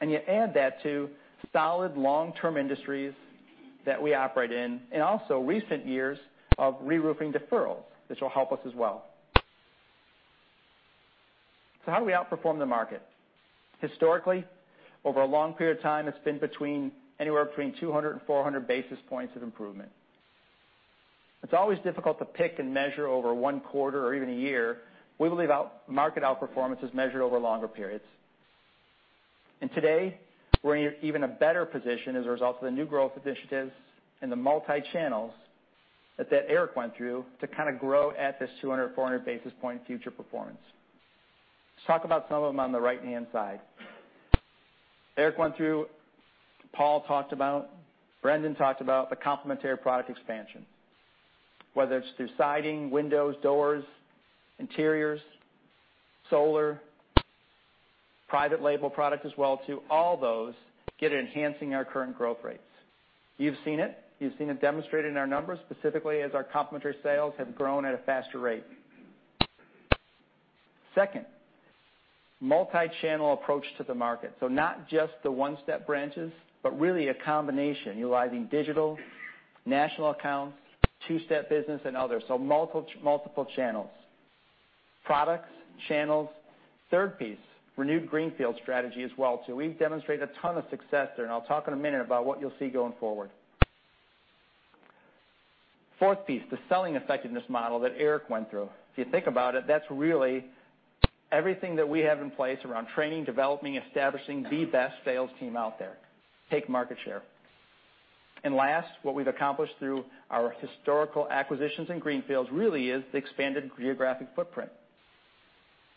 You add that to solid long-term industries that we operate in, and also recent years of reroofing deferrals, which will help us as well. How do we outperform the market? Historically, over a long period of time, it's been anywhere between 200 and 400 basis points of improvement. It's always difficult to pick and measure over one quarter or even a year. We believe market outperformance is measured over longer periods. Today, we're in even a better position as a result of the new growth initiatives and the multi-channels that Eric went through to kind of grow at this 200 to 400 basis point future performance. Let's talk about some of them on the right-hand side. Eric went through, Paul talked about, Brendan talked about the complementary product expansion, whether it's through siding, windows, doors, interiors, solar, private label product as well, too. All those get enhancing our current growth rates. You've seen it. You've seen it demonstrated in our numbers, specifically as our complementary sales have grown at a faster rate. Second, multi-channel approach to the market. Not just the one-step branches, but really a combination utilizing digital, national accounts, two-step business, and others. Multiple channels. Products, channels. Third piece, renewed greenfield strategy as well, too. We've demonstrated a ton of success there, and I'll talk in a minute about what you'll see going forward. Fourth piece, the selling effectiveness model that Eric went through. If you think about it, that's really everything that we have in place around training, developing, establishing the best sales team out there. Take market share. Last, what we've accomplished through our historical acquisitions and greenfields really is the expanded geographic footprint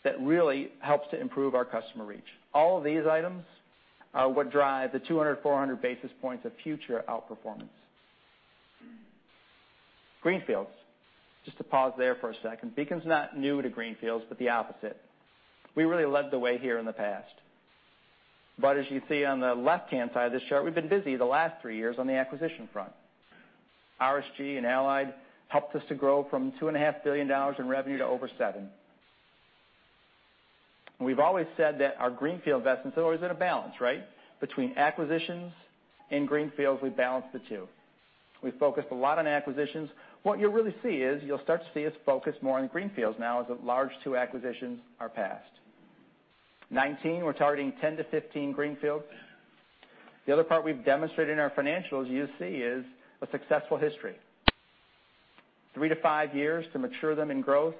that really helps to improve our customer reach. All of these items are what drive the 200, 400 basis points of future outperformance. Greenfields, just to pause there for a second. Beacon's not new to greenfields, but the opposite. We really led the way here in the past. As you see on the left-hand side of this chart, we've been busy the last three years on the acquisition front. RSG and Allied helped us to grow from $2.5 billion in revenue to over 7. We've always said that our greenfield investments are always in a balance, right? Between acquisitions and greenfields, we balance the two. We've focused a lot on acquisitions. What you'll really see is you'll start to see us focus more on greenfields now, as the large two acquisitions are past. 2019, we're targeting 10 to 15 greenfields. The other part we've demonstrated in our financials you see is a successful history. Three to five years to mature them in growth.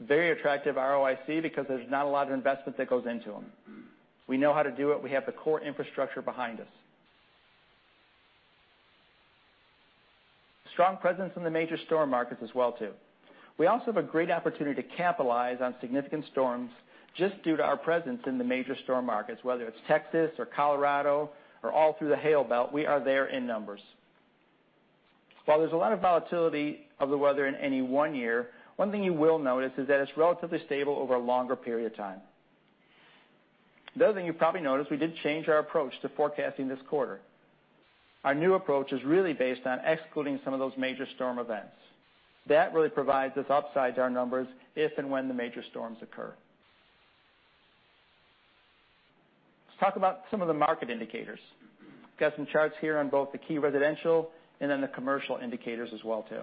Very attractive ROIC because there's not a lot of investment that goes into them. We know how to do it. We have the core infrastructure behind us. Strong presence in the major storm markets as well too. We also have a great opportunity to capitalize on significant storms just due to our presence in the major storm markets, whether it's Texas or Colorado or all through the Hail Belt, we are there in numbers. While there's a lot of volatility of the weather in any one year, one thing you will notice is that it's relatively stable over a longer period of time. The other thing you've probably noticed, we did change our approach to forecasting this quarter. Our new approach is really based on excluding some of those major storm events. That really provides us upside to our numbers if and when the major storms occur. Let's talk about some of the market indicators. Got some charts here on both the key residential and then the commercial indicators as well too.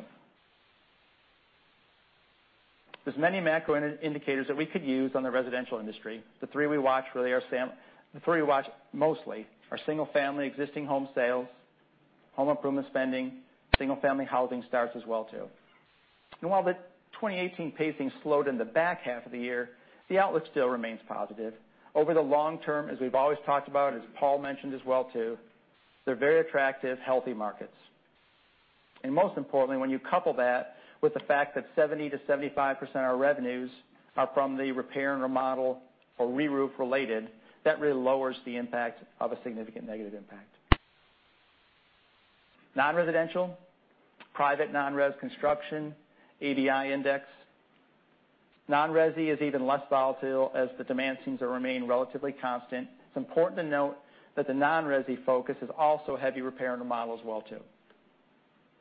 There's many macro indicators that we could use on the residential industry. The three we watch mostly are single-family existing home sales, home improvement spending, single-family housing starts as well too. While the 2018 pacing slowed in the back half of the year, the outlook still remains positive. Over the long term, as we've always talked about, as Paul mentioned as well too, they're very attractive, healthy markets. Most importantly, when you couple that with the fact that 70%-75% of our revenues are from the repair and remodel or reroof related, that really lowers the impact of a significant negative impact. Non-residential, private non-res construction, ABI index. Non-resi is even less volatile as the demand seems to remain relatively constant. It's important to note that the non-resi focus is also heavy repair and remodel as well too.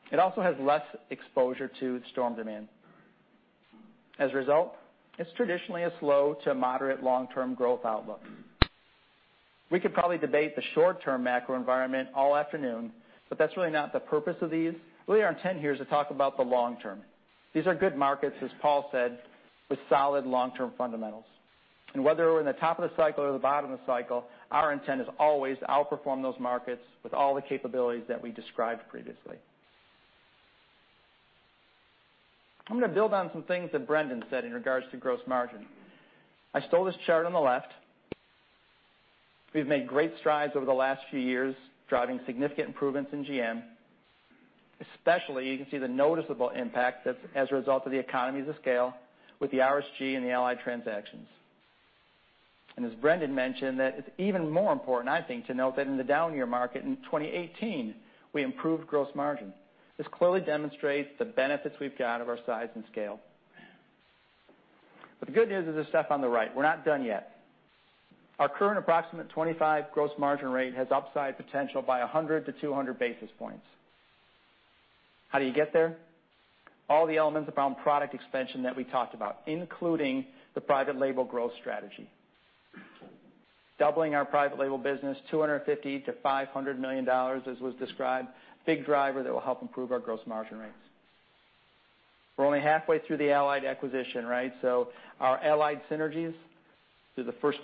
It also has less exposure to storm demand. As a result, it's traditionally a slow to moderate long-term growth outlook. We could probably debate the short-term macro environment all afternoon, but that's really not the purpose of these. Really, our intent here is to talk about the long term. These are good markets, as Paul said, with solid long-term fundamentals. Whether we're in the top of the cycle or the bottom of the cycle, our intent is always to outperform those markets with all the capabilities that we described previously. I'm going to build on some things that Brendan said in regards to gross margin. I stole this chart on the left. We've made great strides over the last few years, driving significant improvements in GM, especially you can see the noticeable impact as a result of the economies of scale with the RSG and the Allied transactions. As Brendan mentioned, that it's even more important, I think, to note that in the down year market in 2018, we improved gross margin. This clearly demonstrates the benefits we've got of our size and scale. The good news is the stuff on the right. We're not done yet. Our current approximate 25% gross margin rate has upside potential by 100 to 200 basis points. How do you get there? All the elements around product expansion that we talked about, including the private label growth strategy. Doubling our private label business, $250 million to $500 million, as was described, big driver that will help improve our gross margin rates. We're only halfway through the Allied acquisition, right? Our Allied synergies through the first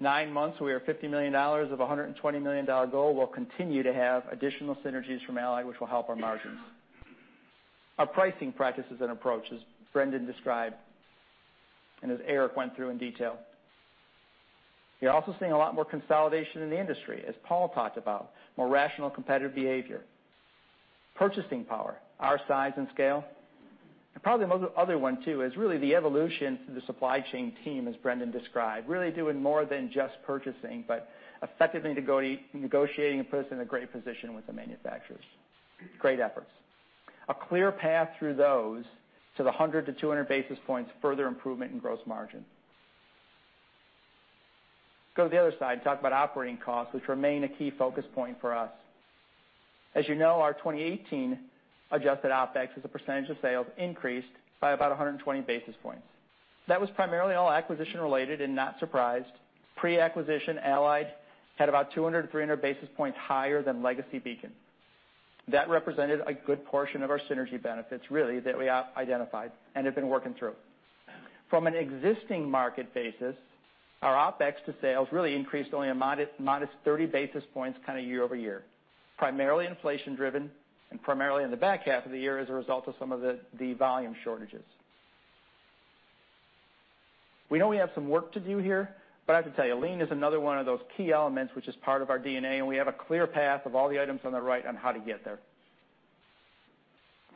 nine months, we are $50 million of $120 million goal. We'll continue to have additional synergies from Allied, which will help our margins. Our pricing practices and approach, as Brendan described, as Eric went through in detail. You're also seeing a lot more consolidation in the industry, as Paul talked about, more rational competitive behavior. Purchasing power, our size, and scale. Probably the other one, too, is really the evolution through the supply chain team, as Brendan described, really doing more than just purchasing, but effectively negotiating and putting us in a great position with the manufacturers. Great efforts. A clear path through those to the 100 to 200 basis points, further improvement in gross margin. Go to the other side and talk about operating costs, which remain a key focus point for us. As you know, our 2018 adjusted OpEx as a percentage of sales increased by about 120 basis points. That was primarily all acquisition-related and not surprised. Pre-acquisition, Allied had about 200 to 300 basis points higher than legacy Beacon. That represented a good portion of our synergy benefits, really, that we identified and have been working through. From an existing market basis, our OpEx to sales really increased only a modest 30 basis points year-over-year, primarily inflation-driven and primarily in the back half of the year as a result of some of the volume shortages. We know we have some work to do here, I have to tell you, lean is another one of those key elements which is part of our DNA, and we have a clear path of all the items on the right on how to get there.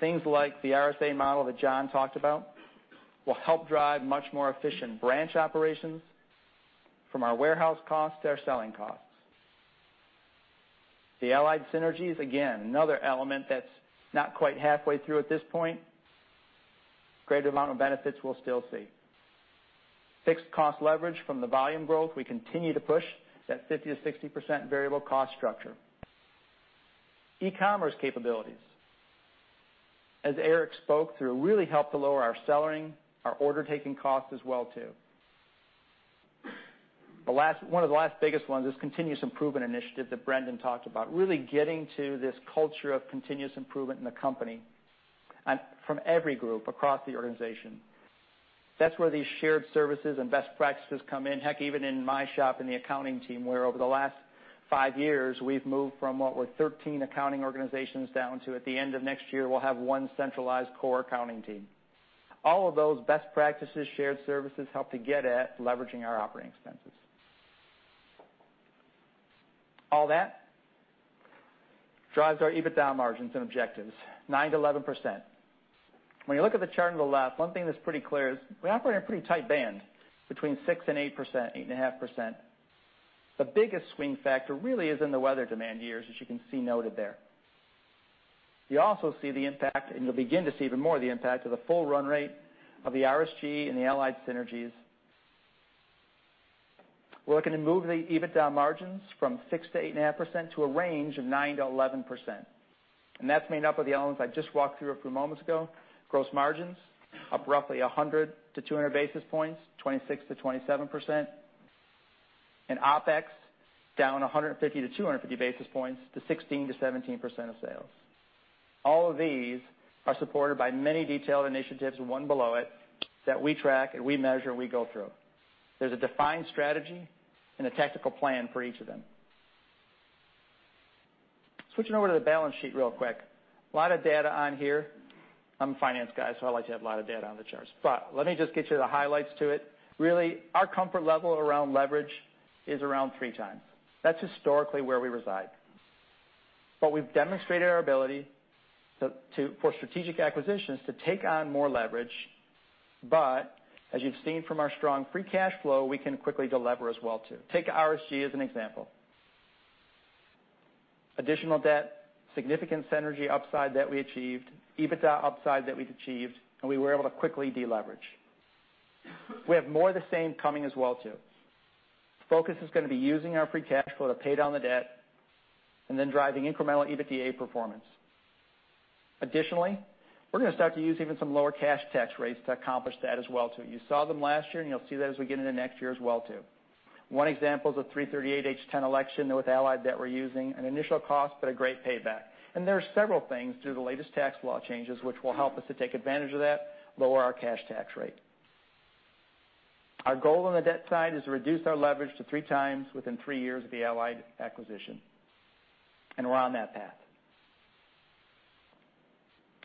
Things like the RSA model that John talked about will help drive much more efficient branch operations from our warehouse costs to our selling costs. The Allied synergies, again, another element that's not quite halfway through at this point. Greater amount of benefits we'll still see. Fixed cost leverage from the volume growth, we continue to push that 50%-60% variable cost structure. E-commerce capabilities, as Eric spoke to, really helped to lower our selling, our order-taking costs as well, too. One of the last biggest ones is continuous improvement initiative that Brendan talked about, really getting to this culture of continuous improvement in the company and from every group across the organization. That's where these shared services and best practices come in. Heck, even in my shop in the accounting team, where over the last five years, we've moved from what were 13 accounting organizations down to, at the end of next year, we'll have one centralized core accounting team. All of those best practices, shared services help to get at leveraging our operating expenses. All that drives our EBITDA margins and objectives 9%-11%. When you look at the chart on the left, one thing that's pretty clear is we operate in a pretty tight band between 6% and 8%, 8.5%. The biggest swing factor really is in the weather demand years, as you can see noted there. You also see the impact, and you'll begin to see even more of the impact of the full run rate of the RSG and the Allied synergies. We're looking to move the EBITDA margins from 6%-8.5% to a range of 9%-11%. That's made up of the elements I just walked through a few moments ago. Gross margins up roughly 100 to 200 basis points, 26%-27%. OpEx down 150 to 250 basis points to 16%-17% of sales. All of these are supported by many detailed initiatives, one below it, that we track and we measure, and we go through. There's a defined strategy and a tactical plan for each of them. Switching over to the balance sheet real quick. A lot of data on here. I'm a finance guy, so I like to have a lot of data on the charts. Let me just get you the highlights to it. Really, our comfort level around leverage is around three times. That's historically where we reside. We've demonstrated our ability for strategic acquisitions to take on more leverage. As you've seen from our strong free cash flow, we can quickly delever as well, too. Take RSG as an example. Additional debt, significant synergy upside that we achieved, EBITDA upside that we've achieved, and we were able to quickly deleverage. We have more of the same coming as well, too. Focus is going to be using our free cash flow to pay down the debt and then driving incremental EBITDA performance. Additionally, we're going to start to use even some lower cash tax rates to accomplish that as well, too. You saw them last year, and you'll see that as we get into next year as well, too. One example is a 338(h)(10) election with Allied that we're using. An initial cost, but a great payback. There are several things through the latest tax law changes which will help us to take advantage of that, lower our cash tax rate. Our goal on the debt side is to reduce our leverage to three times within three years of the Allied acquisition. We're on that path.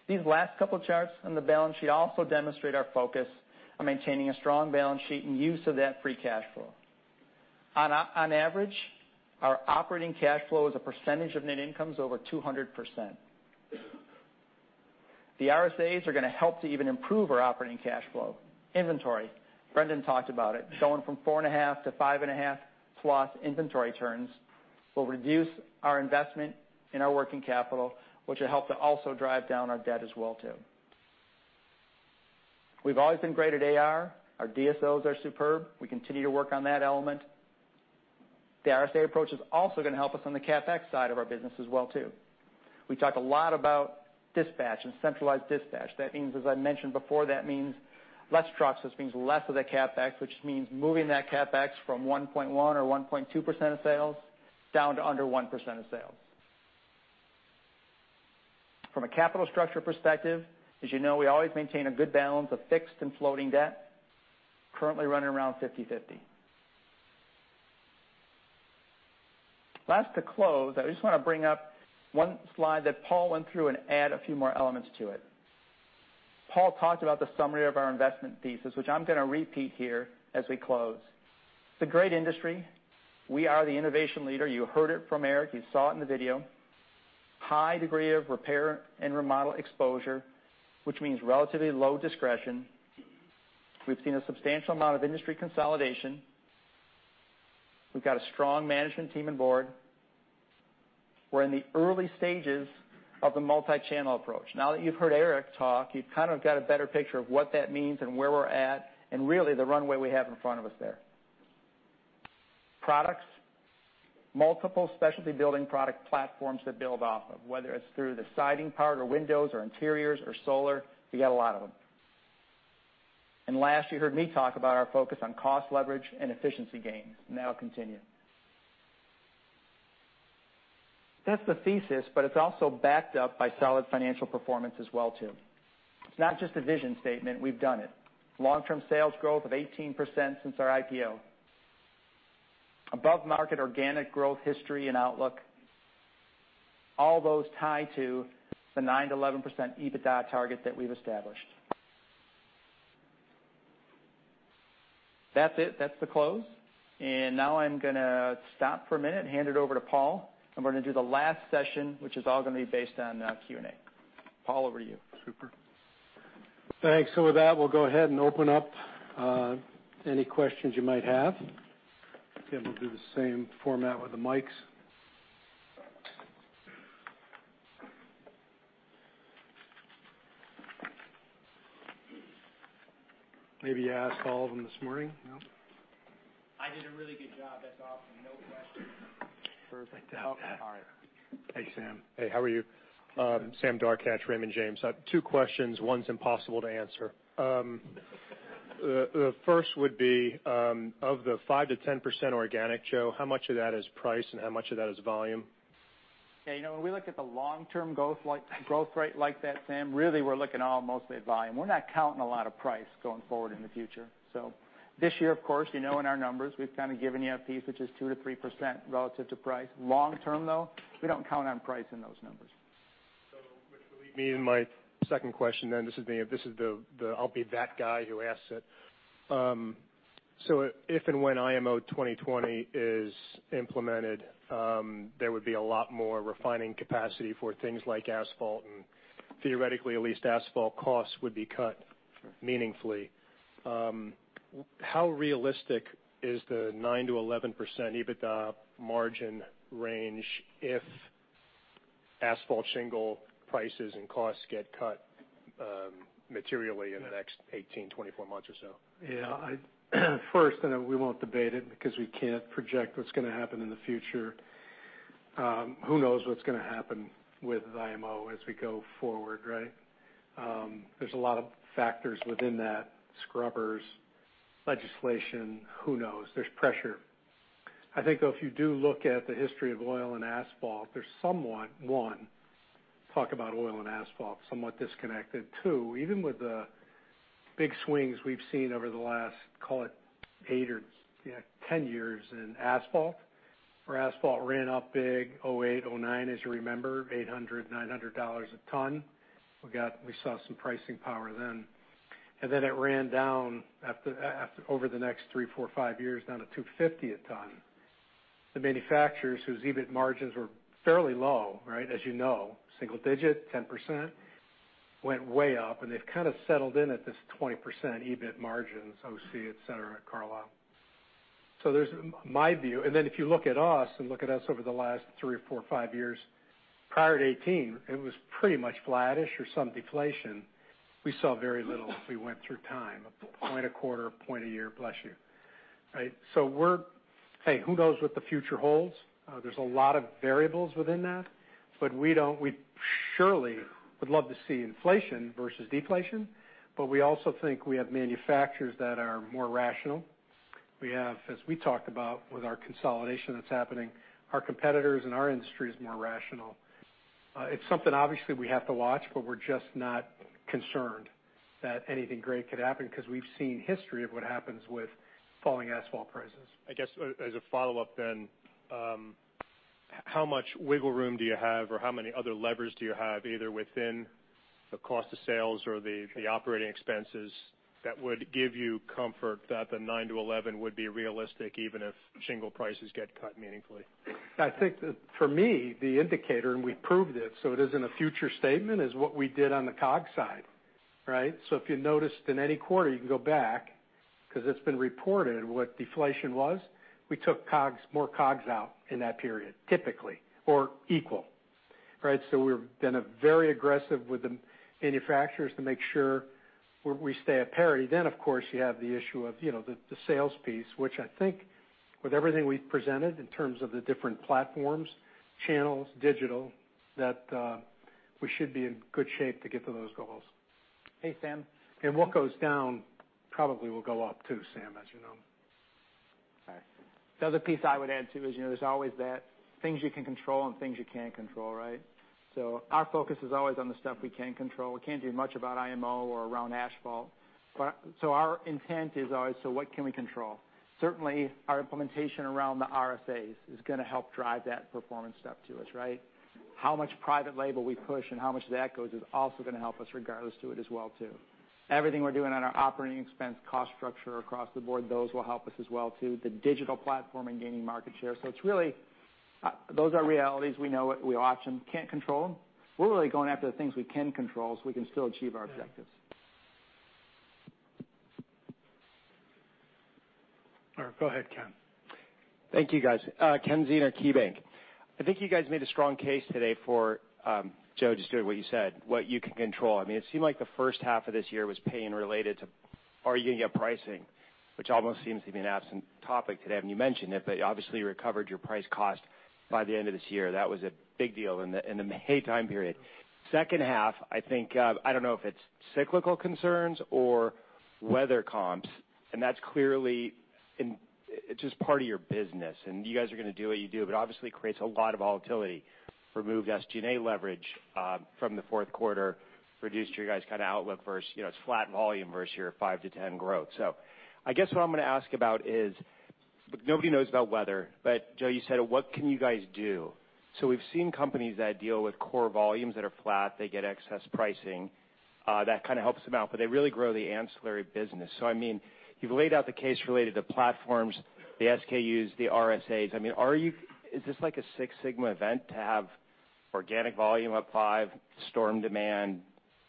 These last couple of charts on the balance sheet also demonstrate our focus on maintaining a strong balance sheet and use of that free cash flow. On average, our operating cash flow as a percentage of net income is over 200%. The RSAs are going to help to even improve our operating cash flow. Inventory, Brendan talked about it. Going from 4.5-5.5+ inventory turns will reduce our investment in our working capital, which will help to also drive down our debt as well, too. We've always been great at AR. Our DSOs are superb. We continue to work on that element. The RSA approach is also going to help us on the CapEx side of our business as well, too. We talked a lot about dispatch and centralized dispatch. As I mentioned before, that means less trucks. This means less of the CapEx, which means moving that CapEx from 1.1% or 1.2% of sales down to under 1% of sales. From a capital structure perspective, as you know, we always maintain a good balance of fixed and floating debt, currently running around 50/50. Last, to close, I just want to bring up one slide that Paul went through and add a few more elements to it. Paul talked about the summary of our investment thesis, which I'm going to repeat here as we close. It's a great industry. We are the innovation leader. You heard it from Eric. You saw it in the video. High degree of repair and remodel exposure, which means relatively low discretion. We've seen a substantial amount of industry consolidation. We've got a strong management team and board. We're in the early stages of the multi-channel approach. Now that you've heard Eric talk, you've kind of got a better picture of what that means and where we're at, and really the runway we have in front of us there. Products, multiple specialty building product platforms to build off of, whether it's through the siding part or windows or interiors or solar, we got a lot of them. Last, you heard me talk about our focus on cost leverage and efficiency gains, that'll continue. That's the thesis, but it's also backed up by solid financial performance as well too. It's not just a vision statement. We've done it. Long-term sales growth of 18% since our IPO. Above market organic growth history and outlook. All those tie to the 9%-11% EBITDA target that we've established. That's it. That's the close. Now I'm going to stop for a minute and hand it over to Paul, we're going to do the last session, which is all going to be based on Q&A. Paul, over to you. Super. Thanks. With that, we'll go ahead and open up any questions you might have. Again, we'll do the same format with the mics. Maybe you asked all of them this morning. No? I did a really good job. That's awesome. No questions. Perfect. Okay. All right. Hey, Sam. Hey, how are you? Good. Sam Darkatsh, Raymond James. I have two questions. One's impossible to answer. The first would be, of the 5%-10% organic, Joe, how much of that is price and how much of that is volume? When we look at the long-term growth rate like that, Sam, really, we're looking all mostly at volume. We're not counting a lot of price going forward in the future. This year, of course, you know in our numbers, we've kind of given you a piece, which is 2%-3% relative to price. Long term, though, we don't count on price in those numbers. Which would lead me in my second question then. I'll be that guy who asks it. If and when IMO 2020 is implemented, there would be a lot more refining capacity for things like asphalt, and theoretically at least, asphalt costs would be cut meaningfully. How realistic is the 9%-11% EBITDA margin range if asphalt shingle prices and costs get cut materially in the next 18, 24 months or so? First, then we won't debate it because we can't project what's going to happen in the future. Who knows what's going to happen with IMO as we go forward, right? There's a lot of factors within that. Scrubbers, legislation, who knows? There's pressure. I think, though, if you do look at the history of oil and asphalt, there's somewhat, one, talk about oil and asphalt, somewhat disconnected. Two, even with the big swings we've seen over the last, call it eight or 10 years in asphalt. Where asphalt ran up big 2008, 2009, as you remember, $800, $900 a ton. We saw some pricing power then. Then it ran down over the next three, four, five years down to $250 a ton. The manufacturers, whose EBIT margins were fairly low, as you know, single digit, 10%, went way up, and they've kind of settled in at this 20% EBIT margin, OC, et cetera, Carlisle. There's my view. If you look at us and look at us over the last three, four, five years, prior to 2018, it was pretty much flattish or some deflation. We saw very little as we went through time. A point a quarter, a point a year. Bless you. Right. Who knows what the future holds? There's a lot of variables within that, but we surely would love to see inflation versus deflation, but we also think we have manufacturers that are more rational. We have, as we talked about with our consolidation that's happening, our competitors and our industry is more rational. It's something, obviously, we have to watch, but we're just not concerned that anything great could happen because we've seen history of what happens with falling asphalt prices. I guess, as a follow-up then, how much wiggle room do you have, or how many other levers do you have, either within the cost of sales or the operating expenses that would give you comfort that the 9%-11% would be realistic even if shingle prices get cut meaningfully? I think that for me, the indicator, and we've proved it, so it isn't a future statement, is what we did on the COGS side. Right. If you noticed in any quarter, you can go back, because it's been reported what deflation was. We took more COGS out in that period, typically, or equal. We've been very aggressive with the manufacturers to make sure we stay at parity. Of course, you have the issue of the sales piece, which I think with everything we've presented in terms of the different platforms, channels, digital, that we should be in good shape to get to those goals. Hey, Sam. What goes down probably will go up too, Sam, as you know. The other piece I would add, too, is there's always that things you can control and things you can't control, right? Our focus is always on the stuff we can control. We can't do much about IMO or around asphalt. Our intent is always, so what can we control? Certainly, our implementation around the RSAs is going to help drive that performance stuff to us, right? How much private label we push and how much of that goes is also going to help us regardless to it as well, too. Everything we're doing on our operating expense cost structure across the board, those will help us as well, too. The digital platform and gaining market share. Those are realities. We know it. We watch them. Can't control them. We're really going after the things we can control so we can still achieve our objectives. All right, go ahead, Ken. Thank you, guys. Ken Zener, KeyBank. I think you guys made a strong case today for, Joe, just doing what you said, what you can control. It seemed like the first half of this year was pain related to arguing at pricing, which almost seems to be an absent topic today. You mentioned it, but you obviously recovered your price cost by the end of this year. That was a big deal in the hay time period. Second half, I think, I don't know if it's cyclical concerns or weather comps, that's clearly just part of your business. You guys are going to do what you do, but obviously it creates a lot of volatility. Remove SG&A leverage from the fourth quarter, reduced your guys' outlook versus, it's flat volume versus your 5%-10% growth. I guess what I'm going to ask about is, nobody knows about weather, but Joe, you said, what can you guys do? We've seen companies that deal with core volumes that are flat, they get excess pricing. That kind of helps them out, but they really grow the ancillary business. You've laid out the case related to platforms, the SKUs, the RSAs. Is this like a Six Sigma event to have organic volume up 5%, storm demand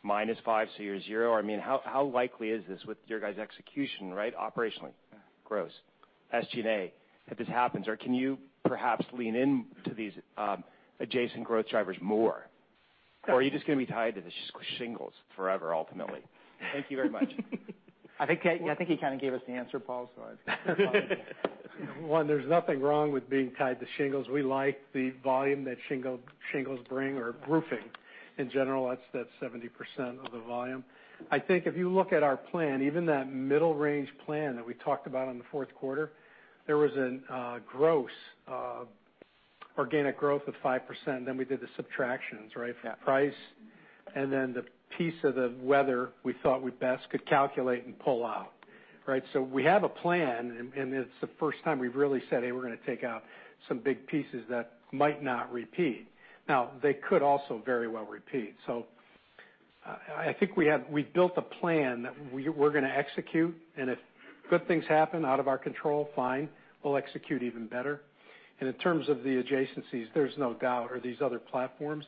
minus 5%, so you're 0%? How likely is this with your guys' execution, operationally? Gross. SG&A, if this happens, or can you perhaps lean into these adjacent growth drivers more? Are you just going to be tied to the shingles forever, ultimately? Thank you very much. I think he kind of gave us the answer, Paul, so I-- One, there's nothing wrong with being tied to shingles. We like the volume that shingles bring, or roofing in general. That's 70% of the volume. I think if you look at our plan, even that middle range plan that we talked about in the fourth quarter, there was a gross organic growth of 5%. We did the subtractions. Yeah. Price. The piece of the weather we thought we best could calculate and pull out. We have a plan, and it's the first time we've really said, "Hey, we're going to take out some big pieces that might not repeat." They could also very well repeat. I think we've built a plan that we're going to execute, and if good things happen out of our control, fine, we'll execute even better. In terms of the adjacencies, there's no doubt, or these other platforms.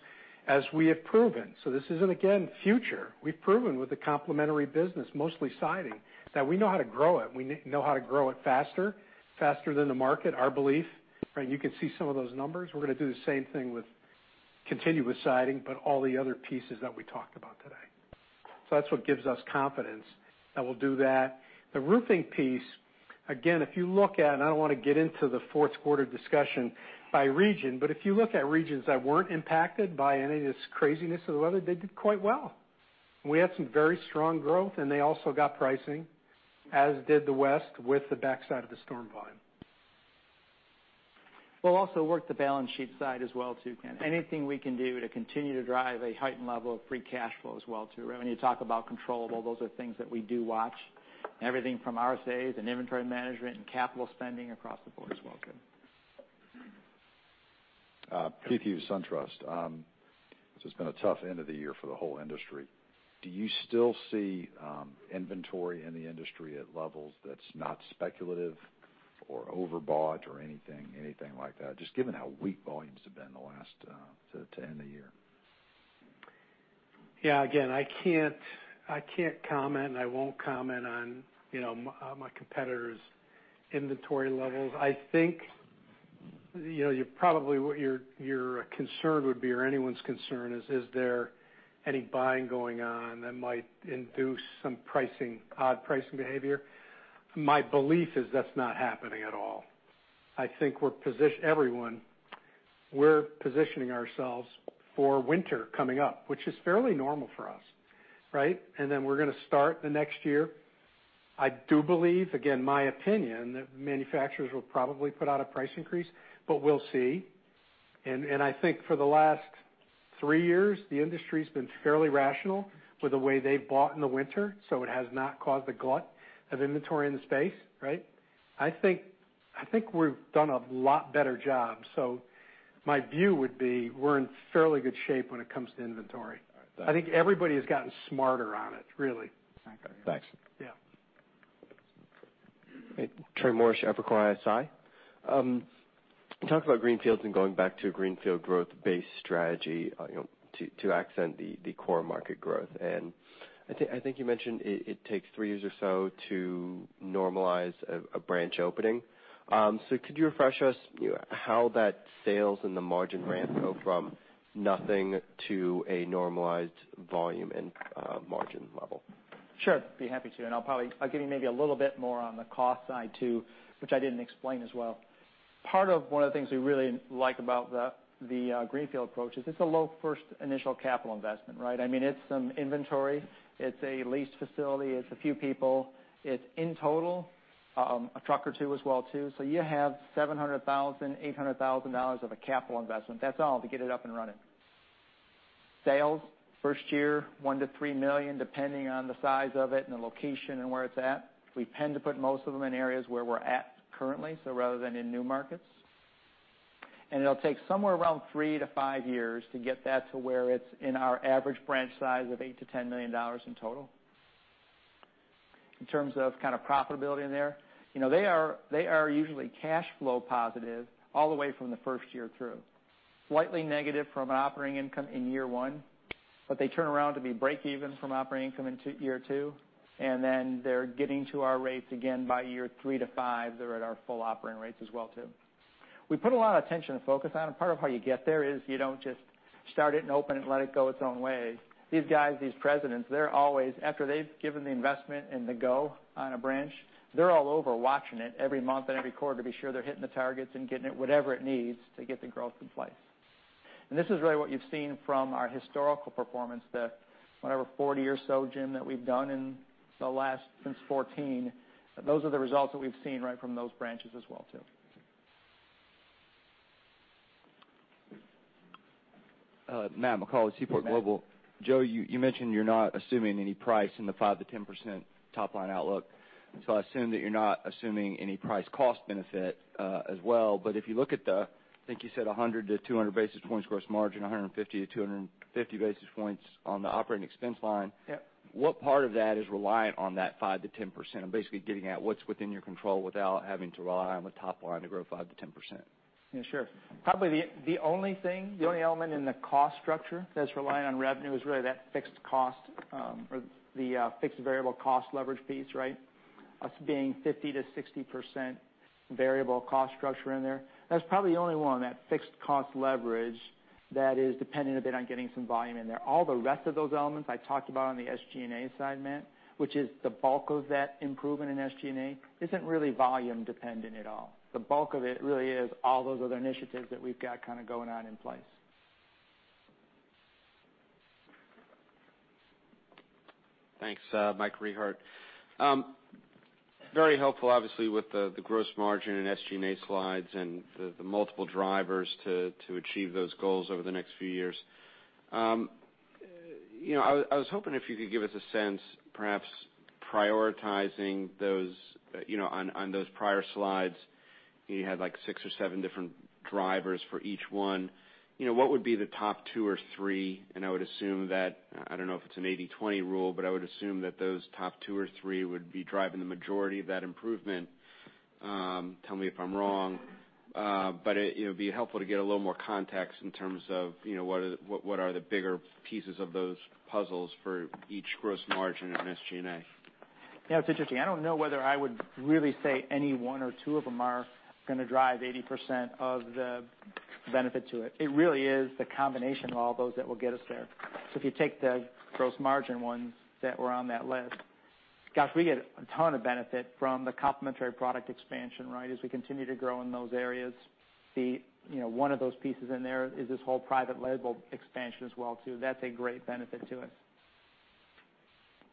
As we have proven, this isn't, again, future. We've proven with the complementary business, mostly siding, that we know how to grow it. We know how to grow it faster than the market, our belief, and you can see some of those numbers. We're going to do the same thing with continuous siding, but all the other pieces that we talked about today. That's what gives us confidence that we'll do that. The roofing piece, again, if you look at it, and I don't want to get into the fourth quarter discussion by region, but if you look at regions that weren't impacted by any of this craziness of the weather, they did quite well. We had some very strong growth, and they also got pricing, as did the West with the backside of the storm volume. We'll also work the balance sheet side as well, too, Ken. Anything we can do to continue to drive a heightened level of free cash flow as well, too, right? When you talk about controllable, those are things that we do watch. Everything from RSAs and inventory management and capital spending across the board as well, Ken. Keith Hughes, SunTrust. This has been a tough end of the year for the whole industry. Do you still see inventory in the industry at levels that's not speculative or overbought or anything like that? Just given how weak volumes have been to end the year. Yeah. Again, I can't comment, and I won't comment on my competitors' inventory levels. I think, probably what your concern would be, or anyone's concern is there any buying going on that might induce some odd pricing behavior? My belief is that's not happening at all. I think everyone, we're positioning ourselves for winter coming up, which is fairly normal for us. Then we're going to start the next year. I do believe, again, my opinion, that manufacturers will probably put out a price increase, but we'll see. I think for the last three years, the industry's been fairly rational with the way they've bought in the winter, so it has not caused a glut of inventory in the space. I think we've done a lot better job. My view would be we're in fairly good shape when it comes to inventory. All right, thanks. I think everybody has gotten smarter on it, really. Exactly. Thanks. Yeah. Hey, Trey Morrish, Evercore ISI. You talked about greenfields and going back to a greenfield growth base strategy to accent the core market growth. I think you mentioned it takes three years or so to normalize a branch opening. Could you refresh us how that sales and the margin ramp go from nothing to a normalized volume and margin level? Sure. Be happy to. I'll give you maybe a little bit more on the cost side, too, which I didn't explain as well. Part of one of the things we really like about the greenfield approach is it's a low first initial capital investment. It's some inventory, it's a leased facility, it's a few people. It's, in total, a truck or two as well, too. You have $700,000, $800,000 of a capital investment. That's all to get it up and running. Sales, first year, $1 million-$3 million, depending on the size of it and the location and where it's at. We tend to put most of them in areas where we're at currently, rather than in new markets. It'll take somewhere around three to five years to get that to where it's in our average branch size of $8 million-$10 million in total. In terms of profitability in there, they are usually cash flow positive all the way from the first year through. Slightly negative from an operating income in year one, they turn around to be break even from operating income in year two, then they're getting to our rates again by year three to five. They're at our full operating rates as well, too. We put a lot of attention and focus on it. Part of how you get there is you don't just start it and open it and let it go its own way. These guys, these presidents, they're always, after they've given the investment and the go on a branch, they're all over watching it every month and every quarter to be sure they're hitting the targets and getting it whatever it needs to get the growth in place. This is really what you've seen from our historical performance, the whatever 40 or so, Jim, that we've done in the last since 2014. Those are the results that we've seen right from those branches as well, too. Matt McCall with Seaport Global. Joe, you mentioned you're not assuming any price in the 5%-10% top-line outlook. I assume that you're not assuming any price cost benefit as well. If you look at the, I think you said 100 to 200 basis points gross margin, 150 to 250 basis points on the operating expense line. Yep. What part of that is reliant on that 5%-10%? I'm basically getting at what's within your control without having to rely on the top line to grow 5%-10%. Yeah, sure. Probably the only thing, the only element in the cost structure that's relying on revenue is really that fixed cost or the fixed variable cost leverage piece, right? Us being 50%-60% variable cost structure in there. That's probably the only one, that fixed cost leverage that is dependent a bit on getting some volume in there. All the rest of those elements I talked about on the SG&A side, Matt, which is the bulk of that improvement in SG&A, isn't really volume dependent at all. The bulk of it really is all those other initiatives that we've got kind of going on in place. Thanks. Mike Rehaut. Very helpful, obviously, with the gross margin and SG&A slides and the multiple drivers to achieve those goals over the next few years. I was hoping if you could give us a sense, perhaps prioritizing those on those prior slides. You had six or seven different drivers for each one. What would be the top two or three, and I would assume that, I don't know if it's an 80/20 rule, but I would assume that those top two or three would be driving the majority of that improvement. Tell me if I'm wrong. It'd be helpful to get a little more context in terms of what are the bigger pieces of those puzzles for each gross margin in SG&A. Yeah, it's interesting. I don't know whether I would really say any one or two of them are going to drive 80% of the benefit to it. It really is the combination of all those that will get us there. If you take the gross margin ones that were on that list, gosh, we get a ton of benefit from the complementary product expansion, right? As we continue to grow in those areas. One of those pieces in there is this whole private label expansion as well too. That's a great benefit to it.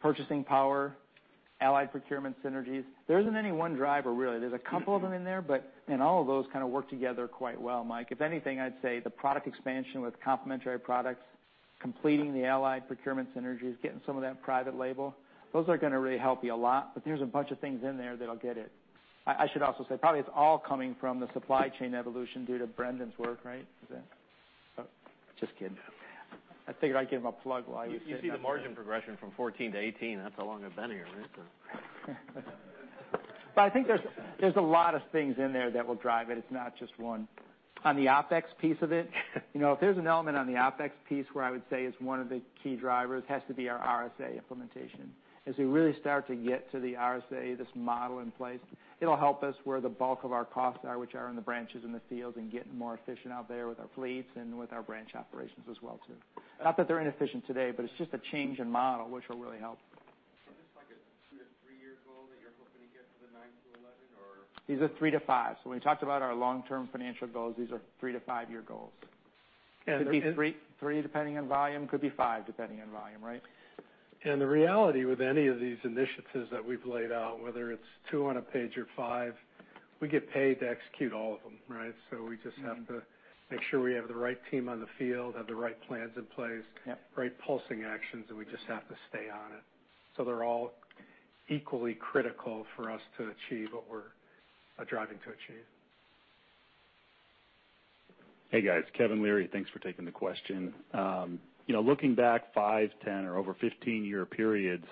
Purchasing power, Allied procurement synergies. There isn't any one driver, really. There's a couple of them in there, and all of those kind of work together quite well, Mike. If anything, I'd say the product expansion with complementary products, completing the Allied procurement synergies, getting some of that private label. Those are going to really help you a lot, there's a bunch of things in there that'll get it. I should also say, probably it's all coming from the supply chain evolution due to Brendan's work, right? Just kidding. I figured I'd give him a plug while he was sitting up there. You see the margin progression from 2014 to 2018. That's how long I've been here, right? I think there's a lot of things in there that will drive it. It's not just one. On the OpEx piece of it, if there's an element on the OpEx piece where I would say is one of the key drivers, has to be our RSA implementation. As we really start to get to the RSA, this model in place, it'll help us where the bulk of our costs are, which are in the branches in the field, and getting more efficient out there with our fleets and with our branch operations as well too. Not that they're inefficient today, but it's just a change in model, which will really help. Is this like a two to three year goal that you're hoping to get to the nine to 11, or? These are three to fives. When we talked about our long-term financial goals, these are 3- to 5-year goals. Could be three depending on volume, could be five depending on volume, right? The reality with any of these initiatives that we've laid out, whether it's two on a page or five, we get paid to execute all of them, right? We just have to make sure we have the right team on the field, have the right plans in place. Yep. Right pulsing actions, we just have to stay on it. They're all equally critical for us to achieve what we're driving to achieve. Hey, guys. Kevin Leary, thanks for taking the question. Looking back five-, 10-, or over 15-year periods,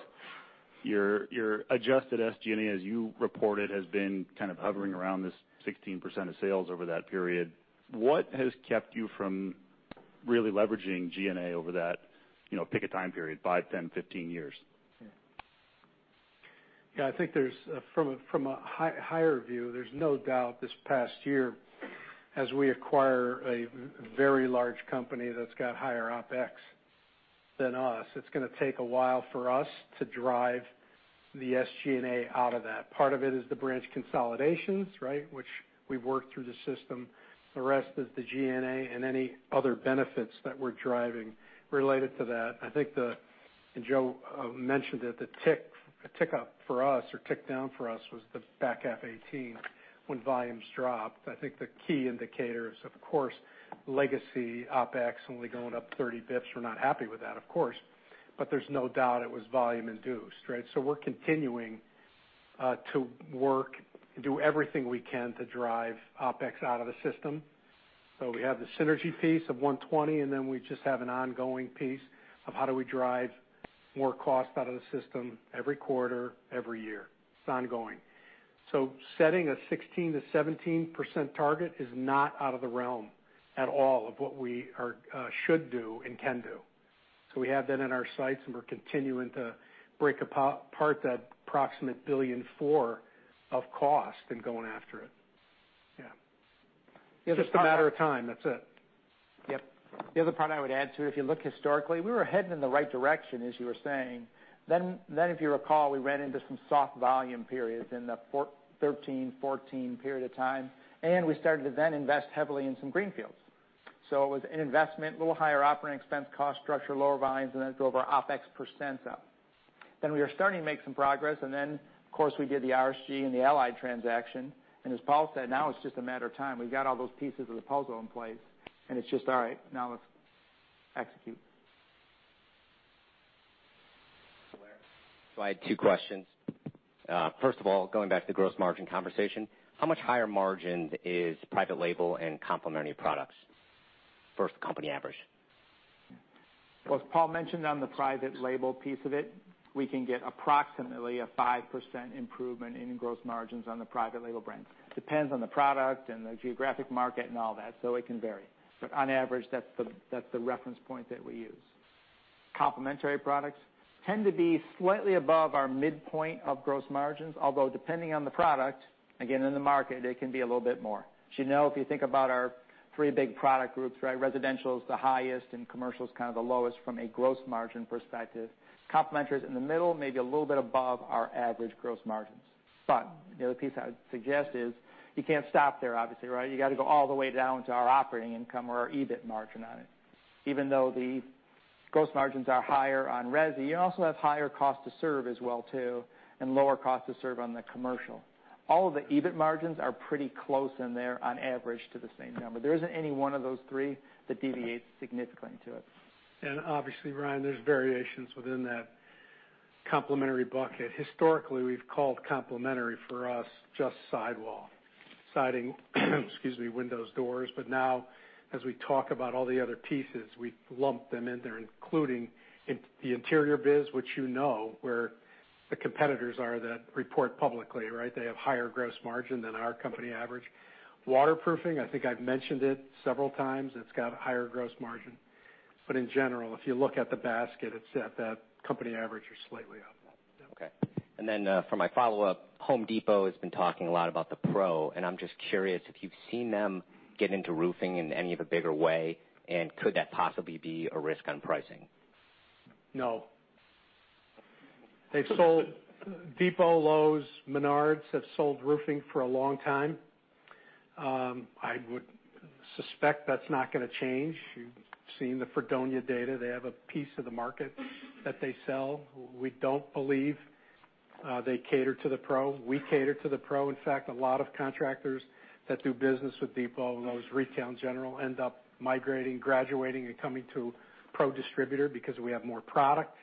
your adjusted SG&A, as you reported, has been kind of hovering around this 16% of sales over that period. What has kept you from really leveraging G&A over that, pick a time period, five, 10, 15 years? Yeah, I think from a higher view, there's no doubt this past year as we acquire a very large company that's got higher OpEx than us, it's going to take a while for us to drive the SG&A out of that. Part of it is the branch consolidations, right, which we've worked through the system. The rest is the G&A and any other benefits that we're driving related to that. I think Joe mentioned it, the tick up for us or tick down for us was the back half 2018 when volumes dropped. I think the key indicator is, of course, legacy OpEx only going up 30 basis points. We're not happy with that, of course, but there's no doubt it was volume induced, right? We're continuing to work and do everything we can to drive OpEx out of the system. We have the synergy piece of $120 million, and then we just have an ongoing piece of how do we drive more cost out of the system every quarter, every year. It's ongoing. Setting a 16%-17% target is not out of the realm at all of what we should do and can do. We have that in our sights, and we're continuing to break apart that approximate $1.4 billion of cost and going after it. Yeah. It's just a matter of time, that's it. Yep. The other part I would add, too, if you look historically, we were heading in the right direction, as you were saying. If you recall, we ran into some soft volume periods in the 2013, 2014 period of time, and we started to then invest heavily in some greenfields. It was an investment, a little higher operating expense cost structure, lower volumes, and then it drove our OpEx % up. We were starting to make some progress, and then, of course, we did the RSG and the Allied transaction, and as Paul said, now it's just a matter of time. We've got all those pieces of the puzzle in place, and it's just, all right, now let's execute. Claire? I had two questions. First of all, going back to the gross margin conversation, how much higher margin is private label and complementary products versus company average? Well, as Paul mentioned on the private label piece of it, we can get approximately a 5% improvement in gross margins on the private label brands. Depends on the product and the geographic market and all that, so it can vary. On average, that's the reference point that we use. Complementary products tend to be slightly above our midpoint of gross margins, although depending on the product, again, in the market, it can be a little bit more. As you know, if you think about our three big product groups, residential is the highest and commercial is kind of the lowest from a gross margin perspective. Complementary is in the middle, maybe a little bit above our average gross margins. The other piece I would suggest is you can't stop there, obviously. You got to go all the way down to our operating income or our EBIT margin on it. Even though the gross margins are higher on resi, you also have higher cost to serve as well, too, and lower cost to serve on the commercial. All of the EBIT margins are pretty close in there, on average, to the same number. There isn't any one of those three that deviates significantly to it. Obviously, Ryan, there's variations within that complementary bucket. Historically, we've called complementary for us just sidewall, siding, excuse me, windows, doors. Now, as we talk about all the other pieces, we lump them in there, including the interior biz, which you know where the competitors are that report publicly. They have higher gross margin than our company average. Waterproofing, I think I've mentioned it several times, it's got a higher gross margin. In general, if you look at the basket, it's at that company average or slightly up. Okay. For my follow-up, The Home Depot has been talking a lot about the Pro, and I'm just curious if you've seen them get into roofing in any of a bigger way, and could that possibly be a risk on pricing? No. Depot, Lowe's, Menards have sold roofing for a long time. I would suspect that's not going to change. You've seen The Freedonia Group data. They have a piece of the market that they sell. We don't believe they cater to the Pro. We cater to the Pro. In fact, a lot of contractors that do business with Depot, Lowe's, Retail in general, end up migrating, graduating, and coming to Pro Distributor because we have more product.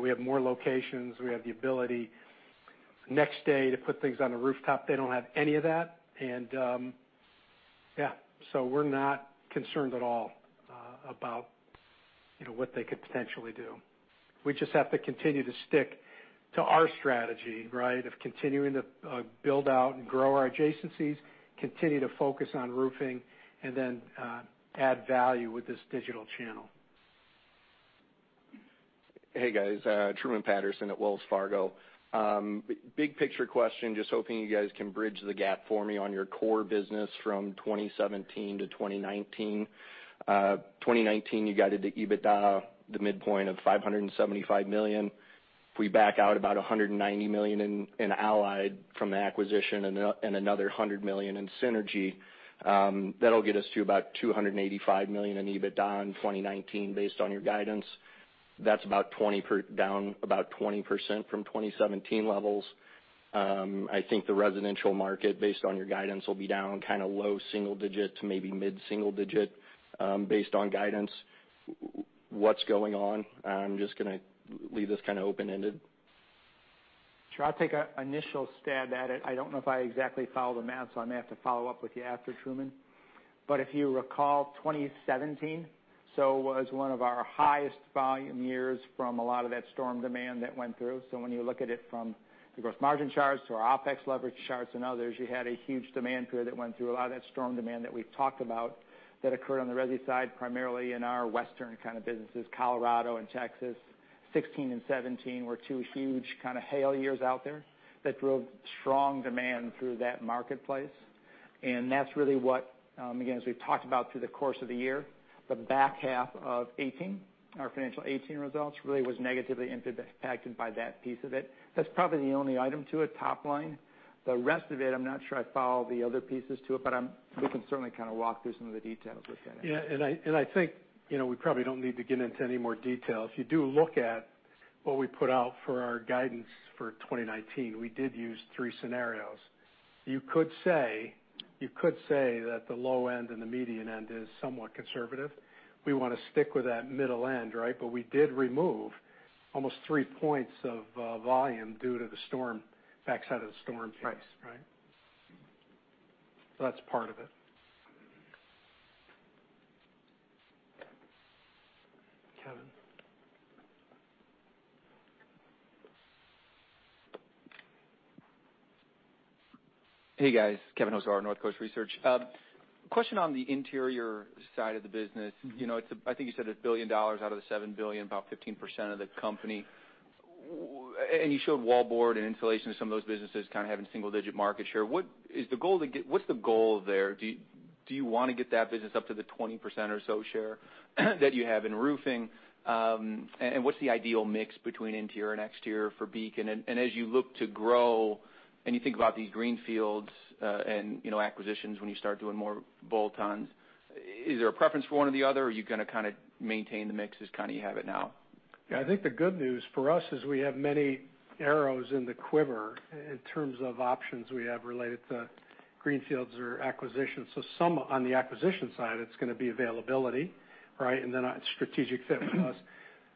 We have more locations. We have the ability next day to put things on a rooftop. They don't have any of that. Yeah. We're not concerned at all about what they could potentially do. We just have to continue to stick to our strategy of continuing to build out and grow our adjacencies, continue to focus on roofing, and then add value with this digital channel. Hey, guys. Truman Patterson at Wells Fargo. Big picture question, just hoping you guys can bridge the gap for me on your core business from 2017 to 2019. 2019, you guided the EBITDA, the midpoint of $575 million. If we back out about $190 million in Allied from the acquisition and another $100 million in synergy, that'll get us to about $285 million in EBITDA in 2019 based on your guidance. That's down about 20% from 2017 levels. I think the residential market, based on your guidance, will be down kind of low single digit to maybe mid-single digit, based on guidance. What's going on? I'm just going to leave this kind of open-ended. Sure. I'll take an initial stab at it. I don't know if I exactly follow the math, I may have to follow up with you after, Truman. If you recall, 2017, it was one of our highest volume years from a lot of that storm demand that went through. When you look at it from the gross margin charts to our OpEx leverage charts and others, you had a huge demand period that went through a lot of that storm demand that we've talked about that occurred on the resi side, primarily in our western kind of businesses, Colorado and Texas. 2016 and 2017 were two huge kind of hail years out there that drove strong demand through that marketplace. That's really what, again, as we've talked about through the course of the year, the back half of 2018, our financial 2018 results really was negatively impacted by that piece of it. That's probably the only item to it, top line. The rest of it, I'm not sure I follow the other pieces to it, but we can certainly kind of walk through some of the details with that. I think we probably don't need to get into any more detail. If you do look at what we put out for our guidance for 2019, we did use three scenarios. You could say that the low end and the median end is somewhat conservative. We want to stick with that middle end. We did remove almost three points of volume due to the backside of the storm piece. Right. That's part of it, Kevin. Hey, guys. Keith Hughes, North Coast Research. Question on the interior side of the business. I think you said it's $1 billion out of the $7 billion, about 15% of the company. You showed wallboard and insulation as some of those businesses kind of having single-digit market share. What's the goal there? Do you want to get that business up to the 20% or so share that you have in roofing? What's the ideal mix between interior and exterior for Beacon? As you look to grow, and you think about these greenfields, and acquisitions, when you start doing more bolt-ons, is there a preference for one or the other, or are you going to kind of maintain the mix as kind of you have it now? Yeah, I think the good news for us is we have many arrows in the quiver in terms of options we have related to greenfields or acquisitions. Some on the acquisition side, it's going to be availability, right? Then a strategic fit with us.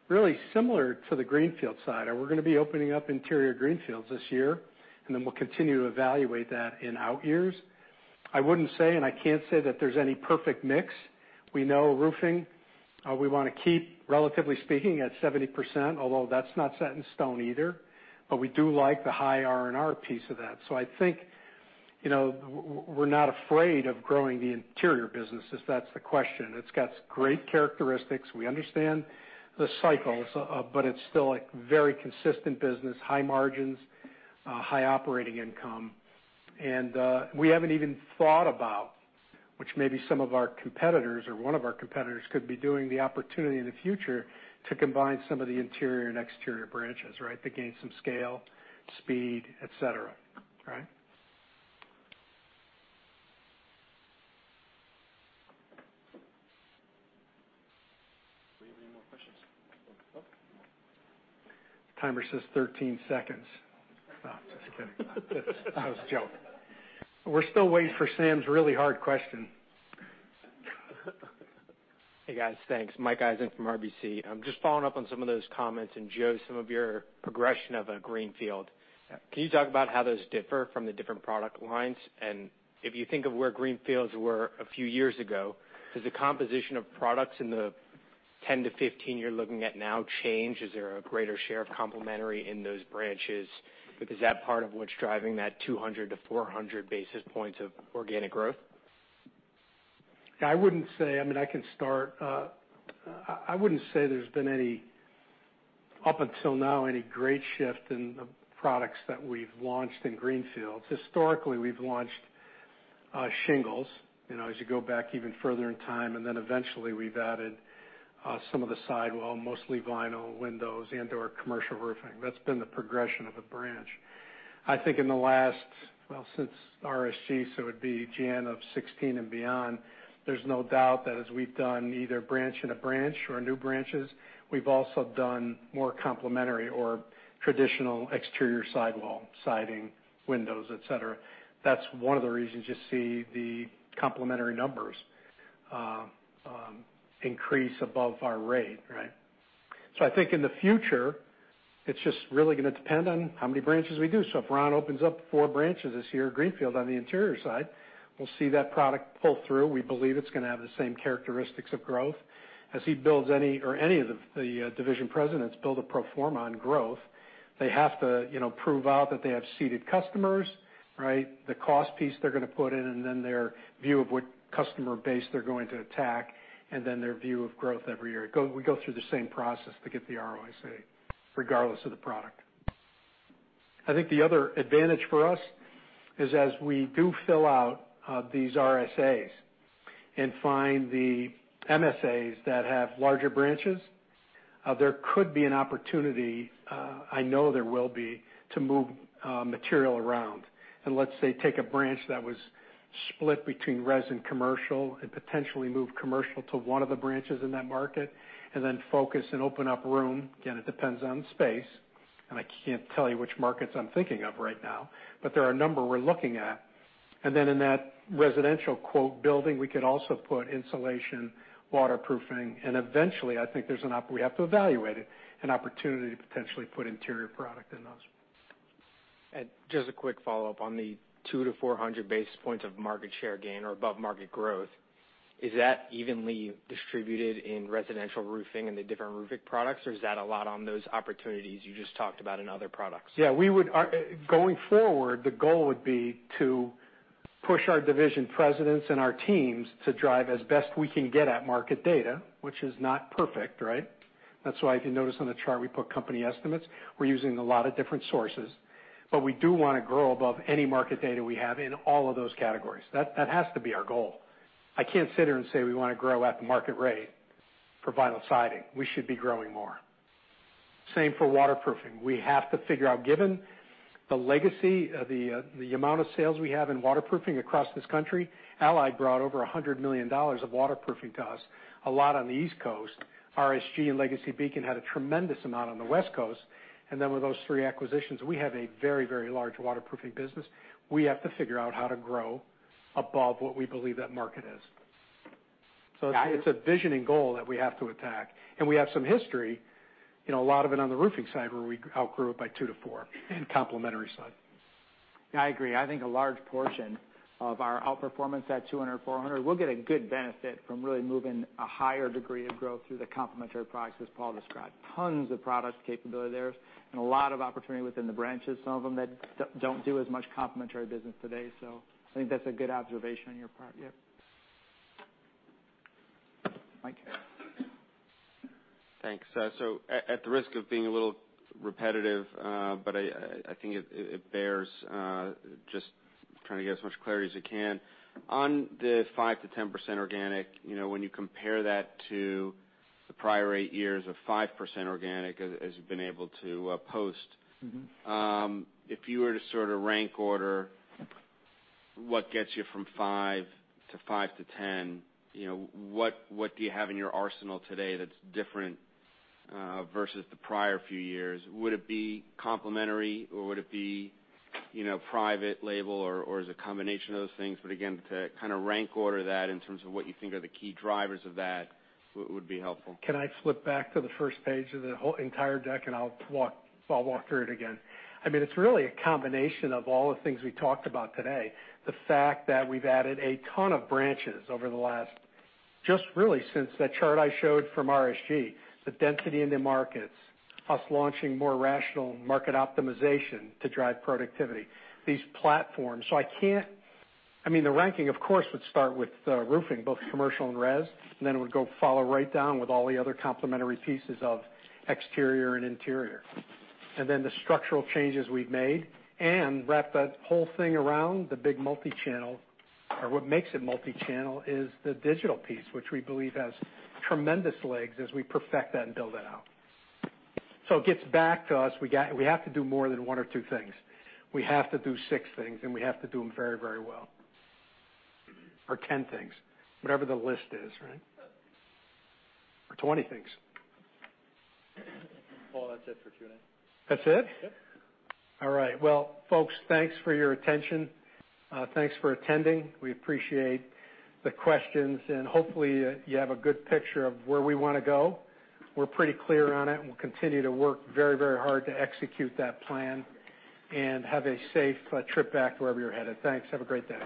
Really similar to the greenfield side. We're going to be opening up interior greenfields this year, and then we'll continue to evaluate that in out years. I wouldn't say, and I can't say that there's any perfect mix. We know roofing, we want to keep, relatively speaking, at 70%, although that's not set in stone either. We do like the high R&R piece of that. I think, we're not afraid of growing the interior business, if that's the question. It's got great characteristics. We understand the cycles, but it's still a very consistent business, high margins, high operating income. We haven't even thought about, which maybe some of our competitors or one of our competitors could be doing the opportunity in the future to combine some of the interior and exterior branches, right? To gain some scale, speed, et cetera. Right? Timer says 13 seconds. No, just kidding. That was a joke. We're still waiting for Sam's really hard question. Hey, guys. Thanks. Mike Eisen from RBC. Just following up on some of those comments, and Joe, some of your progression of a greenfield. Can you talk about how those differ from the different product lines? If you think of where greenfields were a few years ago, does the composition of products in the 10 to 15 you're looking at now change? Is there a greater share of complementary in those branches? Is that part of what's driving that 200 to 400 basis points of organic growth? I can start. I wouldn't say there's been any, up until now, any great shift in the products that we've launched in greenfields. Historically, we've launched shingles, as you go back even further in time, then eventually we've added some of the sidewall, mostly vinyl windows and/or commercial roofing. That's been the progression of a branch. I think in the last, well, since RSG, so it'd be January of 2016 and beyond, there's no doubt that as we've done either branch in a branch or new branches, we've also done more complementary or traditional exterior sidewall, siding, windows, et cetera. That's one of the reasons you see the complementary numbers increase above our rate, right? I think in the future, it's just really going to depend on how many branches we do. If Ron opens up 4 branches this year, greenfield on the interior side, we'll see that product pull through. We believe it's going to have the same characteristics of growth. As he builds any, or any of the division presidents build a pro forma on growth, they have to prove out that they have seeded customers, right? The cost piece they're going to put in, and then their view of what customer base they're going to attack, and then their view of growth every year. We go through the same process to get the ROIC, regardless of the product. The other advantage for us is as we do fill out these RSAs and find the MSAs that have larger branches, there could be an opportunity, I know there will be, to move material around. Let's say, take a branch that was split between res and commercial and potentially move commercial to one of the branches in that market, then focus and open up room. Again, it depends on space, and I can't tell you which markets I'm thinking of right now, but there are a number we're looking at. Then in that residential "building," we could also put insulation, waterproofing, and eventually, I think we have to evaluate it, an opportunity to potentially put interior product in those. Just a quick follow-up on the 200 to 400 basis points of market share gain or above market growth. Is that evenly distributed in residential roofing and the different roofing products, or is that a lot on those opportunities you just talked about in other products? Yeah. Going forward, the goal would be to push our division presidents and our teams to drive as best we can get at market data, which is not perfect, right? That's why if you notice on the chart, we put company estimates. We're using a lot of different sources. We do want to grow above any market data we have in all of those categories. That has to be our goal. I can't sit here and say we want to grow at the market rate for vinyl siding. We should be growing more. Same for waterproofing. We have to figure out, given the legacy, the amount of sales we have in waterproofing across this country. Allied brought over $100 million of waterproofing to us, a lot on the East Coast. RSG and legacy Beacon had a tremendous amount on the West Coast. With those three acquisitions, we have a very large waterproofing business. We have to figure out how to grow above what we believe that market is. It's a vision and goal that we have to attack. We have some history, a lot of it on the roofing side where we outgrew it by 2-4 in complementary side. I agree. I think a large portion of our outperformance at 200, 400, we'll get a good benefit from really moving a higher degree of growth through the complementary products, as Paul described. Tons of product capability there, and a lot of opportunity within the branches, some of them that don't do as much complementary business today. I think that's a good observation on your part. Mike? Thanks. At the risk of being a little repetitive, I think it bears just trying to get as much clarity as you can. On the 5%-10% organic, when you compare that to the prior eight years of 5% organic, as you've been able to post. If you were to sort of rank order what gets you from 5% to 5%-10%, what do you have in your arsenal today that's different versus the prior few years? Would it be complementary or would it be private label, or is a combination of those things? Again, to kind of rank order that in terms of what you think are the key drivers of that would be helpful. Can I flip back to the first page of the whole entire deck, I'll walk through it again? It's really a combination of all the things we talked about today. The fact that we've added a ton of branches over the last, just really since that chart I showed from RSG, the density in the markets, us launching more rational market optimization to drive productivity, these platforms. The ranking, of course, would start with roofing, both commercial and res, then it would go follow right down with all the other complementary pieces of exterior and interior. The structural changes we've made and wrap that whole thing around the big multichannel, or what makes it multichannel is the digital piece, which we believe has tremendous legs as we perfect that and build that out. It gets back to us. We have to do more than one or two things. We have to do six things, and we have to do them very, very well. 10 things, whatever the list is, right? 20 things. Paul, that's it for Q&A. That's it? Yep. All right. Well, folks, thanks for your attention. Thanks for attending. We appreciate the questions, and hopefully, you have a good picture of where we want to go. We're pretty clear on it, and we'll continue to work very, very hard to execute that plan. Have a safe trip back wherever you're headed. Thanks. Have a great day.